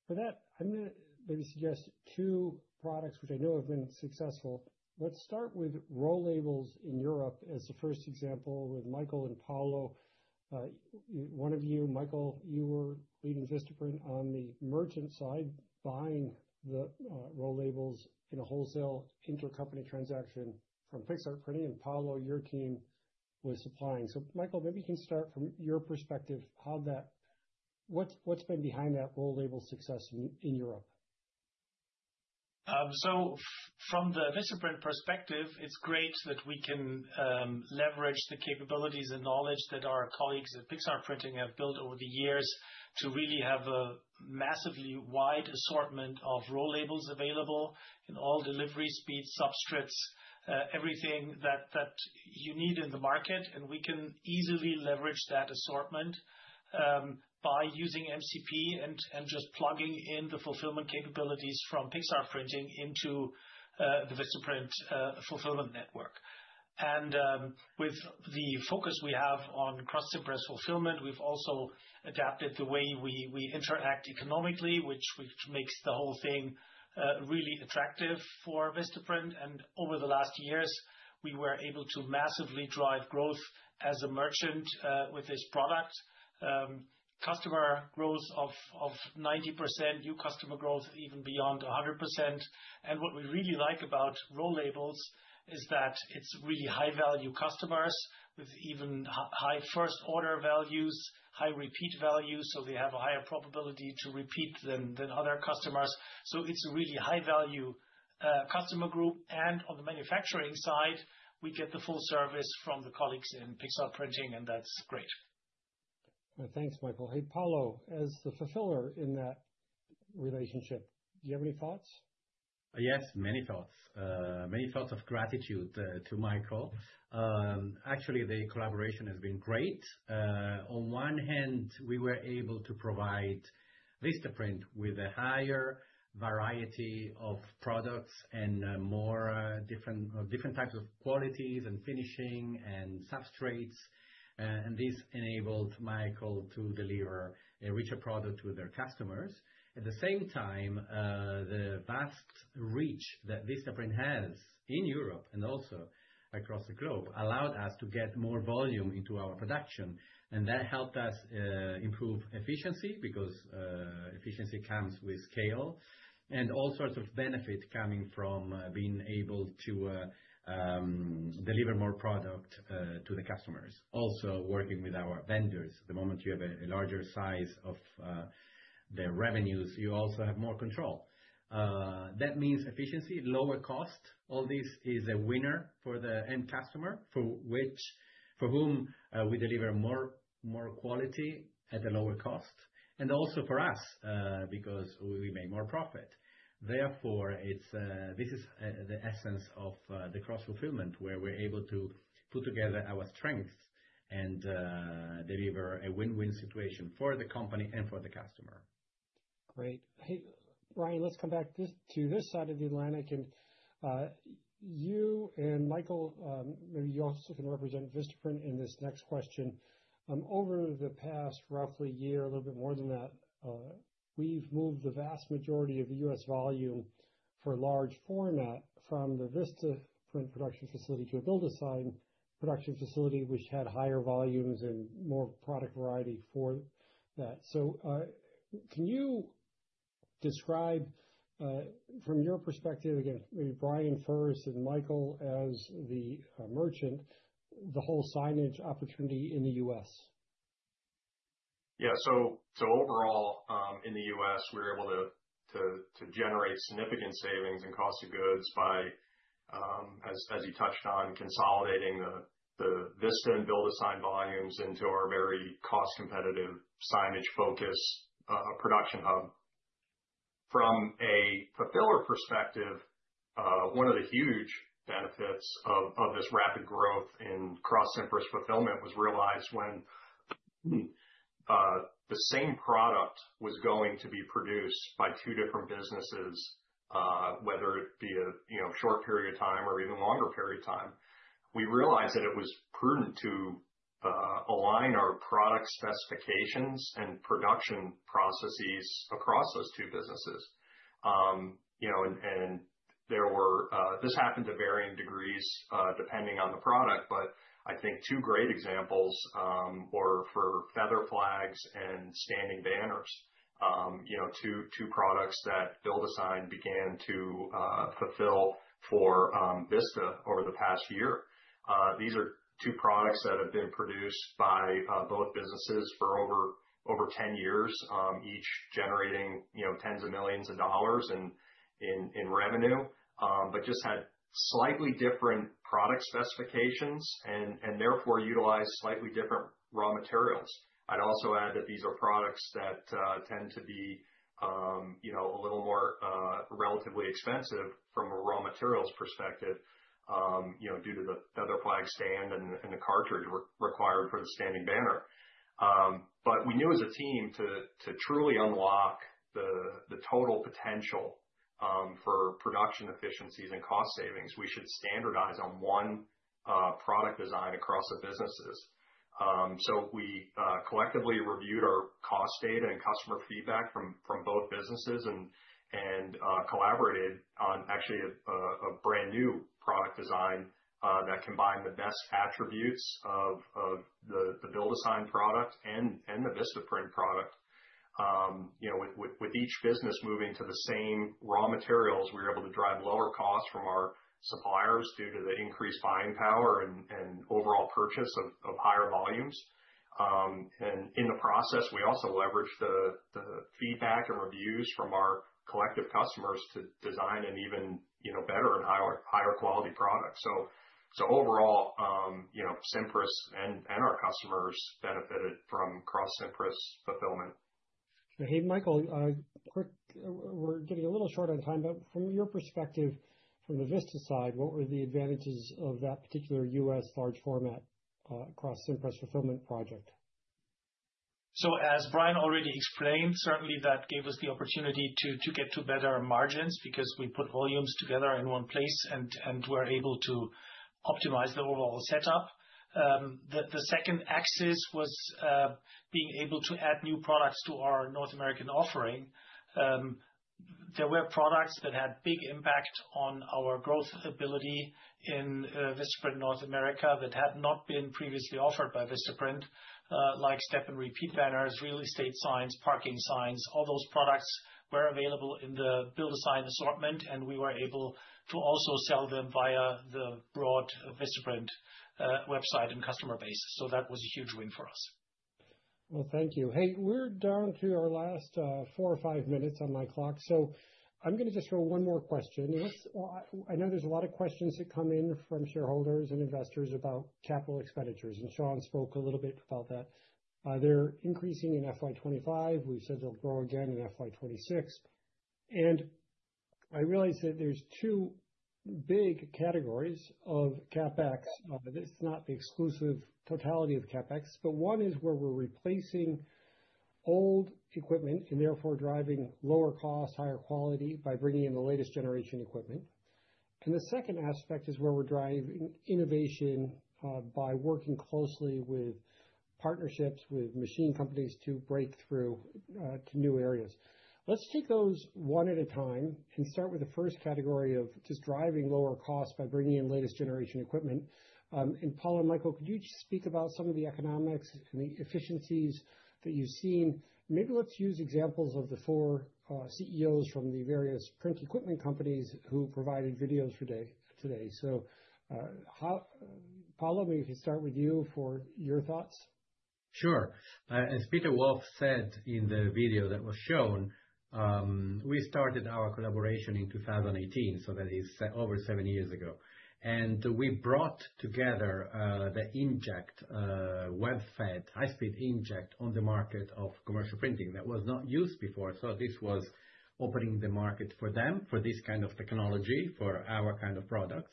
for that, I'm going to maybe suggest two products which I know have been successful. Let's start with roll labels in Europe as the first example with Michael and Paolo. One of you, Michael, you were leading Vistaprint on the merchant side buying the roll labels in a wholesale intercompany transaction from Pixartprinting, and Paolo, your team was supplying. So Michael, maybe you can start from your perspective, what's been behind that roll label success in Europe? From the Vistaprint perspective, it's great that we can leverage the capabilities and knowledge that our colleagues at Pixartprinting have built over the years to really have a massively wide assortment of roll labels available in all delivery speeds, substrates, everything that you need in the market. We can easily leverage that assortment by using MCP and just plugging in the fulfillment capabilities from Pixartprinting into the Vistaprint fulfillment network. With the focus we have on cross-Cimpress fulfillment, we've also adapted the way we interact economically, which makes the whole thing really attractive for Vistaprint. Over the last years, we were able to massively drive growth as a merchant with this product, customer growth of 90%, new customer growth even beyond 100%. What we really like about roll labels is that it's really high-value customers with even high first-order values, high repeat values. So they have a higher probability to repeat than other customers. So it's a really high-value customer group. And on the manufacturing side, we get the full service from the colleagues in Pixartprinting, and that's great. Thanks, Michael. Hey, Paolo, as the fulfiller in that relationship, do you have any thoughts? Yes, many thoughts. Many thoughts of gratitude to Michael. Actually, the collaboration has been great. On one hand, we were able to provide Vistaprint with a higher variety of products and more different types of qualities and finishing and substrates. And this enabled Michael to deliver a richer product to their customers. At the same time, the vast reach that Vistaprint has in Europe and also across the globe allowed us to get more volume into our production. And that helped us improve efficiency because efficiency comes with scale and all sorts of benefits coming from being able to deliver more product to the customers. Also working with our vendors, the moment you have a larger size of the revenues, you also have more control. That means efficiency, lower cost. All this is a winner for the end customer, for whom we deliver more quality at a lower cost, and also for us because we make more profit. Therefore, this is the essence of the cross-fulfillment where we're able to put together our strengths and deliver a win-win situation for the company and for the customer. Great. Hey, Bryan, let's come back to this side of the Atlantic. And you and Michael, maybe you also can represent Vistaprint in this next question. Over the past roughly year, a little bit more than that, we've moved the vast majority of the U.S. volume for large format from the Vistaprint production facility to a BuildASign production facility, which had higher volumes and more product variety for that. So can you describe, from your perspective, again, maybe Bryan first and Michael as the merchant, the whole signage opportunity in the U.S.? Yeah. So overall, in the U.S., we're able to generate significant savings in cost of goods by, as you touched on, consolidating the Vista and BuildASign volumes into our very cost-competitive signage-focused production hub. From a fulfiller perspective, one of the huge benefits of this rapid growth in Cross-Cimpress fulfillment was realized when the same product was going to be produced by two different businesses, whether it be a short period of time or even a longer period of time. We realized that it was prudent to align our product specifications and production processes across those two businesses. And this happened to varying degrees depending on the product, but I think two great examples were for feather flags and standing banners, two products that BuildASign began to fulfill for Vista over the past year. These are two products that have been produced by both businesses for over 10 years, each generating tens of millions of dollars in revenue, but just had slightly different product specifications and therefore utilized slightly different raw materials. I'd also add that these are products that tend to be a little more relatively expensive from a raw materials perspective due to the feather flag stand and the cartridge required for the standing banner. But we knew as a team to truly unlock the total potential for production efficiencies and cost savings, we should standardize on one product design across the businesses. So we collectively reviewed our cost data and customer feedback from both businesses and collaborated on actually a brand new product design that combined the best attributes of the BuildASign product and the Vistaprint product. With each business moving to the same raw materials, we were able to drive lower costs from our suppliers due to the increased buying power and overall purchase of higher volumes. And in the process, we also leveraged the feedback and reviews from our collective customers to design an even better and higher quality product. So overall, Cimpress and our customers benefited from cross-Cimpress fulfillment. Hey, Michael, we're getting a little short on time, but from your perspective, from the Vista side, what were the advantages of that particular U.S. large format Cross-Cimpress fulfillment project? So as Bryan already explained, certainly that gave us the opportunity to get to better margins because we put volumes together in one place and were able to optimize the overall setup. The second axis was being able to add new products to our North American offering. There were products that had big impact on our growth ability in Vistaprint North America that had not been previously offered by Vistaprint, like step and repeat banners, real estate signs, parking signs. All those products were available in the BuildASign assortment, and we were able to also sell them via the broad Vistaprint website and customer base. So that was a huge win for us. Well, thank you. Hey, we're down to our last four or five minutes on my clock. So I'm going to just throw one more question. I know there's a lot of questions that come in from shareholders and investors about capital expenditures, and Sean spoke a little bit about that. They're increasing in FY25. We've said they'll grow again in FY26. And I realize that there's two big categories of CapEx. This is not the exclusive totality of CapEx, but one is where we're replacing old equipment and therefore driving lower cost, higher quality by bringing in the latest generation equipment. And the second aspect is where we're driving innovation by working closely with partnerships with machine companies to break through to new areas. Let's take those one at a time and start with the first category of just driving lower cost by bringing in latest generation equipment. Paolo and Michael, could you speak about some of the economics and the efficiencies that you've seen? Maybe let's use examples of the four CEOs from the various print equipment companies who provided videos today. So Paolo, maybe we can start with you for your thoughts. Sure. As Peter Wolff said in the video that was shown, we started our collaboration in 2018, so that is over seven years ago. And we brought together the inkjet web fed high-speed inkjet on the market of commercial printing that was not used before. So this was opening the market for them for this kind of technology for our kind of products.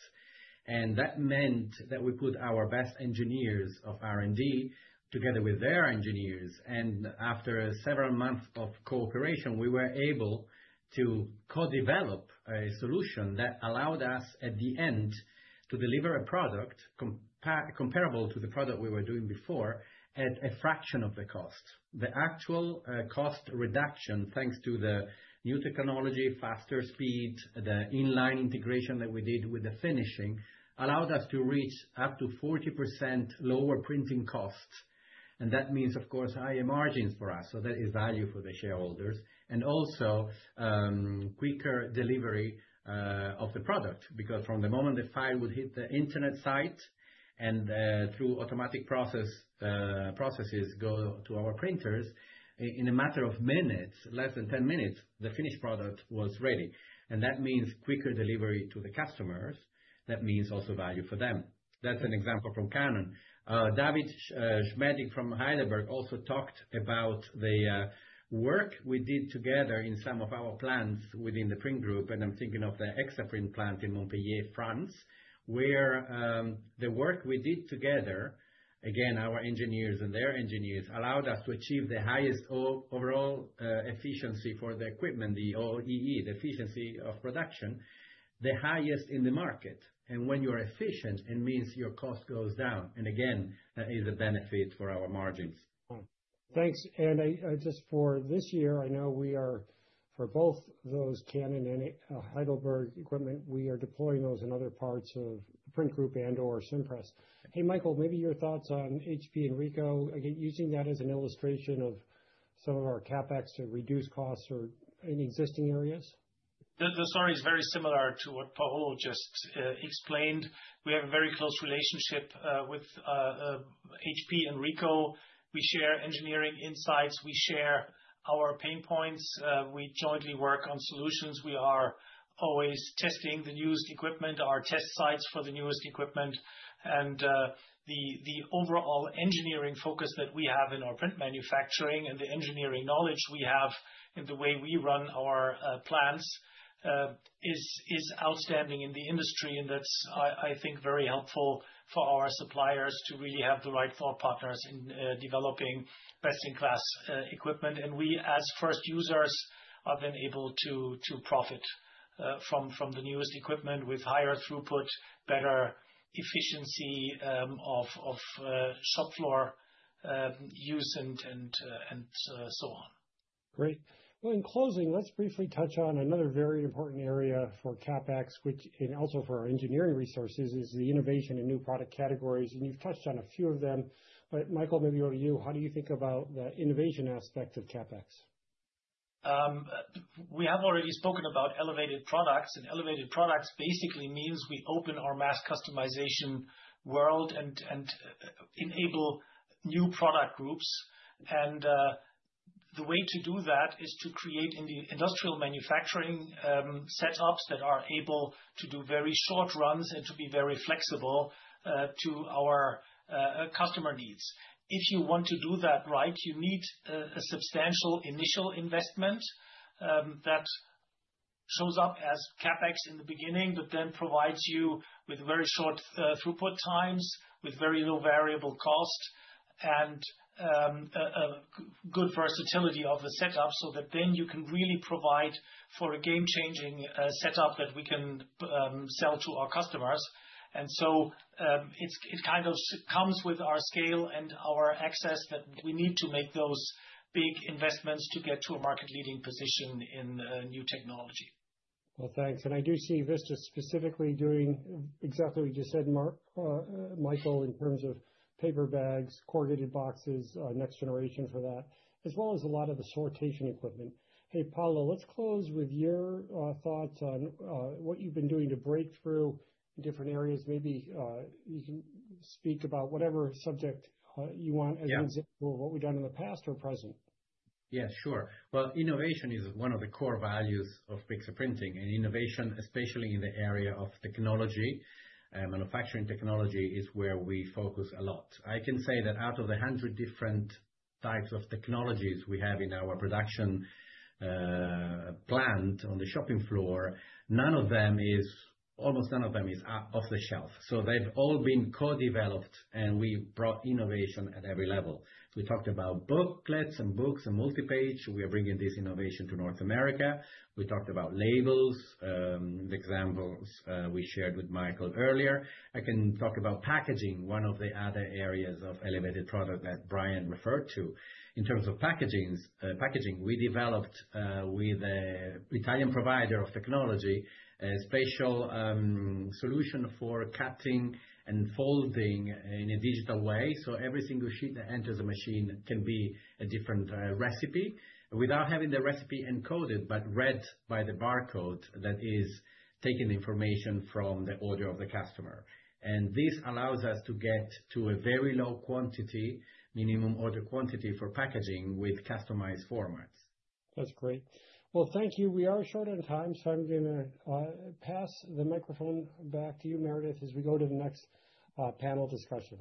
And that meant that we put our best engineers of R&D together with their engineers. After several months of cooperation, we were able to co-develop a solution that allowed us at the end to deliver a product comparable to the product we were doing before at a fraction of the cost. The actual cost reduction, thanks to the new technology, faster speed, the inline integration that we did with the finishing, allowed us to reach up to 40% lower printing costs. That means, of course, higher margins for us. That is value for the shareholders and also quicker delivery of the product because from the moment the file would hit the internet site and through automatic processes go to our printers, in a matter of minutes, less than 10 minutes, the finished product was ready. That means quicker delivery to the customers. That means also value for them. That's an example from Canon. David Schmedding from Heidelberg also talked about the work we did together in some of our plants within the print group. I'm thinking of the Exaprint plant in Montpellier, France, where the work we did together, again, our engineers and their engineers, allowed us to achieve the highest overall efficiency for the equipment, the OEE, the efficiency of production, the highest in the market. When you're efficient, it means your cost goes down. That is a benefit for our margins. Thanks. Just for this year, I know we are, for both those Canon and Heidelberg equipment, we are deploying those in other parts of the print group and/or Cimpress. Hey, Michael, maybe your thoughts on HP and Ricoh, again, using that as an illustration of some of our CapEx to reduce costs or in existing areas? The story is very similar to what Paolo just explained. We have a very close relationship with HP and Ricoh. We share engineering insights. We share our pain points. We jointly work on solutions. We are always testing the newest equipment, our test sites for the newest equipment. And the overall engineering focus that we have in our print manufacturing and the engineering knowledge we have in the way we run our plants is outstanding in the industry. And that's, I think, very helpful for our suppliers to really have the right thought partners in developing best-in-class equipment. And we, as first users, are then able to profit from the newest equipment with higher throughput, better efficiency of shop floor use, and so on. Great. Well, in closing, let's briefly touch on another very important area for CapEx, which also for our engineering resources is the innovation and new product categories. And you've touched on a few of them. But Michael, maybe over to you. How do you think about the innovation aspect of CapEx? We have already spoken about elevated products. And elevated products basically means we open our mass customization world and enable new product groups. And the way to do that is to create industrial manufacturing setups that are able to do very short runs and to be very flexible to our customer needs. If you want to do that right, you need a substantial initial investment that shows up as CapEx in the beginning, but then provides you with very short throughput times with very low variable cost and good versatility of the setup so that then you can really provide for a game-changing setup that we can sell to our customers. It kind of comes with our scale and our access that we need to make those big investments to get to a market-leading position in new technology. Well, thanks. I do see Vista specifically doing exactly what you just said, Michael, in terms of paper bags, corrugated boxes, next generation for that, as well as a lot of the sortation equipment. Hey, Paolo, let's close with your thoughts on what you've been doing to break through in different areas. Maybe you can speak about whatever subject you want as an example of what we've done in the past or present. Yeah, sure. Innovation is one of the core values of Pixartprinting. Innovation, especially in the area of technology, manufacturing technology, is where we focus a lot. I can say that out of the 100 different types of technologies we have in our production plant on the shop floor, none of them is, almost none of them is off the shelf. So they've all been co-developed, and we brought innovation at every level. We talked about booklets and books and multipage. We are bringing this innovation to North America. We talked about labels, the examples we shared with Michael earlier. I can talk about packaging, one of the other areas of elevated product that Bryan referred to. In terms of packaging, we developed with an Italian provider of technology a special solution for cutting and folding in a digital way. So every single sheet that enters a machine can be a different recipe without having the recipe encoded but read by the barcode that is taking the information from the order of the customer. This allows us to get to a very low quantity, minimum order quantity for packaging with customized formats. That's great. Thank you. We are short on time, so I'm going to pass the microphone back to you, Meredith, as we go to the next panel discussion.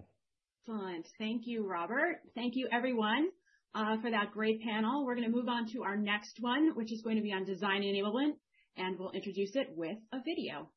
Excellent. Thank you, Robert. Thank you, everyone, for that great panel. We're going to move on to our next one, which is going to be on design enablement, and we'll introduce it with a video.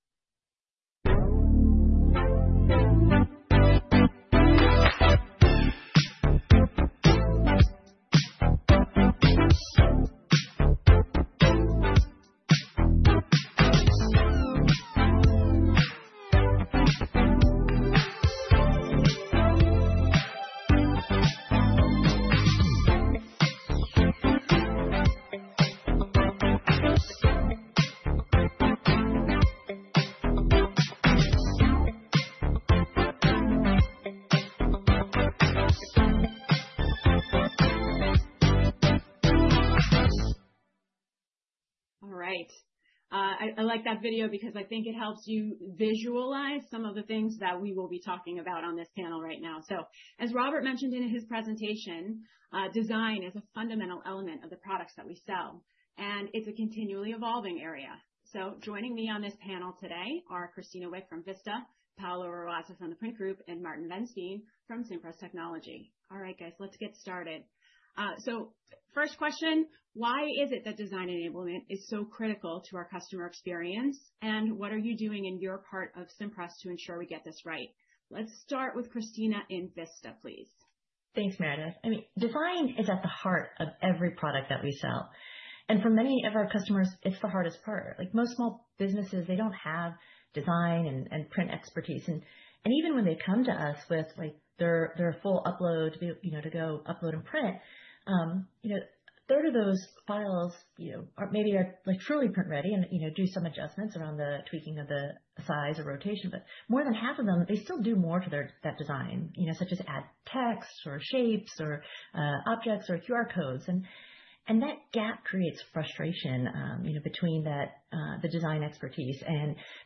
All right. I like that video because I think it helps you visualize some of the things that we will be talking about on this panel right now. As Robert mentioned in his presentation, design is a fundamental element of the products that we sell, and it's a continually evolving area. Joining me on this panel today are Christina Wick from Vista, Paolo Roatta from the Print Group, and Maarten Wensveen from Cimpress technology. All right, guys, let's get started. First question, why is it that design enablement is so critical to our customer experience, and what are you doing in your part of Cimpress to ensure we get this right? Let's start with Christina in Vista, please. Thanks, Meredith. I mean, design is at the heart of every product that we sell. And for many of our customers, it's the hardest part. Like most small businesses, they don't have design and print expertise. And even when they come to us with their full upload to go upload and print, a third of those files maybe are truly print-ready and do some adjustments around the tweaking of the size or rotation. More than half of them, they still do more to that design, such as add text or shapes or objects or QR codes. That gap creates frustration between the design expertise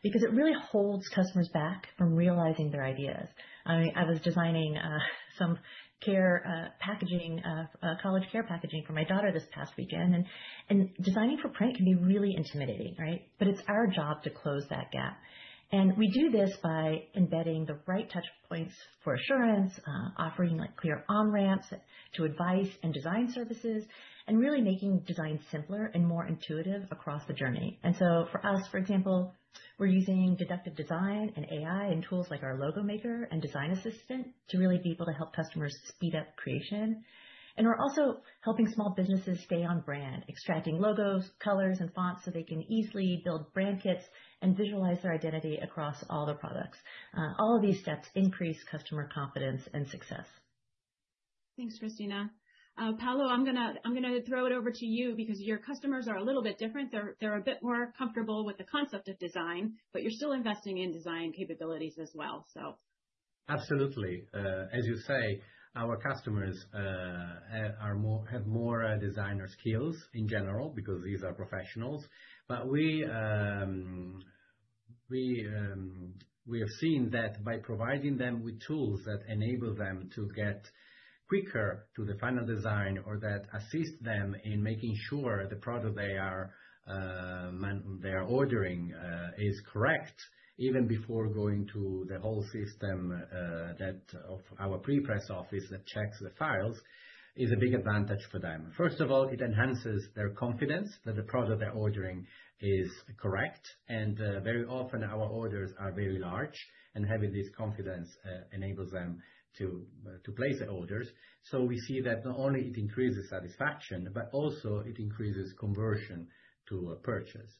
because it really holds customers back from realizing their ideas. I was designing some packaging, college care packaging for my daughter this past weekend, and designing for print can be really intimidating, right? It's our job to close that gap. We do this by embedding the right touch points for assurance, offering clear on-ramps to advice and design services, and really making design simpler and more intuitive across the journey. For us, for example, we're using Deductive Design and AI and tools like our Logo Maker and Design Assistant to really be able to help customers speed up creation. And we're also helping small businesses stay on brand, extracting logos, colors, and fonts so they can easily build brand kits and visualize their identity across all their products. All of these steps increase customer confidence and success. Thanks, Christina. Paolo, I'm going to throw it over to you because your customers are a little bit different. They're a bit more comfortable with the concept of design, but you're still investing in design capabilities as well, so. Absolutely. As you say, our customers have more designer skills in general because these are professionals. But we have seen that by providing them with tools that enable them to get quicker to the final design or that assist them in making sure the product they are ordering is correct, even before going to the whole system of our pre-press office that checks the files, is a big advantage for them. First of all, it enhances their confidence that the product they're ordering is correct. And very often, our orders are very large, and having this confidence enables them to place the orders. So we see that not only it increases satisfaction, but also it increases conversion to a purchase.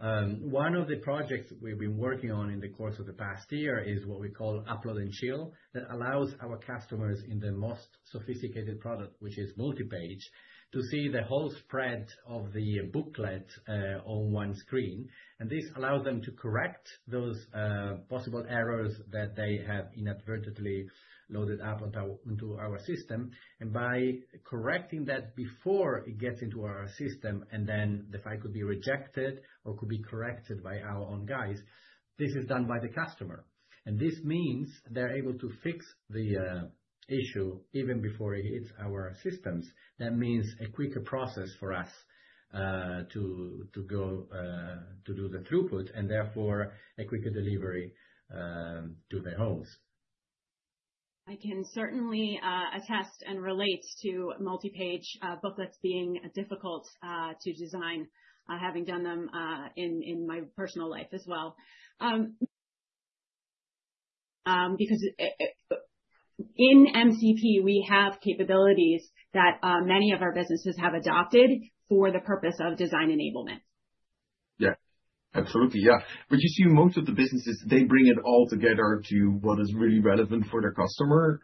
One of the projects we've been working on in the course of the past year is what we call Upload and Chill that allows our customers in the most sophisticated product, which is multipage, to see the whole spread of the booklet on one screen. And this allows them to correct those possible errors that they have inadvertently loaded up into our system. And by correcting that before it gets into our system, and then the file could be rejected or could be corrected by our own guys, this is done by the customer. This means they're able to fix the issue even before it hits our systems. That means a quicker process for us to go to do the throughput and therefore a quicker delivery to their homes. I can certainly attest and relate to multipage booklets being difficult to design, having done them in my personal life as well. Because in MCP, we have capabilities that many of our businesses have adopted for the purpose of design enablement. Yeah, absolutely. Yeah. You see most of the businesses, they bring it all together to what is really relevant for their customer.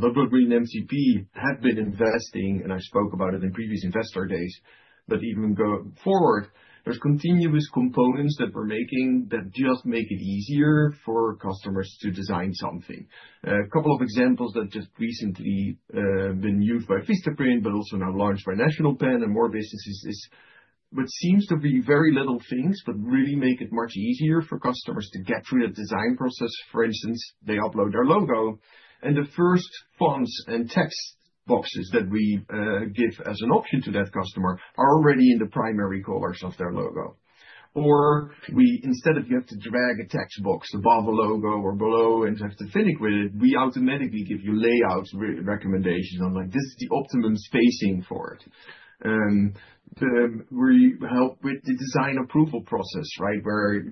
What we in MCP have been investing, and I spoke about it in previous investor days, but even going forward, there's continuous components that we're making that just make it easier for customers to design something. A couple of examples that just recently been used by Vistaprint, but also now launched by National Pen and more businesses is what seems to be very little things, but really make it much easier for customers to get through the design process. For instance, they upload their logo, and the first fonts and text boxes that we give as an option to that customer are already in the primary colors of their logo. Or instead of you have to drag a text box above a logo or below and have to fiddle with it, we automatically give you layout recommendations on like, "This is the optimum spacing for it." We help with the design approval process, right, where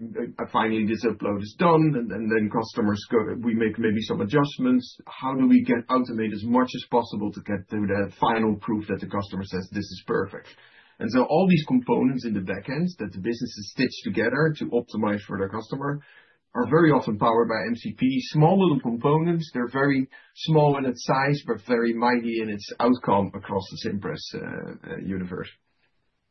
finally this upload is done, and then customers, we make maybe some adjustments. How do we get automated as much as possible to get to the final proof that the customer says, "This is perfect"? And so all these components in the backend that the businesses stitch together to optimize for their customer are very often powered by MCP. Small little components. They're very small in its size, but very mighty in its outcome across the Cimpress universe.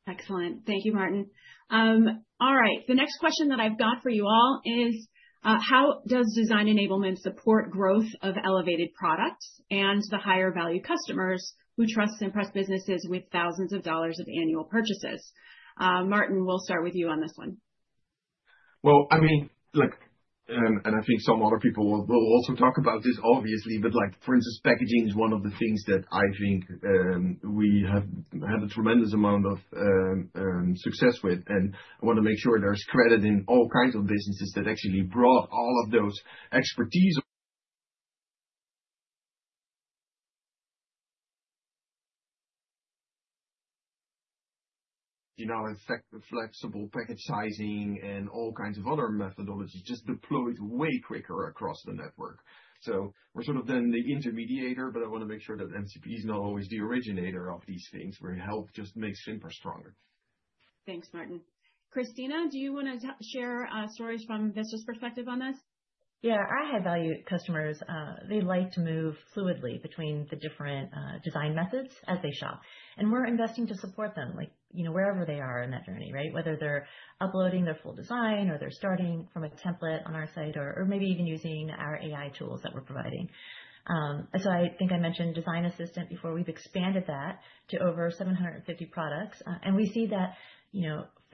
Excellent. Thank you, Maarten. All right. The next question that I've got for you all is, how does design enablement support growth of elevated products and the higher-value customers who trust Cimpress businesses with thousands of dollars of annual purchases? Maarten, we'll start with you on this one. Well, I mean, look, and I think some other people will also talk about this, obviously, but for instance, packaging is one of the things that I think we have had a tremendous amount of success with. I want to make sure there's credit in all kinds of businesses that actually brought all of those expertise. In fact, the flexible packaging sizing and all kinds of other methodologies just deployed way quicker across the network. We're sort of then the intermediator, but I want to make sure that MCP is not always the originator of these things. We help just make Cimpress stronger. Thanks, Maarten. Christina, do you want to share stories from Vista's perspective on this? Yeah, high-value customers. They like to move fluidly between the different design methods as they shop. We're investing to support them wherever they are in that journey, right? Whether they're uploading their full design or they're starting from a template on our site or maybe even using our AI tools that we're providing. I think I mentioned Design Assistant before. We've expanded that to over 750 products, and we see that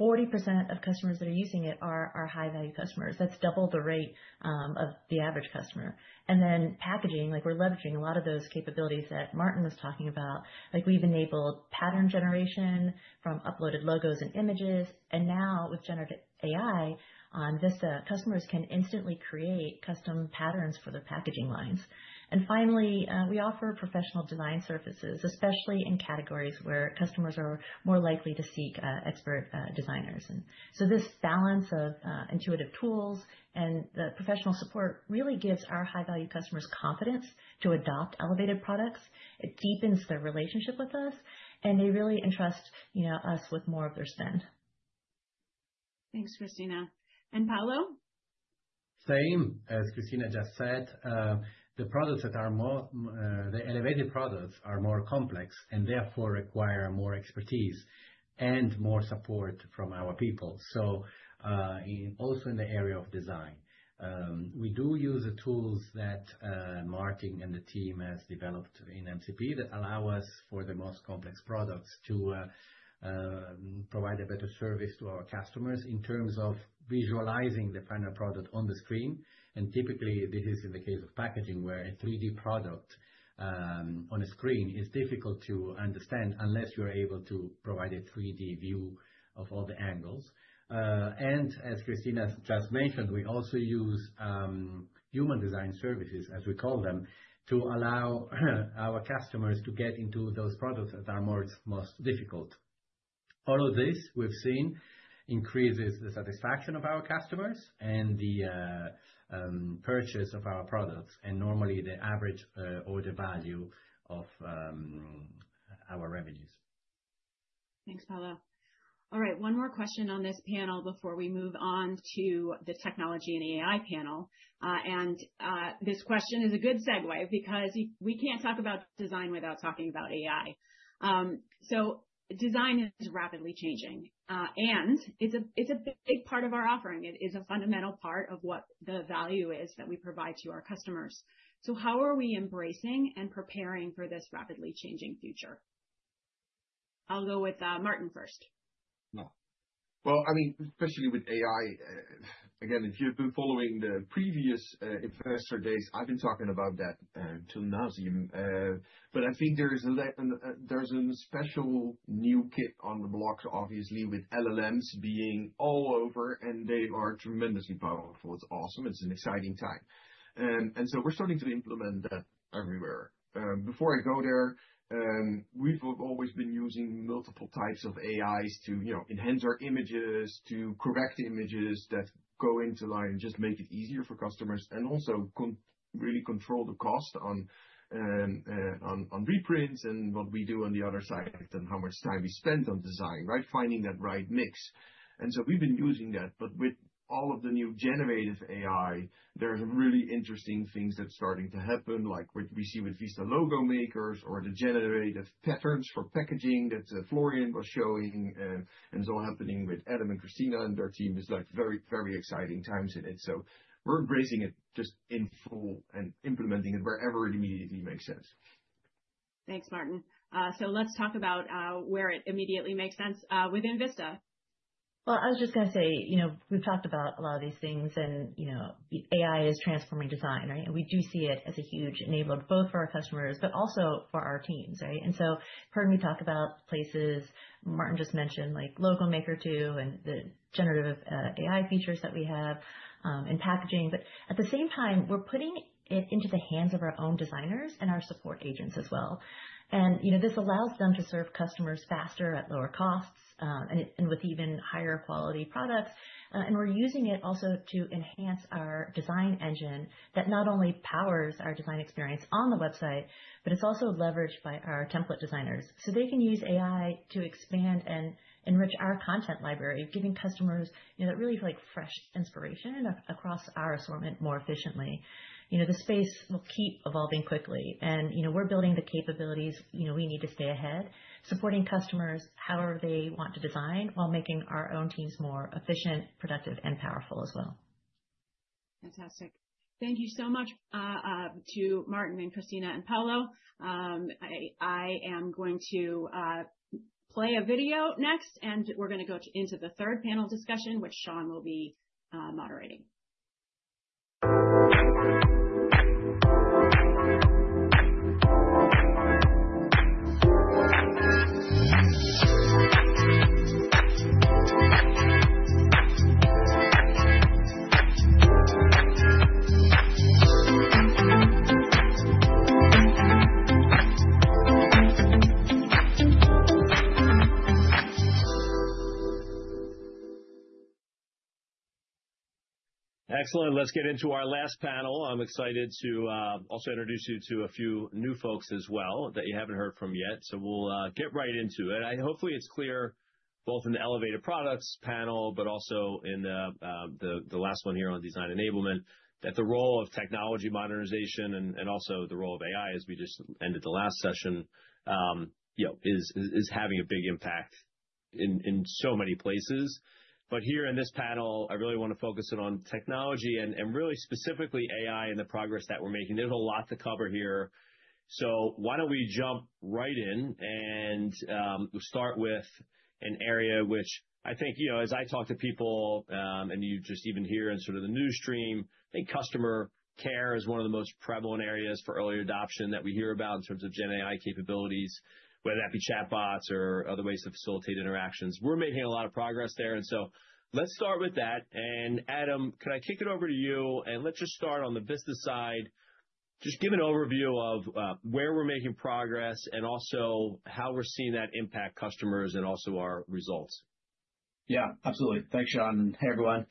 40% of customers that are using it are high-value customers. That's double the rate of the average customer, and then packaging, we're leveraging a lot of those capabilities that Maarten was talking about. We've enabled pattern generation from uploaded logos and images, and now with generative AI on Vista, customers can instantly create custom patterns for the packaging lines. And finally, we offer professional design services, especially in categories where customers are more likely to seek expert designers. So this balance of intuitive tools and the professional support really gives our high-value customers confidence to adopt elevated products. It deepens their relationship with us, and they really entrust us with more of their spend. Thanks, Christina. And Paolo? Same as Christina just said. The products that are more, the elevated products are more complex and therefore require more expertise and more support from our people. Also in the area of design, we do use the tools that Maarten and the team has developed in MCP that allow us for the most complex products to provide a better service to our customers in terms of visualizing the final product on the screen. Typically, this is in the case of packaging where a 3D product on a screen is difficult to understand unless you're able to provide a 3D view of all the angles. As Christina just mentioned, we also use human design services, as we call them, to allow our customers to get into those products that are most difficult. All of this we've seen increases the satisfaction of our customers and the purchase of our products and, normally, the average order value of our revenues. Thanks, Paolo. All right, one more question on this panel before we move on to the technology and AI panel. And this question is a good segue because we can't talk about design without talking about AI. So design is rapidly changing, and it's a big part of our offering. It is a fundamental part of what the value is that we provide to our customers. So how are we embracing and preparing for this rapidly changing future? I'll go with Maarten first. Well, I mean, especially with AI, again, if you've been following the previous investor days, I've been talking about that until now. But I think there's a special new kid on the block, obviously, with LLMs being all over, and they are tremendously powerful. It's awesome. It's an exciting time. And so we're starting to implement that everywhere. Before I go there, we've always been using multiple types of AIs to enhance our images, to correct images that go into line and just make it easier for customers and also really control the cost on reprints and what we do on the other side and how much time we spend on design, right? Finding that right mix. And so we've been using that. But with all of the new generative AI, there's really interesting things that are starting to happen, like what we see with Vista Logo Maker or the generative patterns for packaging that Florian was showing and so happening with Adam and Christina and their team is like very, very exciting times in it. So we're embracing it just in full and implementing it wherever it immediately makes sense. Thanks, Maarten. So let's talk about where it immediately makes sense within Vista. Well, I was just going to say, we've talked about a lot of these things, and AI is transforming design, right? And we do see it as a huge enabler both for our customers, but also for our teams, right? And so heard me talk about places Maarten just mentioned, like Logo Maker 2 and the generative AI features that we have in packaging. But at the same time, we're putting it into the hands of our own designers and our support agents as well. And this allows them to serve customers faster at lower costs and with even higher quality products. And we're using it also to enhance our design engine that not only powers our design experience on the website, but it's also leveraged by our template designers. So they can use AI to expand and enrich our content library, giving customers that really fresh inspiration across our assortment more efficiently. The space will keep evolving quickly, and we're building the capabilities we need to stay ahead, supporting customers however they want to design while making our own teams more efficient, productive, and powerful as well. Fantastic. Thank you so much to Maarten and Christina and Paolo. I am going to play a video next, and we're going to go into the third panel discussion, which Sean will be moderating. Excellent. Let's get into our last panel. I'm excited to also introduce you to a few new folks as well that you haven't heard from yet. So we'll get right into it. Hopefully, it's clear both in the elevated products panel, but also in the last one here on design enablement, that the role of technology modernization and also the role of AI, as we just ended the last session, is having a big impact in so many places. But here in this panel, I really want to focus in on technology and really specifically AI and the progress that we're making. There's a lot to cover here. So why don't we jump right in and start with an area which I think, as I talk to people and you just even hear in sort of the news stream, I think customer care is one of the most prevalent areas for early adoption that we hear about in terms of GenAI capabilities, whether that be chatbots or other ways to facilitate interactions. We're making a lot of progress there, and so let's start with that, and Adam, can I kick it over to you, and let's just start on the business side, just give an overview of where we're making progress and also how we're seeing that impact customers and also our results. Yeah, absolutely. Thanks, Sean. Hey, everyone,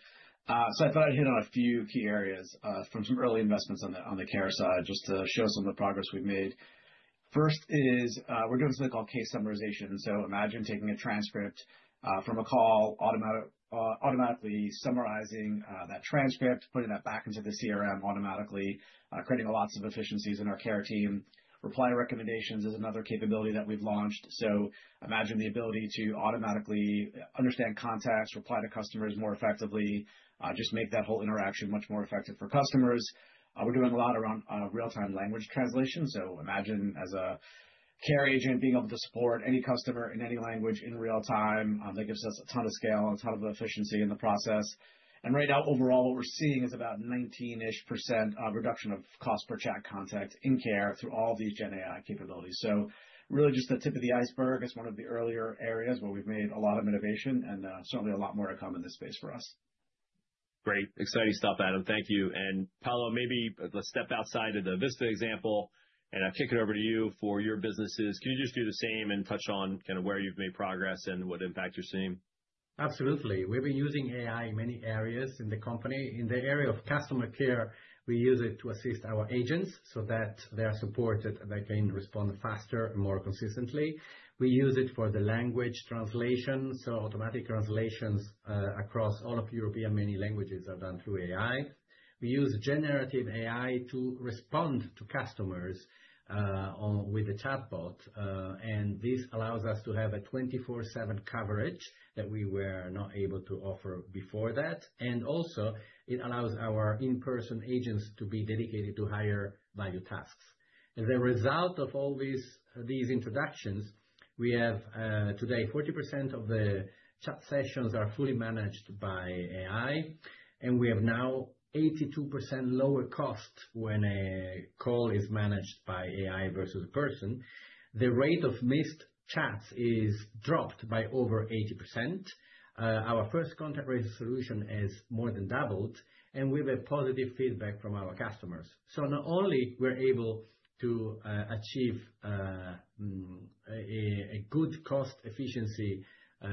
so I thought I'd hit on a few key areas from some early investments on the care side just to show some of the progress we've made. First is we're doing something called case summarization. So imagine taking a transcript from a call, automatically summarizing that transcript, putting that back into the CRM automatically, creating lots of efficiencies in our care team. Reply recommendations is another capability that we've launched. So imagine the ability to automatically understand context, reply to customers more effectively, just make that whole interaction much more effective for customers. We're doing a lot around real-time language translation. So imagine as a care agent being able to support any customer in any language in real time. That gives us a ton of scale and a ton of efficiency in the process. And right now, overall, what we're seeing is about 19-ish% reduction of cost per chat contact in care through all of these GenAI capabilities. So really just the tip of the iceberg. It's one of the earlier areas where we've made a lot of innovation and certainly a lot more to come in this space for us. Great. Exciting stuff, Adam. Thank you. And Paolo, maybe let's step outside of the Vista example and I'll kick it over to you for your businesses. Can you just do the same and touch on kind of where you've made progress and what impact you're seeing? Absolutely. We've been using AI in many areas in the company. In the area of customer care, we use it to assist our agents so that they are supported and they can respond faster and more consistently. We use it for the language translation. So automatic translations across all of European many languages are done through AI. We use generative AI to respond to customers with a chatbot. And this allows us to have a 24/7 coverage that we were not able to offer before that. And also, it allows our in-person agents to be dedicated to higher-value tasks. As a result of all these introductions, we have today 40% of the chat sessions are fully managed by AI, and we have now 82% lower cost when a call is managed by AI versus a person. The rate of missed chats is dropped by over 80%. Our first contact-based solution has more than doubled, and we have positive feedback from our customers. So not only were we able to achieve a good cost-efficiency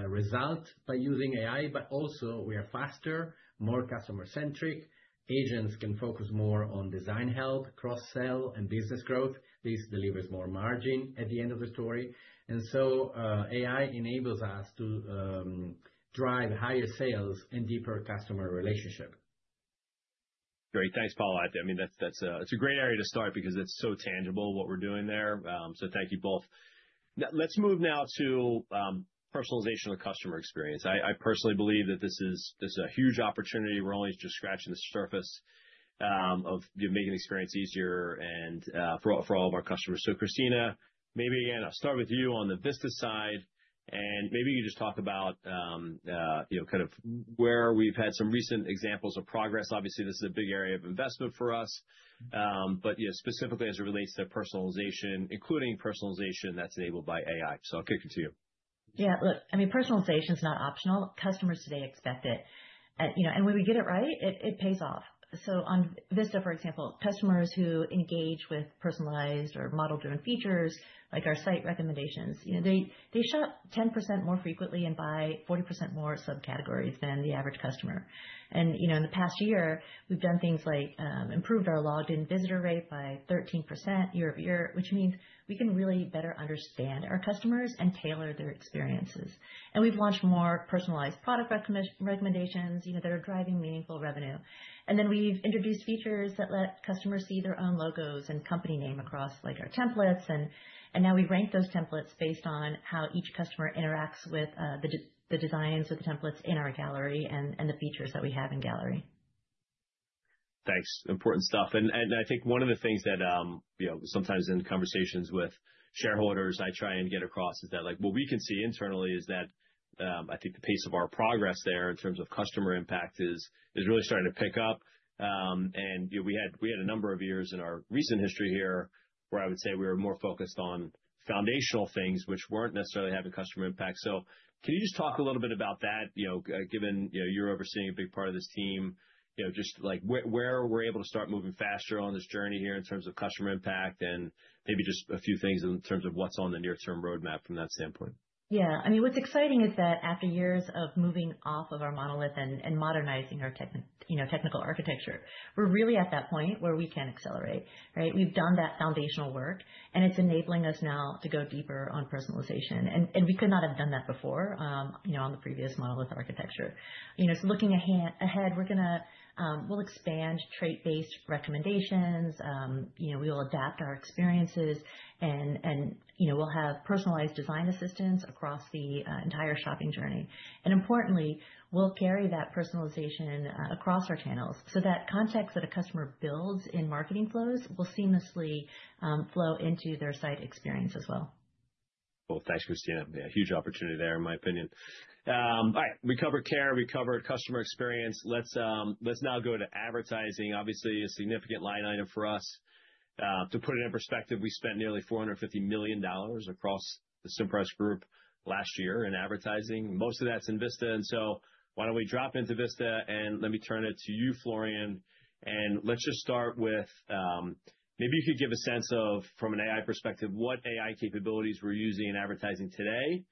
result by using AI, but also we are faster, more customer-centric. Agents can focus more on design help, cross-sell, and business growth. This delivers more margin at the end of the story. And so AI enables us to drive higher sales and deeper customer relationship. Great. Thanks, Paolo. I mean, that's a great area to start because it's so tangible what we're doing there. So thank you both. Let's move now to personalization of the customer experience. I personally believe that this is a huge opportunity. We're only just scratching the surface of making experience easier for all of our customers. So Christina, maybe again, I'll start with you on the Vista side, and maybe you could just talk about kind of where we've had some recent examples of progress. Obviously, this is a big area of investment for us, but specifically as it relates to personalization, including personalization that's enabled by AI. So I'll kick it to you. Yeah. Look, I mean, personalization is not optional. Customers today expect it. And when we get it right, it pays off. On Vista, for example, customers who engage with personalized or model-driven features like our site recommendations, they shop 10% more frequently and buy 40% more subcategories than the average customer. In the past year, we've done things like improved our logged-in visitor rate by 13% year over year, which means we can really better understand our customers and tailor their experiences. We've launched more personalized product recommendations that are driving meaningful revenue. We've introduced features that let customers see their own logos and company name across our templates. Now we rank those templates based on how each customer interacts with the designs of the templates in our gallery and the features that we have in gallery. Thanks. Important stuff. And I think one of the things that sometimes in conversations with shareholders, I try and get across is that what we can see internally is that I think the pace of our progress there in terms of customer impact is really starting to pick up. And we had a number of years in our recent history here where I would say we were more focused on foundational things, which weren't necessarily having customer impact. So can you just talk a little bit about that, given you're overseeing a big part of this team, just where we're able to start moving faster on this journey here in terms of customer impact and maybe just a few things in terms of what's on the near-term roadmap from that standpoint? Yeah. I mean, what's exciting is that after years of moving off of our monolith and modernizing our technical architecture, we're really at that point where we can accelerate, right? We've done that foundational work, and it's enabling us now to go deeper on personalization, and we could not have done that before on the previous monolith architecture, so looking ahead, we'll expand trait-based recommendations. We will adapt our experiences, and we'll have personalized design assistance across the entire shopping journey, and importantly, we'll carry that personalization across our channels so that context that a customer builds in marketing flows will seamlessly flow into their site experience as well. Well, thanks, Christina. Yeah, huge opportunity there, in my opinion. All right. We covered care. We covered customer experience. Let's now go to advertising. Obviously, a significant line item for us. To put it in perspective, we spent nearly $450 million across the Cimpress Group last year in advertising. Most of that's in Vista. And so why don't we drop into Vista, and let me turn it to you, Florian. And let's just start with maybe you could give a sense of, from an AI perspective, what AI capabilities we're using in advertising today.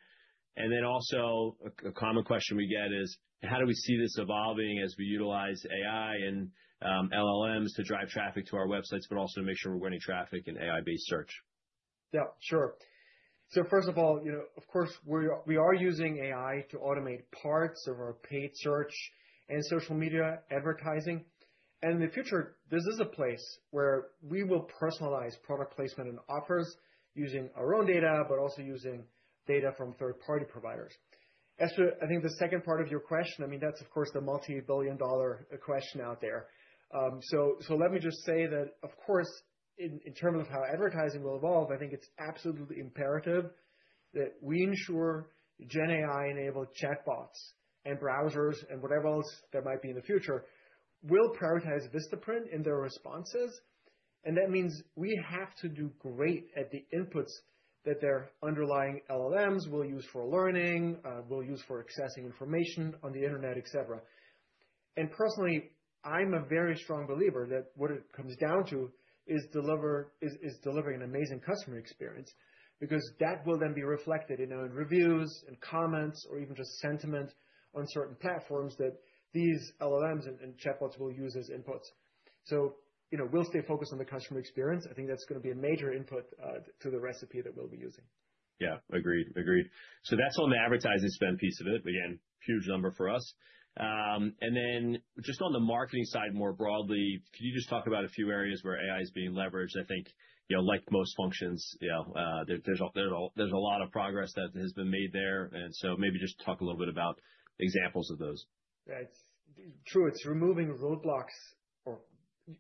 And then also, a common question we get is, how do we see this evolving as we utilize AI and LLMs to drive traffic to our websites, but also to make sure we're winning traffic in AI-based search? Yeah, sure. So first of all, of course, we are using AI to automate parts of our paid search and social media advertising. In the future, this is a place where we will personalize product placement and offers using our own data, but also using data from third-party providers. As to, I think, the second part of your question, I mean, that's, of course, the multi-billion-dollar question out there. Let me just say that, of course, in terms of how advertising will evolve, I think it's absolutely imperative that we ensure GenAI-enabled chatbots and browsers and whatever else there might be in the future will prioritize Vistaprint in their responses. That means we have to do great at the inputs that their underlying LLMs will use for learning, will use for accessing information on the internet, etc. And personally, I'm a very strong believer that what it comes down to is delivering an amazing customer experience because that will then be reflected in our reviews and comments or even just sentiment on certain platforms that these LLMs and chatbots will use as inputs. So we'll stay focused on the customer experience. I think that's going to be a major input to the recipe that we'll be using. Yeah, agreed. Agreed. So that's on the advertising spend piece of it. Again, huge number for us. And then just on the marketing side more broadly, could you just talk about a few areas where AI is being leveraged? I think, like most functions, there's a lot of progress that has been made there. And so maybe just talk a little bit about examples of those. Yeah, it's true. It's removing roadblocks or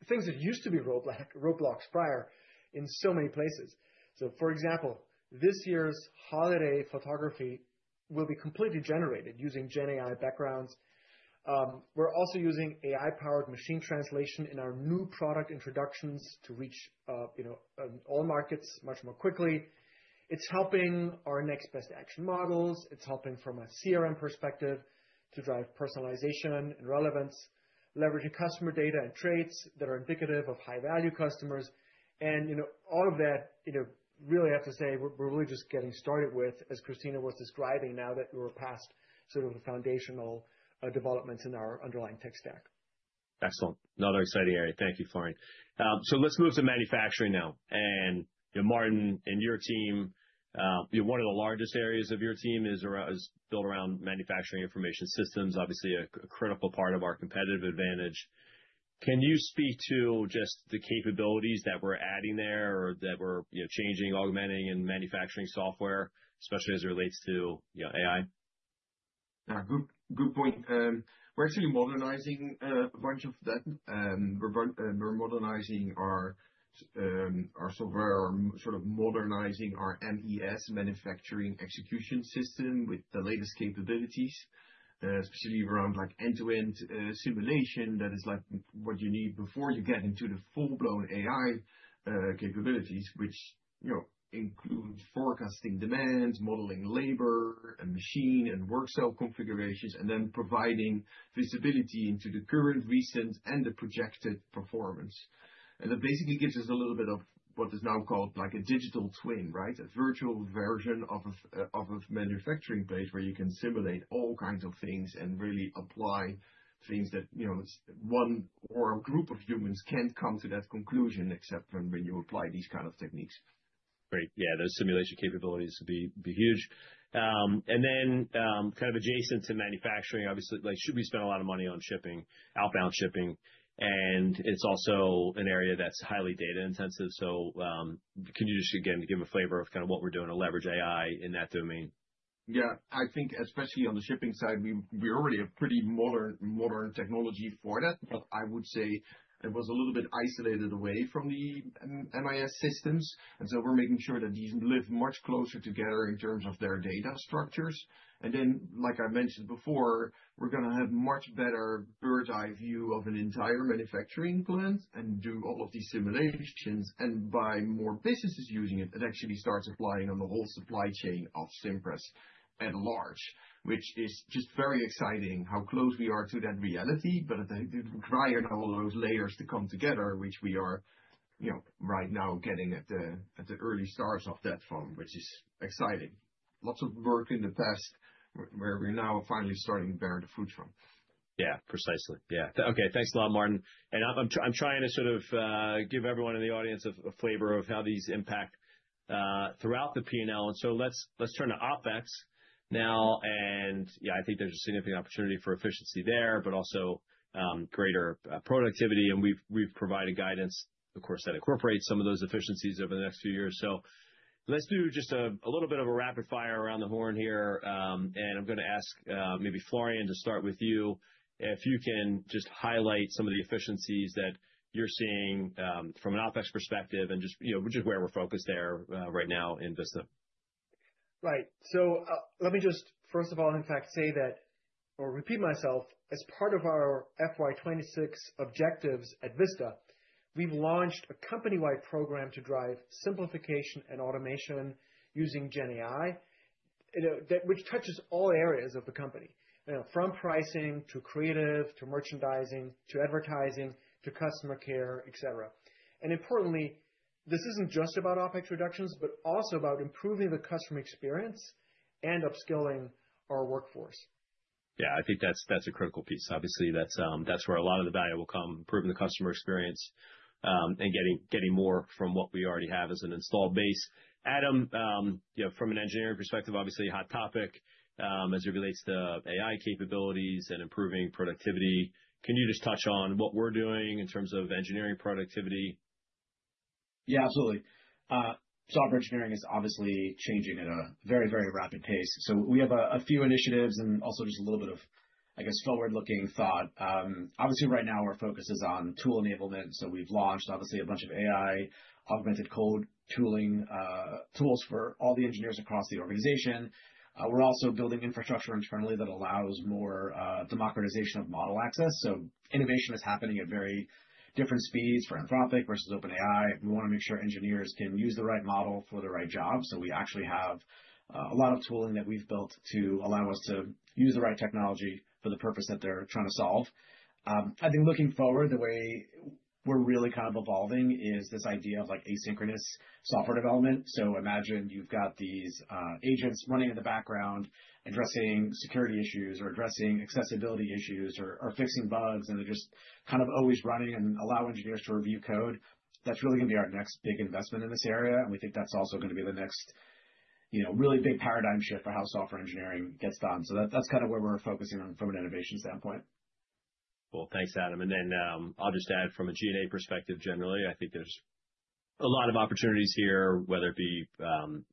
things that used to be roadblocks prior in so many places. So for example, this year's holiday photography will be completely generated using GenAI backgrounds. We're also using AI-powered machine translation in our new product introductions to reach all markets much more quickly. It's helping our next best action models. It's helping from a CRM perspective to drive personalization and relevance, leveraging customer data and traits that are indicative of high-value customers. And all of that, really, I have to say, we're really just getting started with, as Christina was describing, now that we're past sort of the foundational developments in our underlying tech stack. Excellent. Another exciting area. Thank you, Florian. So let's move to manufacturing now. And Maarten, in your team, one of the largest areas of your team is built around manufacturing information systems, obviously a critical part of our competitive advantage. Can you speak to just the capabilities that we're adding there or that we're changing, augmenting in manufacturing software, especially as it relates to AI? Yeah, good point. We're actually modernizing a bunch of that. We're modernizing our software, sort of modernizing our MES, Manufacturing Execution System with the latest capabilities, especially around end-to-end simulation. That is what you need before you get into the full-blown AI capabilities, which include forecasting demands, modeling labor and machine and work cell configurations, and then providing visibility into the current, recent, and the projected performance, and that basically gives us a little bit of what is now called a digital twin, right? A virtual version of a manufacturing base where you can simulate all kinds of things and really apply things that one or a group of humans can't come to that conclusion except when you apply these kinds of techniques. Great. Yeah, those simulation capabilities would be huge. And then kind of adjacent to manufacturing, obviously, should we spend a lot of money on shipping, outbound shipping? And it's also an area that's highly data intensive. So can you just, again, give a flavor of kind of what we're doing to leverage AI in that domain? Yeah, I think especially on the shipping side, we already have pretty modern technology for that. But I would say it was a little bit isolated away from the MIS systems. And so we're making sure that these live much closer together in terms of their data structures. And then, like I mentioned before, we're going to have much better bird's-eye view of an entire manufacturing plant and do all of these simulations. By more businesses using it, it actually starts applying on the whole supply chain of Cimpress at large, which is just very exciting how close we are to that reality. It requires all those layers to come together, which we are right now getting at the early start of that phase, which is exciting. Lots of work in the past where we're now finally starting to bear the fruits from. Yeah, precisely. Yeah. Okay. Thanks a lot, Maarten. I'm trying to sort of give everyone in the audience a flavor of how these impact throughout the P&L. So let's turn to OpEx now. Yeah, I think there's a significant opportunity for efficiency there, but also greater productivity. We've provided guidance, of course, that incorporates some of those efficiencies over the next few years. So let's do just a little bit of a rapid fire around the horn here. And I'm going to ask maybe Florian to start with you if you can just highlight some of the efficiencies that you're seeing from an OpEx perspective and just where we're focused there right now in Vista. Right. So let me just, first of all, in fact, say that or repeat myself. As part of our FY26 objectives at Vista, we've launched a company-wide program to drive simplification and automation using GenAI, which touches all areas of the company, from pricing to creative to merchandising to advertising to customer care, etc. And importantly, this isn't just about OpEx reductions, but also about improving the customer experience and upskilling our workforce. Yeah, I think that's a critical piece. Obviously, that's where a lot of the value will come, improving the customer experience and getting more from what we already have as an installed base. Adam, from an engineering perspective, obviously a hot topic as it relates to AI capabilities and improving productivity. Can you just touch on what we're doing in terms of engineering productivity? Yeah, absolutely. Software engineering is obviously changing at a very, very rapid pace. So we have a few initiatives and also just a little bit of, I guess, forward-looking thought. Obviously, right now, our focus is on tool enablement. So we've launched, obviously, a bunch of AI-augmented code tools for all the engineers across the organization. We're also building infrastructure internally that allows more democratization of model access. So innovation is happening at very different speeds for Anthropic versus OpenAI. We want to make sure engineers can use the right model for the right job. So we actually have a lot of tooling that we've built to allow us to use the right technology for the purpose that they're trying to solve. I think looking forward, the way we're really kind of evolving is this idea of asynchronous software development. So imagine you've got these agents running in the background, addressing security issues or addressing accessibility issues or fixing bugs, and they're just kind of always running and allowing engineers to review code. That's really going to be our next big investment in this area. And we think that's also going to be the next really big paradigm shift for how software engineering gets done. So that's kind of where we're focusing on from an innovation standpoint. Well, thanks, Adam. And then I'll just add from a G&A perspective, generally, I think there's a lot of opportunities here, whether it be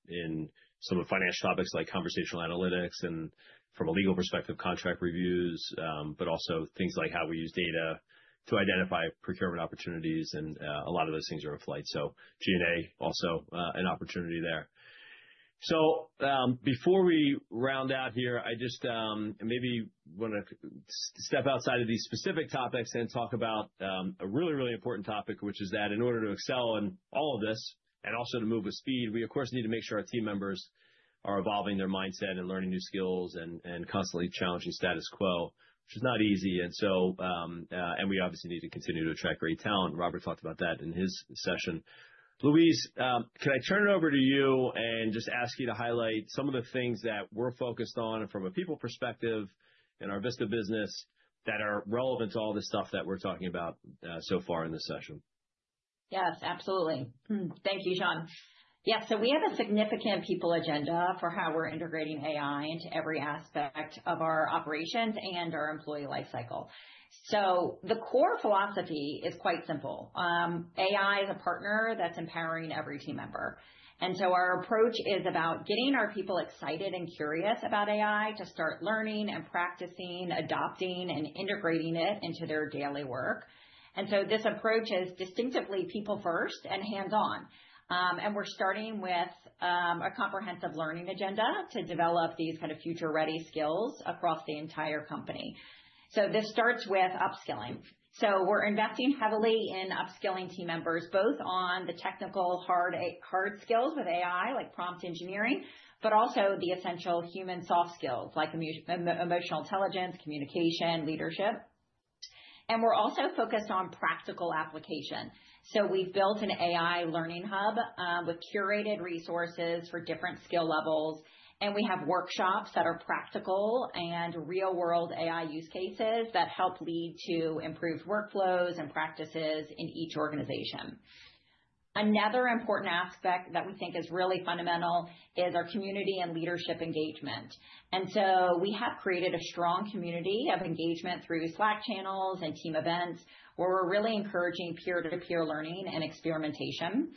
in some of the financial topics like conversational analytics and from a legal perspective, contract reviews, but also things like how we use data to identify procurement opportunities. And a lot of those things are in flight. So G&A also an opportunity there. So before we round out here, I just maybe want to step outside of these specific topics and talk about a really, really important topic, which is that in order to excel in all of this and also to move with speed, we, of course, need to make sure our team members are evolving their mindset and learning new skills and constantly challenging status quo, which is not easy. And we obviously need to continue to attract great talent. Robert talked about that in his session. Louise, can I turn it over to you and just ask you to highlight some of the things that we're focused on from a people perspective in our Vista business that are relevant to all the stuff that we're talking about so far in this session? Yes, absolutely. Thank you, Sean. Yeah, so we have a significant people agenda for how we're integrating AI into every aspect of our operations and our employee lifecycle. So the core philosophy is quite simple. AI is a partner that's empowering every team member. And so our approach is about getting our people excited and curious about AI to start learning and practicing, adopting, and integrating it into their daily work. And so this approach is distinctively people-first and hands-on. And we're starting with a comprehensive learning agenda to develop these kind of future-ready skills across the entire company. So this starts with upskilling. We're investing heavily in upskilling team members, both on the technical hard skills with AI, like prompt engineering, but also the essential human soft skills like emotional intelligence, communication, leadership. We're also focused on practical application. We've built an AI learning hub with curated resources for different skill levels. We have workshops that are practical and real-world AI use cases that help lead to improved workflows and practices in each organization. Another important aspect that we think is really fundamental is our community and leadership engagement. We have created a strong community of engagement through Slack channels and team events where we're really encouraging peer-to-peer learning and experimentation.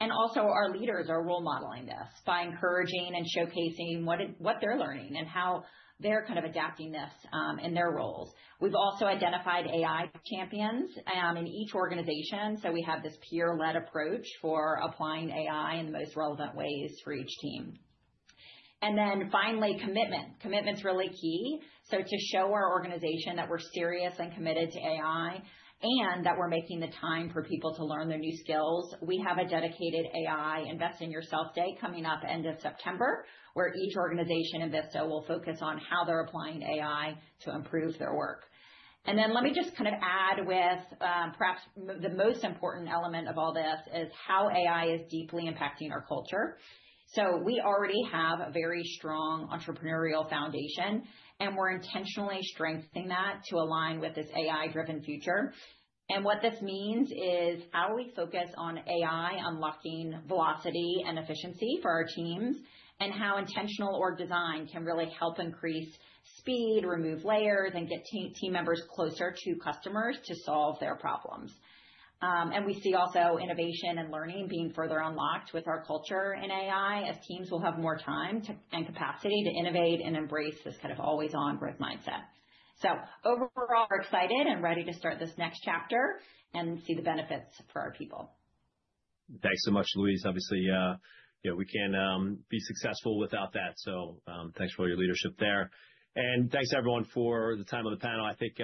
Our leaders are role-modeling this by encouraging and showcasing what they're learning and how they're kind of adapting this in their roles. We've also identified AI champions in each organization. We have this peer-led approach for applying AI in the most relevant ways for each team. Finally, commitment. Commitment's really key. To show our organization that we're serious and committed to AI and that we're making the time for people to learn their new skills, we have a dedicated AI Invest in Yourself Day coming up end of September, where each organization in Vista will focus on how they're applying AI to improve their work. Let me just kind of add with perhaps the most important element of all this is how AI is deeply impacting our culture. We already have a very strong entrepreneurial foundation, and we're intentionally strengthening that to align with this AI-driven future. And what this means is how we focus on AI unlocking velocity and efficiency for our teams and how intentional org design can really help increase speed, remove layers, and get team members closer to customers to solve their problems. And we see also innovation and learning being further unlocked with our culture in AI as teams will have more time and capacity to innovate and embrace this kind of always-on growth mindset. So overall, we're excited and ready to start this next chapter and see the benefits for our people. Thanks so much, Louise. Obviously, we can't be successful without that. So thanks for all your leadership there. And thanks, everyone, for the time of the panel. I think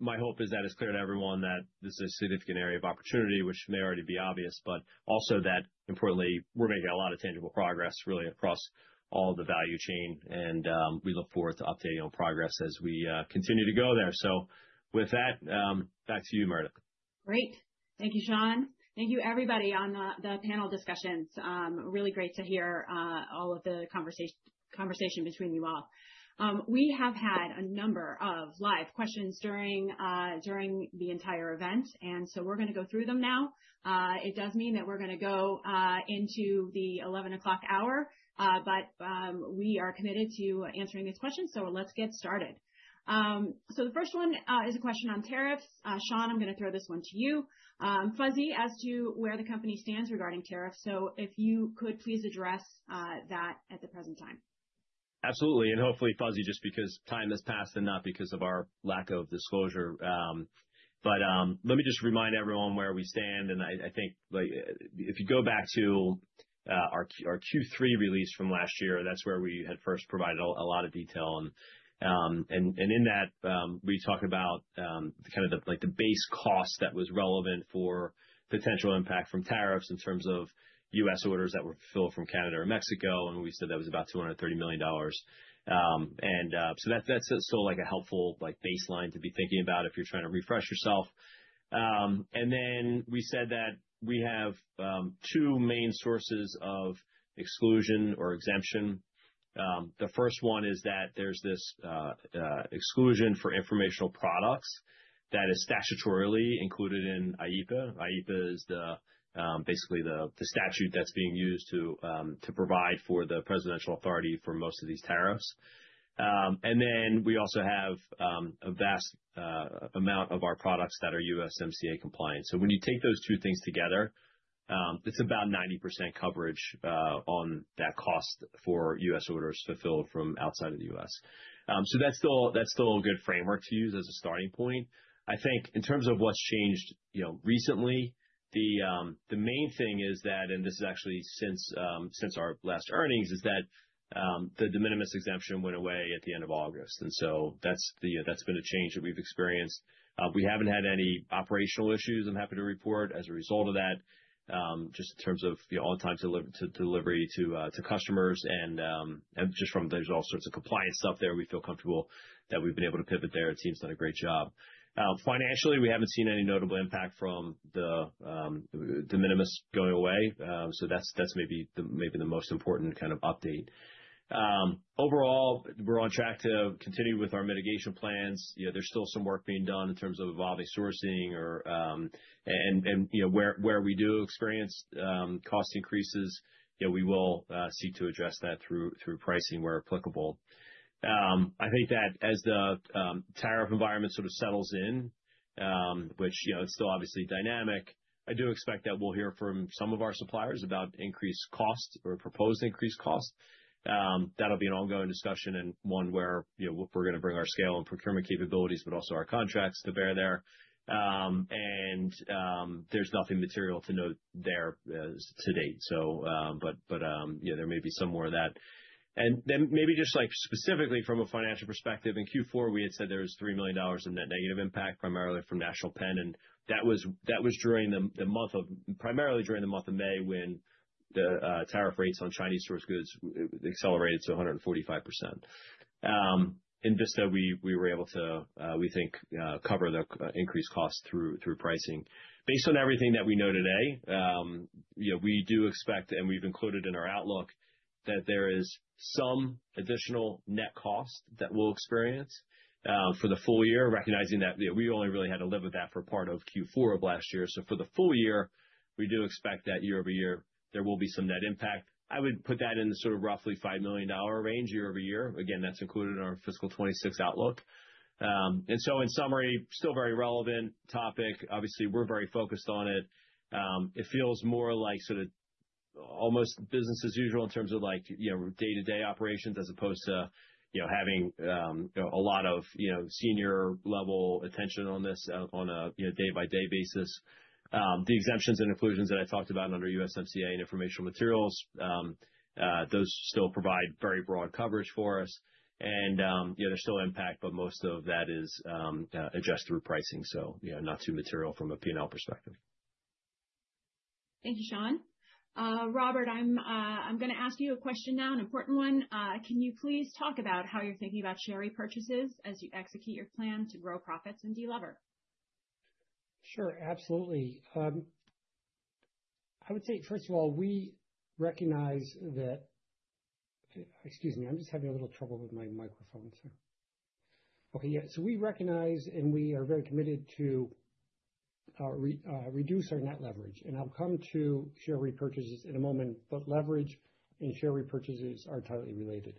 my hope is that it's clear to everyone that this is a significant area of opportunity, which may already be obvious, but also that, importantly, we're making a lot of tangible progress really across all the value chain, and we look forward to updating on progress as we continue to go there. So with that, back to you, Meredith. Great. Thank you, Sean. Thank you, everybody, on the panel discussions. Really great to hear all of the conversation between you all. We have had a number of live questions during the entire event, and so we're going to go through them now. It does mean that we're going to go into the 11 o'clock hour, but we are committed to answering these questions. So let's get started. So the first one is a question on tariffs. Sean, I'm going to throw this one to you. Fuzzy as to where the company stands regarding tariffs. So if you could please address that at the present time. Absolutely. And hopefully, fuzzy, just because time has passed and not because of our lack of disclosure. But let me just remind everyone where we stand. And I think if you go back to our Q3 release from last year, that's where we had first provided a lot of detail. And in that, we talked about kind of the base cost that was relevant for potential impact from tariffs in terms of U.S. orders that were fulfilled from Canada or Mexico. And we said that was about $230 million. And so that's still a helpful baseline to be thinking about if you're trying to refresh yourself. And then we said that we have two main sources of exclusion or exemption. The first one is that there's this exclusion for informational products that is statutorily included in IEEPA. IEEPA is basically the statute that's being used to provide for the presidential authority for most of these tariffs. And then we also have a vast amount of our products that are USMCA compliant. So when you take those two things together, it's about 90% coverage on that cost for U.S. orders fulfilled from outside of the U.S. So that's still a good framework to use as a starting point. I think in terms of what's changed recently, the main thing is that, and this is actually since our last earnings, is that the de minimis exemption went away at the end of August. And so that's been a change that we've experienced. We haven't had any operational issues, I'm happy to report, as a result of that, just in terms of on-time delivery to customers, and just from there, there's all sorts of compliance stuff there. We feel comfortable that we've been able to pivot there. The team's done a great job. Financially, we haven't seen any notable impact from the de minimis going away, so that's maybe the most important kind of update. Overall, we're on track to continue with our mitigation plans. There's still some work being done in terms of evolving sourcing and where we do experience cost increases. We will seek to address that through pricing where applicable. I think that as the tariff environment sort of settles in, which it's still obviously dynamic, I do expect that we'll hear from some of our suppliers about increased cost or proposed increased cost. That'll be an ongoing discussion and one where we're going to bring our scale and procurement capabilities, but also our contracts to bear there. There's nothing material to note there to date. There may be some more of that. Then maybe just specifically from a financial perspective, in Q4, we had said there was $3 million of net negative impact primarily from National Pen. That was during the month of May when the tariff rates on Chinese source goods accelerated to 145%. In Vista, we were able to, we think, cover the increased cost through pricing. Based on everything that we know today, we do expect, and we've included in our outlook that there is some additional net cost that we'll experience for the full year, recognizing that we only really had to live with that for part of Q4 of last year. So for the full year, we do expect that year over year, there will be some net impact. I would put that in sort of roughly $5 million range year over year. Again, that's included in our fiscal 2026 outlook. And so in summary, still very relevant topic. Obviously, we're very focused on it. It feels more like sort of almost business as usual in terms of day-to-day operations as opposed to having a lot of senior-level attention on this on a day-by-day basis. The exemptions and inclusions that I talked about under USMCA and informational materials, those still provide very broad coverage for us. And there's still impact, but most of that is addressed through pricing. So not too material from a P&L perspective. Thank you, Sean. Robert, I'm going to ask you a question now, an important one. Can you please talk about how you're thinking about share repurchases as you execute your plan to grow profits in delever? Sure. Absolutely. I would say, first of all, we recognize and we are very committed to reduce our net leverage. And I'll come to share repurchases in a moment, but leverage and share repurchases are tightly related.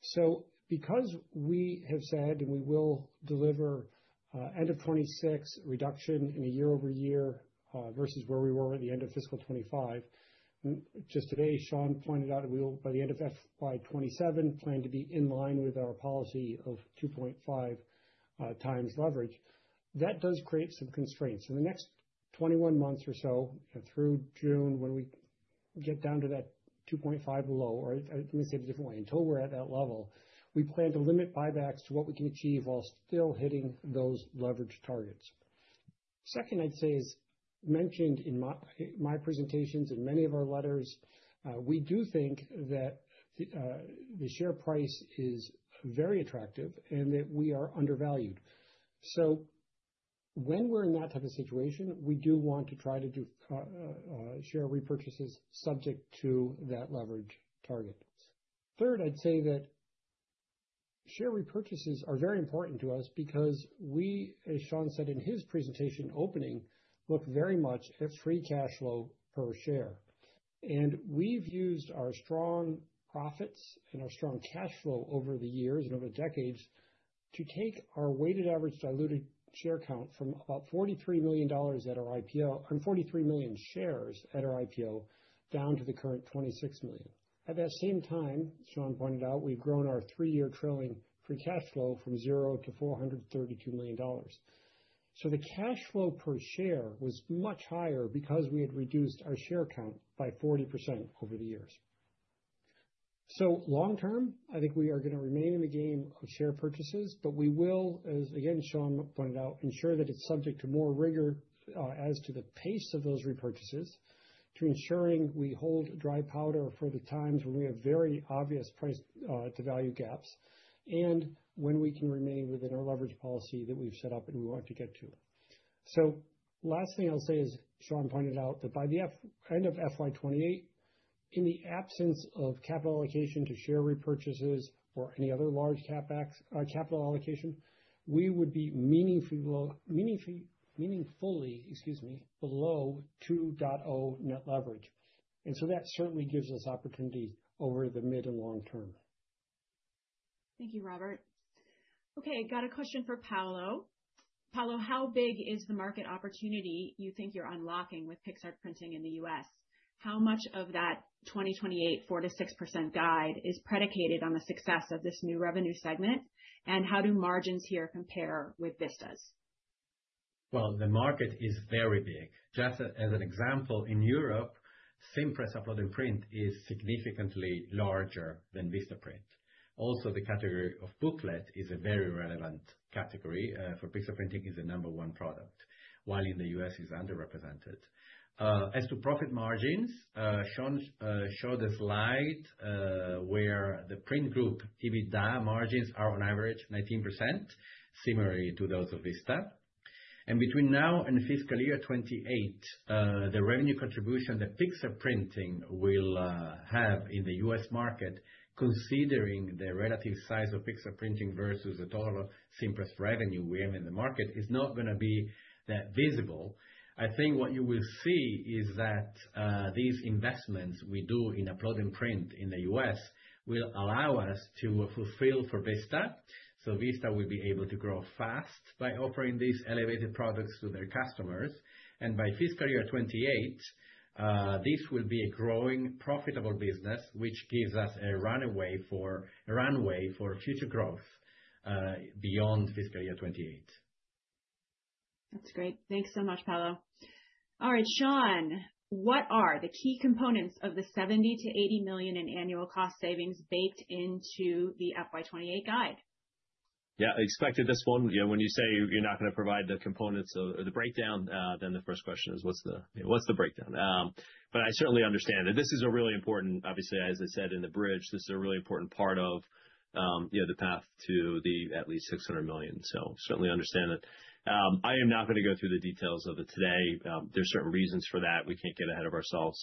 So because we have said and we will deliver end of 2026 reduction in a year over year versus where we were at the end of fiscal 2025, just today, Sean pointed out that we will, by the end of FY 2027, plan to be in line with our policy of 2.5 times leverage. That does create some constraints. In the next 21 months or so through June, when we get down to that 2.5 low, or let me say it a different way, until we're at that level, we plan to limit buybacks to what we can achieve while still hitting those leverage targets. Second, I'd say, as mentioned in my presentations and many of our letters, we do think that the share price is very attractive and that we are undervalued. When we're in that type of situation, we do want to try to do share repurchases subject to that leverage target. Third, I'd say that share repurchases are very important to us because we, as Sean said in his presentation opening, look very much at free cash flow per share. We've used our strong profits and our strong cash flow over the years and over the decades to take our weighted average diluted share count from about 43 million shares at our IPO, 43 million shares at our IPO, down to the current 26 million. At that same time, Sean pointed out, we've grown our three-year trailing free cash flow from zero to $432 million. The cash flow per share was much higher because we had reduced our share count by 40% over the years. So long term, I think we are going to remain in the game of share purchases, but we will, as again, Sean pointed out, ensure that it's subject to more rigor as to the pace of those repurchases to ensuring we hold dry powder for the times when we have very obvious price-to-value gaps and when we can remain within our leverage policy that we've set up and we want to get to. So last thing I'll say is, Sean pointed out that by the end of FY 2028, in the absence of capital allocation to share repurchases or any other large capital allocation, we would be meaningfully, excuse me, below 2.0 net leverage. And so that certainly gives us opportunity over the mid and long term. Thank you, Robert. Okay. Got a question for Paolo. Paolo, how big is the market opportunity you think you're unlocking with Pixartprinting in the U.S.? How much of that 2028 4%-6% guide is predicated on the success of this new revenue segment? And how do margins here compare with Vista's? Well, the market is very big. Just as an example, in Europe, Cimpress upload and print is significantly larger than Vistaprint. Also, the category of booklet is a very relevant category for Pixartprinting as the number one product, while in the U.S., it's underrepresented. As to profit margins, Sean showed a slide where the print group EBITDA margins are on average 19%, similarly to those of Vista. And between now and fiscal year 2028, the revenue contribution that Pixartprinting will have in the U.S. market, considering the relative size of Pixartprinting versus the total Cimpress revenue we have in the market, is not going to be that visible. I think what you will see is that these investments we do in upload and print in the U.S. will allow us to fulfill for Vista. So Vista will be able to grow fast by offering these elevated products to their customers. And by fiscal year 2028, this will be a growing profitable business, which gives us a runway for future growth beyond fiscal year 2028. That's great. Thanks so much, Paolo. All right, Sean, what are the key components of the $70 million-$80 million in annual cost savings baked into the FY 2028 guide? Yeah, I expected this one. When you say you're not going to provide the components or the breakdown, then the first question is, what's the breakdown? But I certainly understand that this is a really important, obviously, as I said in the bridge, this is a really important part of the path to the at least 600 million. So certainly understand it. I am not going to go through the details of it today. There's certain reasons for that. We can't get ahead of ourselves.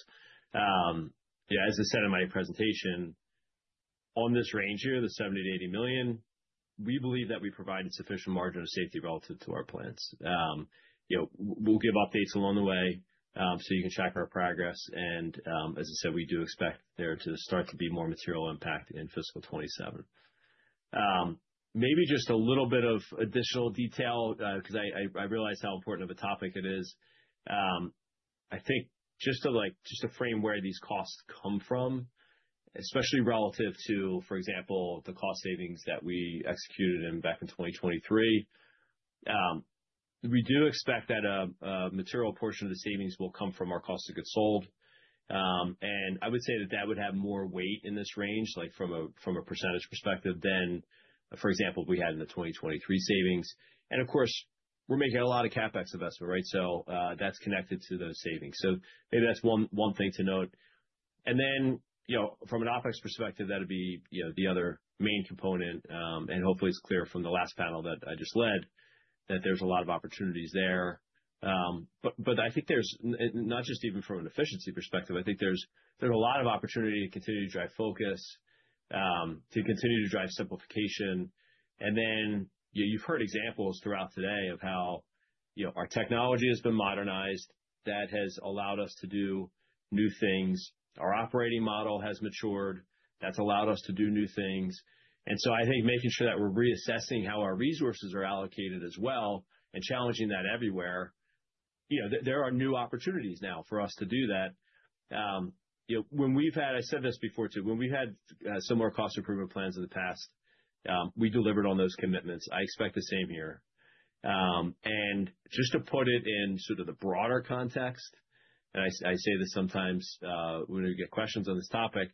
As I said in my presentation, on this range here, the 70-80 million, we believe that we provide a sufficient margin of safety relative to our plans. We'll give updates along the way so you can track our progress. And as I said, we do expect there to start to be more material impact in fiscal 2027. Maybe just a little bit of additional detail because I realize how important of a topic it is. I think just to frame where these costs come from, especially relative to, for example, the cost savings that we executed back in 2023, we do expect that a material portion of the savings will come from our cost of goods sold. And I would say that would have more weight in this range, like from a percentage perspective than, for example, we had in the 2023 savings. And of course, we're making a lot of CapEx investment, right? So that's connected to those savings. So maybe that's one thing to note. And then from an OpEx perspective, that would be the other main component. And hopefully, it's clear from the last panel that I just led that there's a lot of opportunities there. But I think there's not just even from an efficiency perspective. I think there's a lot of opportunity to continue to drive focus, to continue to drive simplification. And then you've heard examples throughout today of how our technology has been modernized. That has allowed us to do new things. Our operating model has matured. That's allowed us to do new things. And so I think making sure that we're reassessing how our resources are allocated as well and challenging that everywhere, there are new opportunities now for us to do that. When we've had, I said this before too, when we've had similar cost improvement plans in the past, we delivered on those commitments. I expect the same here. And just to put it in sort of the broader context, and I say this sometimes when we get questions on this topic,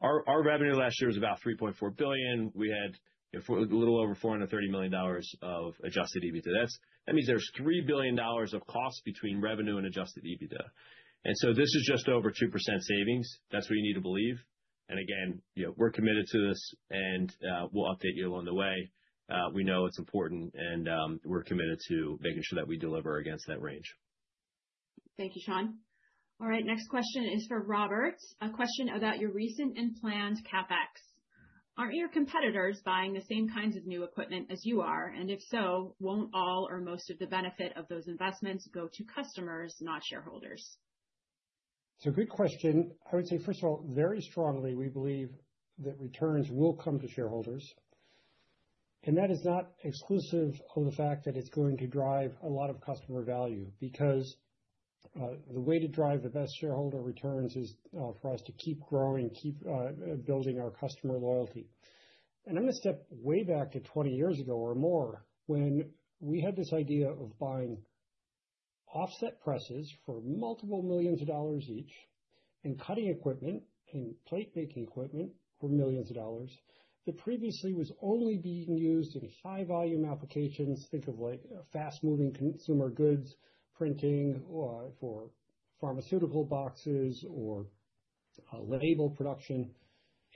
our revenue last year was about $3.4 billion. We had a little over $430 million of Adjusted EBITDA. That means there's $3 billion of cost between revenue and adjusted EBITDA. And so this is just over 2% savings. That's what you need to believe. And again, we're committed to this and we'll update you along the way. We know it's important and we're committed to making sure that we deliver against that range. Thank you, Sean. All right. Next question is for Robert. A question about your recent and planned CapEx. Aren't your competitors buying the same kinds of new equipment as you are? And if so, won't all or most of the benefit of those investments go to customers, not shareholders? It's a good question. I would say, first of all, very strongly, we believe that returns will come to shareholders. That is not exclusive of the fact that it's going to drive a lot of customer value because the way to drive the best shareholder returns is for us to keep growing, keep building our customer loyalty. I'm going to step way back to 20 years ago or more when we had this idea of buying offset presses for multiple millions of dollars each and cutting equipment and plate-making equipment for millions of dollars that previously was only being used in high-volume applications. Think of fast-moving consumer goods printing for pharmaceutical boxes or label production.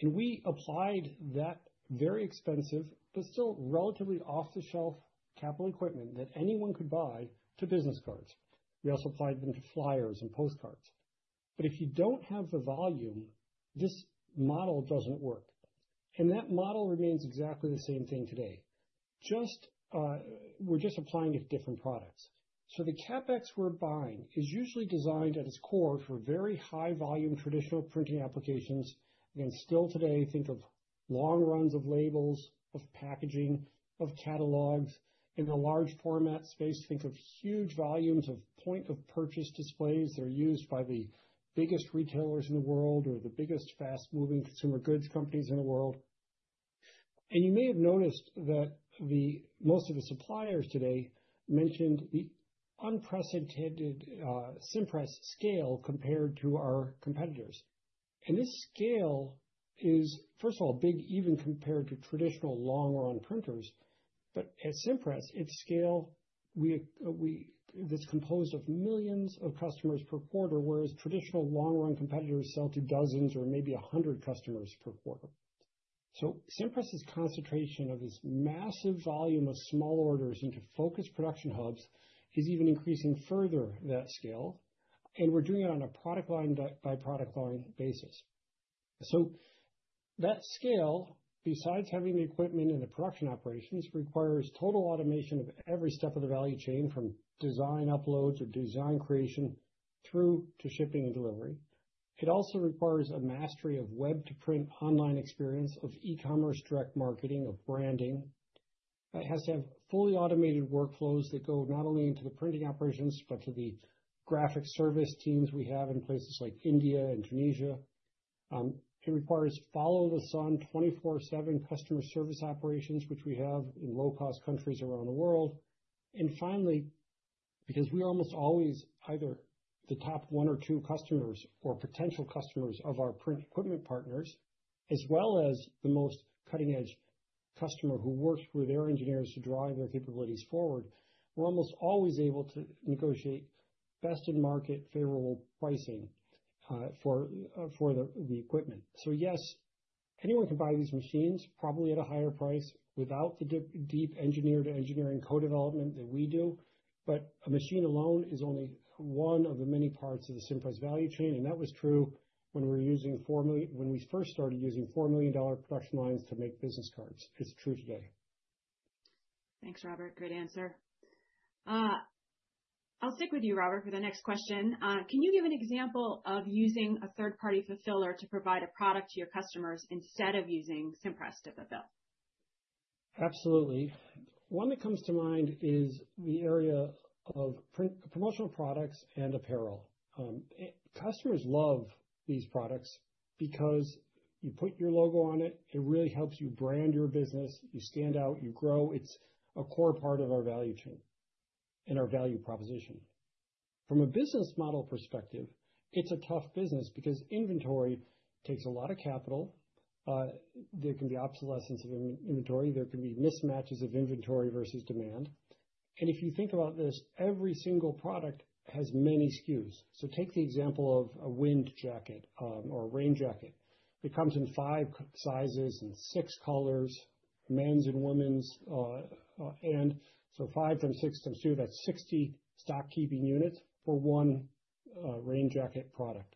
We applied that very expensive, but still relatively off-the-shelf capital equipment that anyone could buy to business cards. We also applied them to flyers and postcards. If you don't have the volume, this model doesn't work. That model remains exactly the same thing today. We're just applying it to different products. So the CapEx we're buying is usually designed at its core for very high-volume traditional printing applications. Again, still today, think of long runs of labels, of packaging, of catalogs in the large format space. Think of huge volumes of point-of-purchase displays that are used by the biggest retailers in the world or the biggest fast-moving consumer goods companies in the world. And you may have noticed that most of the suppliers today mentioned the unprecedented Cimpress scale compared to our competitors. And this scale is, first of all, big, even compared to traditional long-run printers. But at Cimpress, it's a scale that's composed of millions of customers per quarter, whereas traditional long-run competitors sell to dozens or maybe a hundred customers per quarter. Cimpress's concentration of this massive volume of small orders into focused production hubs is even increasing further. That scale. And we're doing it on a product line by product line basis. So that scale, besides having the equipment and the production operations, requires total automation of every step of the value chain from design uploads or design creation through to shipping and delivery. It also requires a mastery of web-to-print online experience of e-commerce direct marketing of branding. It has to have fully automated workflows that go not only into the printing operations, but to the graphic service teams we have in places like India and Tunisia. It requires follow-the-sun 24/7 customer service operations, which we have in low-cost countries around the world. Finally, because we are almost always either the top one or two customers or potential customers of our print equipment partners, as well as the most cutting-edge customer who works with their engineers to drive their capabilities forward, we're almost always able to negotiate best-in-market favorable pricing for the equipment. So yes, anyone can buy these machines, probably at a higher price without the deep engineer-to-engineering co-development that we do. But a machine alone is only one of the many parts of the Cimpress value chain. That was true when we first started using $4 million production lines to make business cards. It's true today. Thanks, Robert. Great answer. I'll stick with you, Robert, for the next question. Can you give an example of using a third-party fulfiller to provide a product to your customers instead of using Cimpress to fulfill? Absolutely. One that comes to mind is the area of promotional products and apparel. Customers love these products because you put your logo on it. It really helps you brand your business. You stand out. You grow. It's a core part of our value chain and our value proposition. From a business model perspective, it's a tough business because inventory takes a lot of capital. There can be obsolescence of inventory. There can be mismatches of inventory versus demand, and if you think about this, every single product has many SKUs. So take the example of a wind jacket or a rain jacket. It comes in five sizes and six colors, men's and women's, and so five times six times two, that's 60 stock-keeping units for one rain jacket product.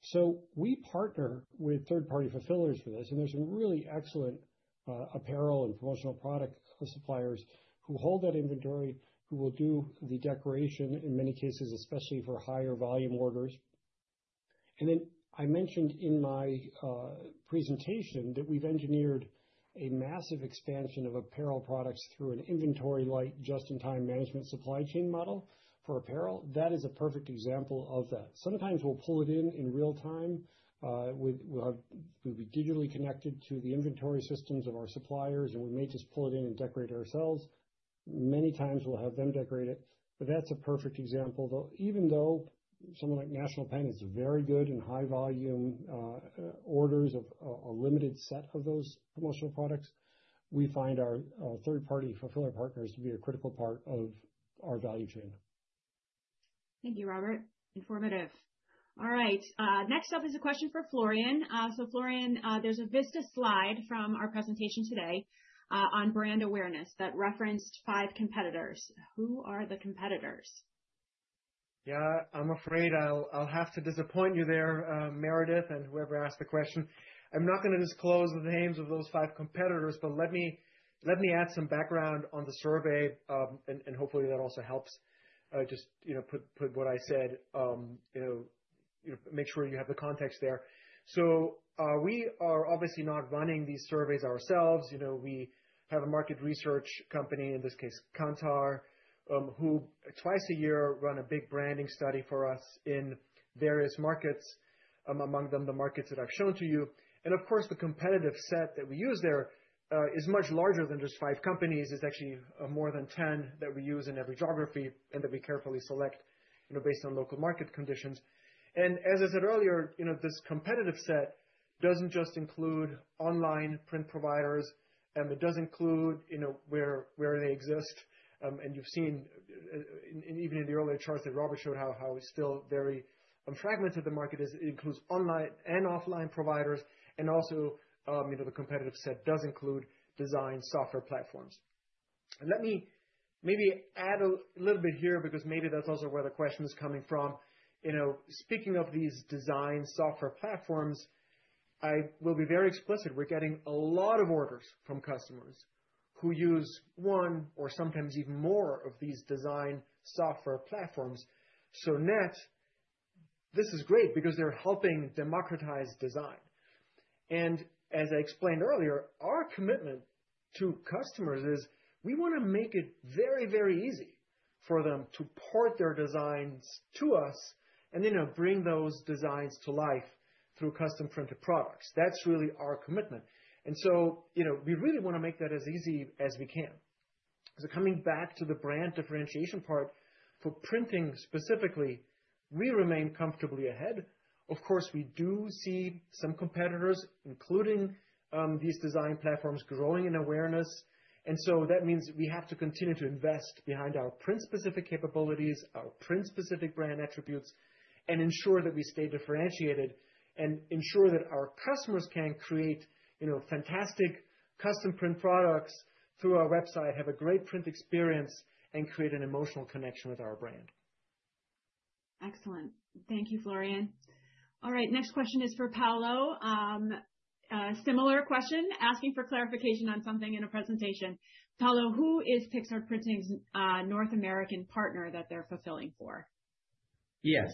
So we partner with third-party fulfillers for this. There's some really excellent apparel and promotional product suppliers who hold that inventory, who will do the decoration in many cases, especially for higher volume orders. Then I mentioned in my presentation that we've engineered a massive expansion of apparel products through an inventory-light just-in-time management supply chain model for apparel. That is a perfect example of that. Sometimes we'll pull it in in real time. We'll be digitally connected to the inventory systems of our suppliers, and we may just pull it in and decorate it ourselves. Many times we'll have them decorate it. That's a perfect example. Even though someone like National Pen is very good in high-volume orders of a limited set of those promotional products, we find our third-party fulfiller partners to be a critical part of our value chain. Thank you, Robert. Informative. All right. Next up is a question for Florian. So Florian, there's a Vista slide from our presentation today on brand awareness that referenced five competitors. Who are the competitors? Yeah, I'm afraid I'll have to disappoint you there, Meredith, and whoever asked the question. I'm not going to disclose the names of those five competitors, but let me add some background on the survey. And hopefully, that also helps just put what I said, make sure you have the context there. So we are obviously not running these surveys ourselves. We have a market research company, in this case, Kantar, who twice a year run a big branding study for us in various markets, among them the markets that I've shown to you. And of course, the competitive set that we use there is much larger than just five companies. It's actually more than 10 that we use in every geography and that we carefully select based on local market conditions. And as I said earlier, this competitive set doesn't just include online print providers. It does include where they exist. And you've seen even in the earlier charts that Robert showed how still very fragmented the market is. It includes online and offline providers. And also the competitive set does include design software platforms. Let me maybe add a little bit here because maybe that's also where the question is coming from. Speaking of these design software platforms, I will be very explicit. We're getting a lot of orders from customers who use one or sometimes even more of these design software platforms. So net, this is great because they're helping democratize design. As I explained earlier, our commitment to customers is we want to make it very, very easy for them to port their designs to us and then bring those designs to life through custom-printed products. That's really our commitment. And so we really want to make that as easy as we can. So coming back to the brand differentiation part for printing specifically, we remain comfortably ahead. Of course, we do see some competitors, including these design platforms, growing in awareness. And so that means we have to continue to invest behind our print-specific capabilities, our print-specific brand attributes, and ensure that we stay differentiated and ensure that our customers can create fantastic custom-print products through our website, have a great print experience, and create an emotional connection with our brand. Excellent. Thank you, Florian. All right. Next question is for Paolo. Similar question, asking for clarification on something in a presentation. Paolo, who is Pixartprinting's North American partner that they're fulfilling for? Yes.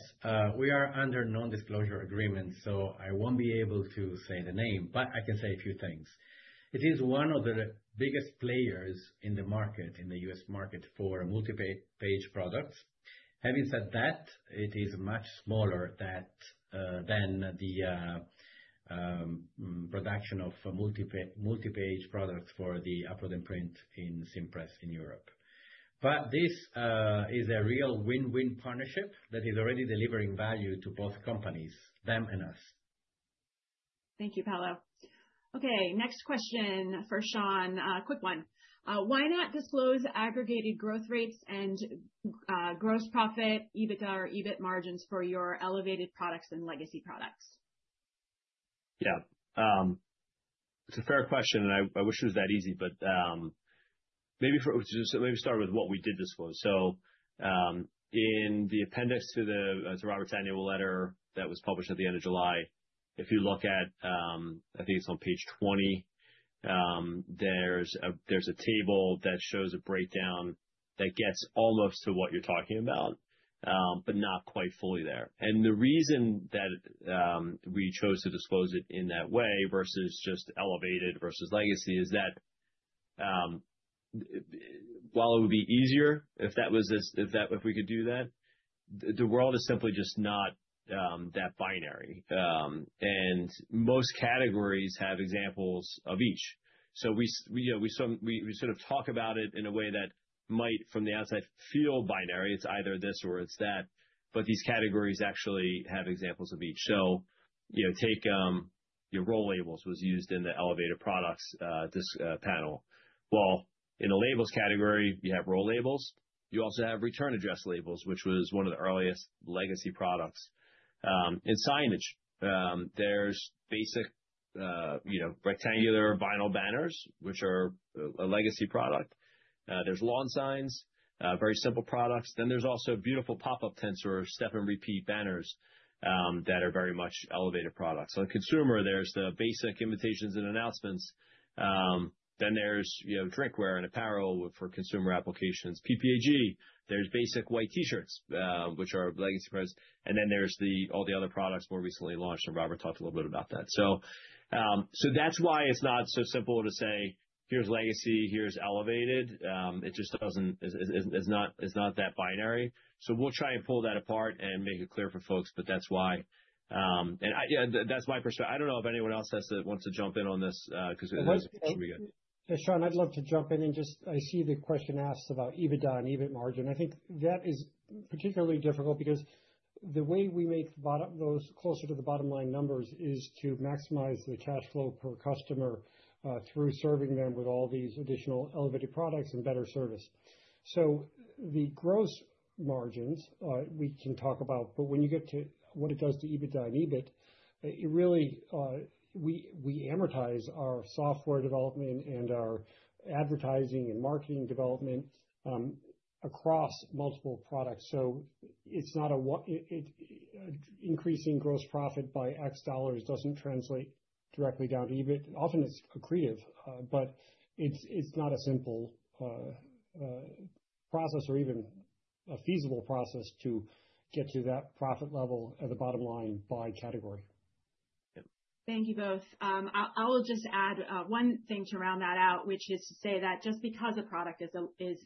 We are under non-disclosure agreement, so I won't be able to say the name, but I can say a few things. It is one of the biggest players in the market, in the U.S. market, for multi-page products. Having said that, it is much smaller than the production of multi-page products for the upload and print in Cimpress in Europe. But this is a real win-win partnership that is already delivering value to both companies, them and us. Thank you, Paolo. Okay. Next question for Sean. Quick one. Why not disclose aggregated growth rates and gross profit, EBITDA, or EBIT margins for your elevated products and legacy products? Yeah. It's a fair question, and I wish it was that easy, but maybe start with what we did disclose. So in the appendix to Robert's annual letter that was published at the end of July, if you look at, I think it's on page 20, there's a table that shows a breakdown that gets almost to what you're talking about, but not quite fully there. And the reason that we chose to disclose it in that way versus just elevated versus legacy is that while it would be easier if that was if we could do that, the world is simply just not that binary. And most categories have examples of each. So we sort of talk about it in a way that might, from the outside, feel binary. It's either this or it's that. But these categories actually have examples of each. Take your roll labels was used in the elevated products panel. In the labels category, you have roll labels. You also have return address labels, which was one of the earliest legacy products. In signage, there's basic rectangular vinyl banners, which are a legacy product. There's lawn signs, very simple products. There's also beautiful pop-up tents or step-and-repeat banners that are very much elevated products. On consumer, there's the basic invitations and announcements. There's drinkware and apparel for consumer applications. PPAG, there's basic white T-shirts, which are legacy products. There's all the other products more recently launched. Robert talked a little bit about that. That's why it's not so simple to say, "Here's legacy. Here's elevated." It just is not that binary. We'll try and pull that apart and make it clear for folks, but that's why. That's my perspective. I don't know if anyone else wants to jump in on this because it should be good. Yeah, Sean, I'd love to jump in and just I see the question asked about EBITDA and EBIT margin. I think that is particularly difficult because the way we make those closer to the bottom line numbers is to maximize the cash flow per customer through serving them with all these additional elevated products and better service. So the gross margins we can talk about, but when you get to what it does to EBITDA and EBIT, really we amortize our software development and our advertising and marketing development across multiple products. So it's not an increasing gross profit by X dollars doesn't translate directly down to EBIT. Often it's accretive, but it's not a simple process or even a feasible process to get to that profit level at the bottom line by category. Thank you both. I will just add one thing to round that out, which is to say that just because a product is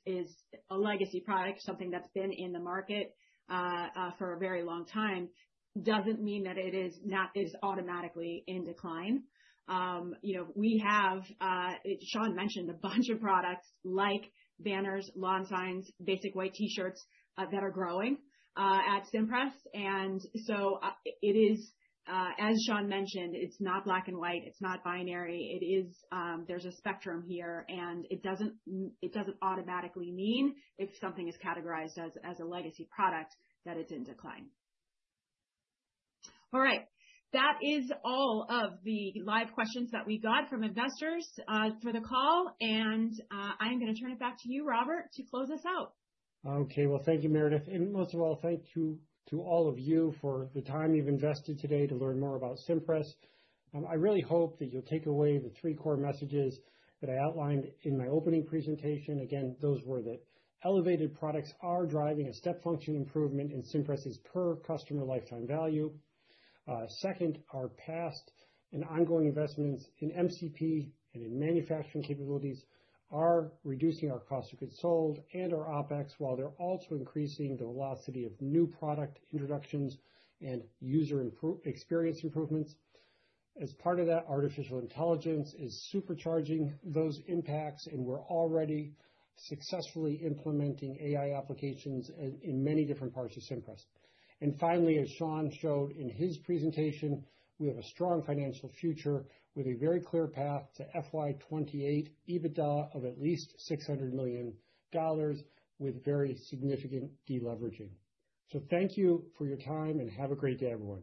a legacy product, something that's been in the market for a very long time, doesn't mean that it is automatically in decline. We have, Sean mentioned, a bunch of products like banners, lawn signs, basic white T-shirts that are growing at Cimpress. And so it is, as Sean mentioned, it's not black and white. It's not binary. There's a spectrum here. And it doesn't automatically mean if something is categorized as a legacy product that it's in decline. All right. That is all of the live questions that we got from investors for the call. And I am going to turn it back to you, Robert, to close us out. Okay. Well, thank you, Meredith. And most of all, thank you to all of you for the time you've invested today to learn more about Cimpress. I really hope that you'll take away the three core messages that I outlined in my opening presentation. Again, those were that elevated products are driving a step function improvement in Cimpress's per customer lifetime value. Second, our past and ongoing investments in MCP and in manufacturing capabilities are reducing our cost of goods sold and our OpEx while they're also increasing the velocity of new product introductions and user experience improvements. As part of that, artificial intelligence is supercharging those impacts, and we're already successfully implementing AI applications in many different parts of Cimpress. Finally, as Sean showed in his presentation, we have a strong financial future with a very clear path to FY28 EBITDA of at least $600 million with very significant deleveraging. Thank you for your time and have a great day, everyone.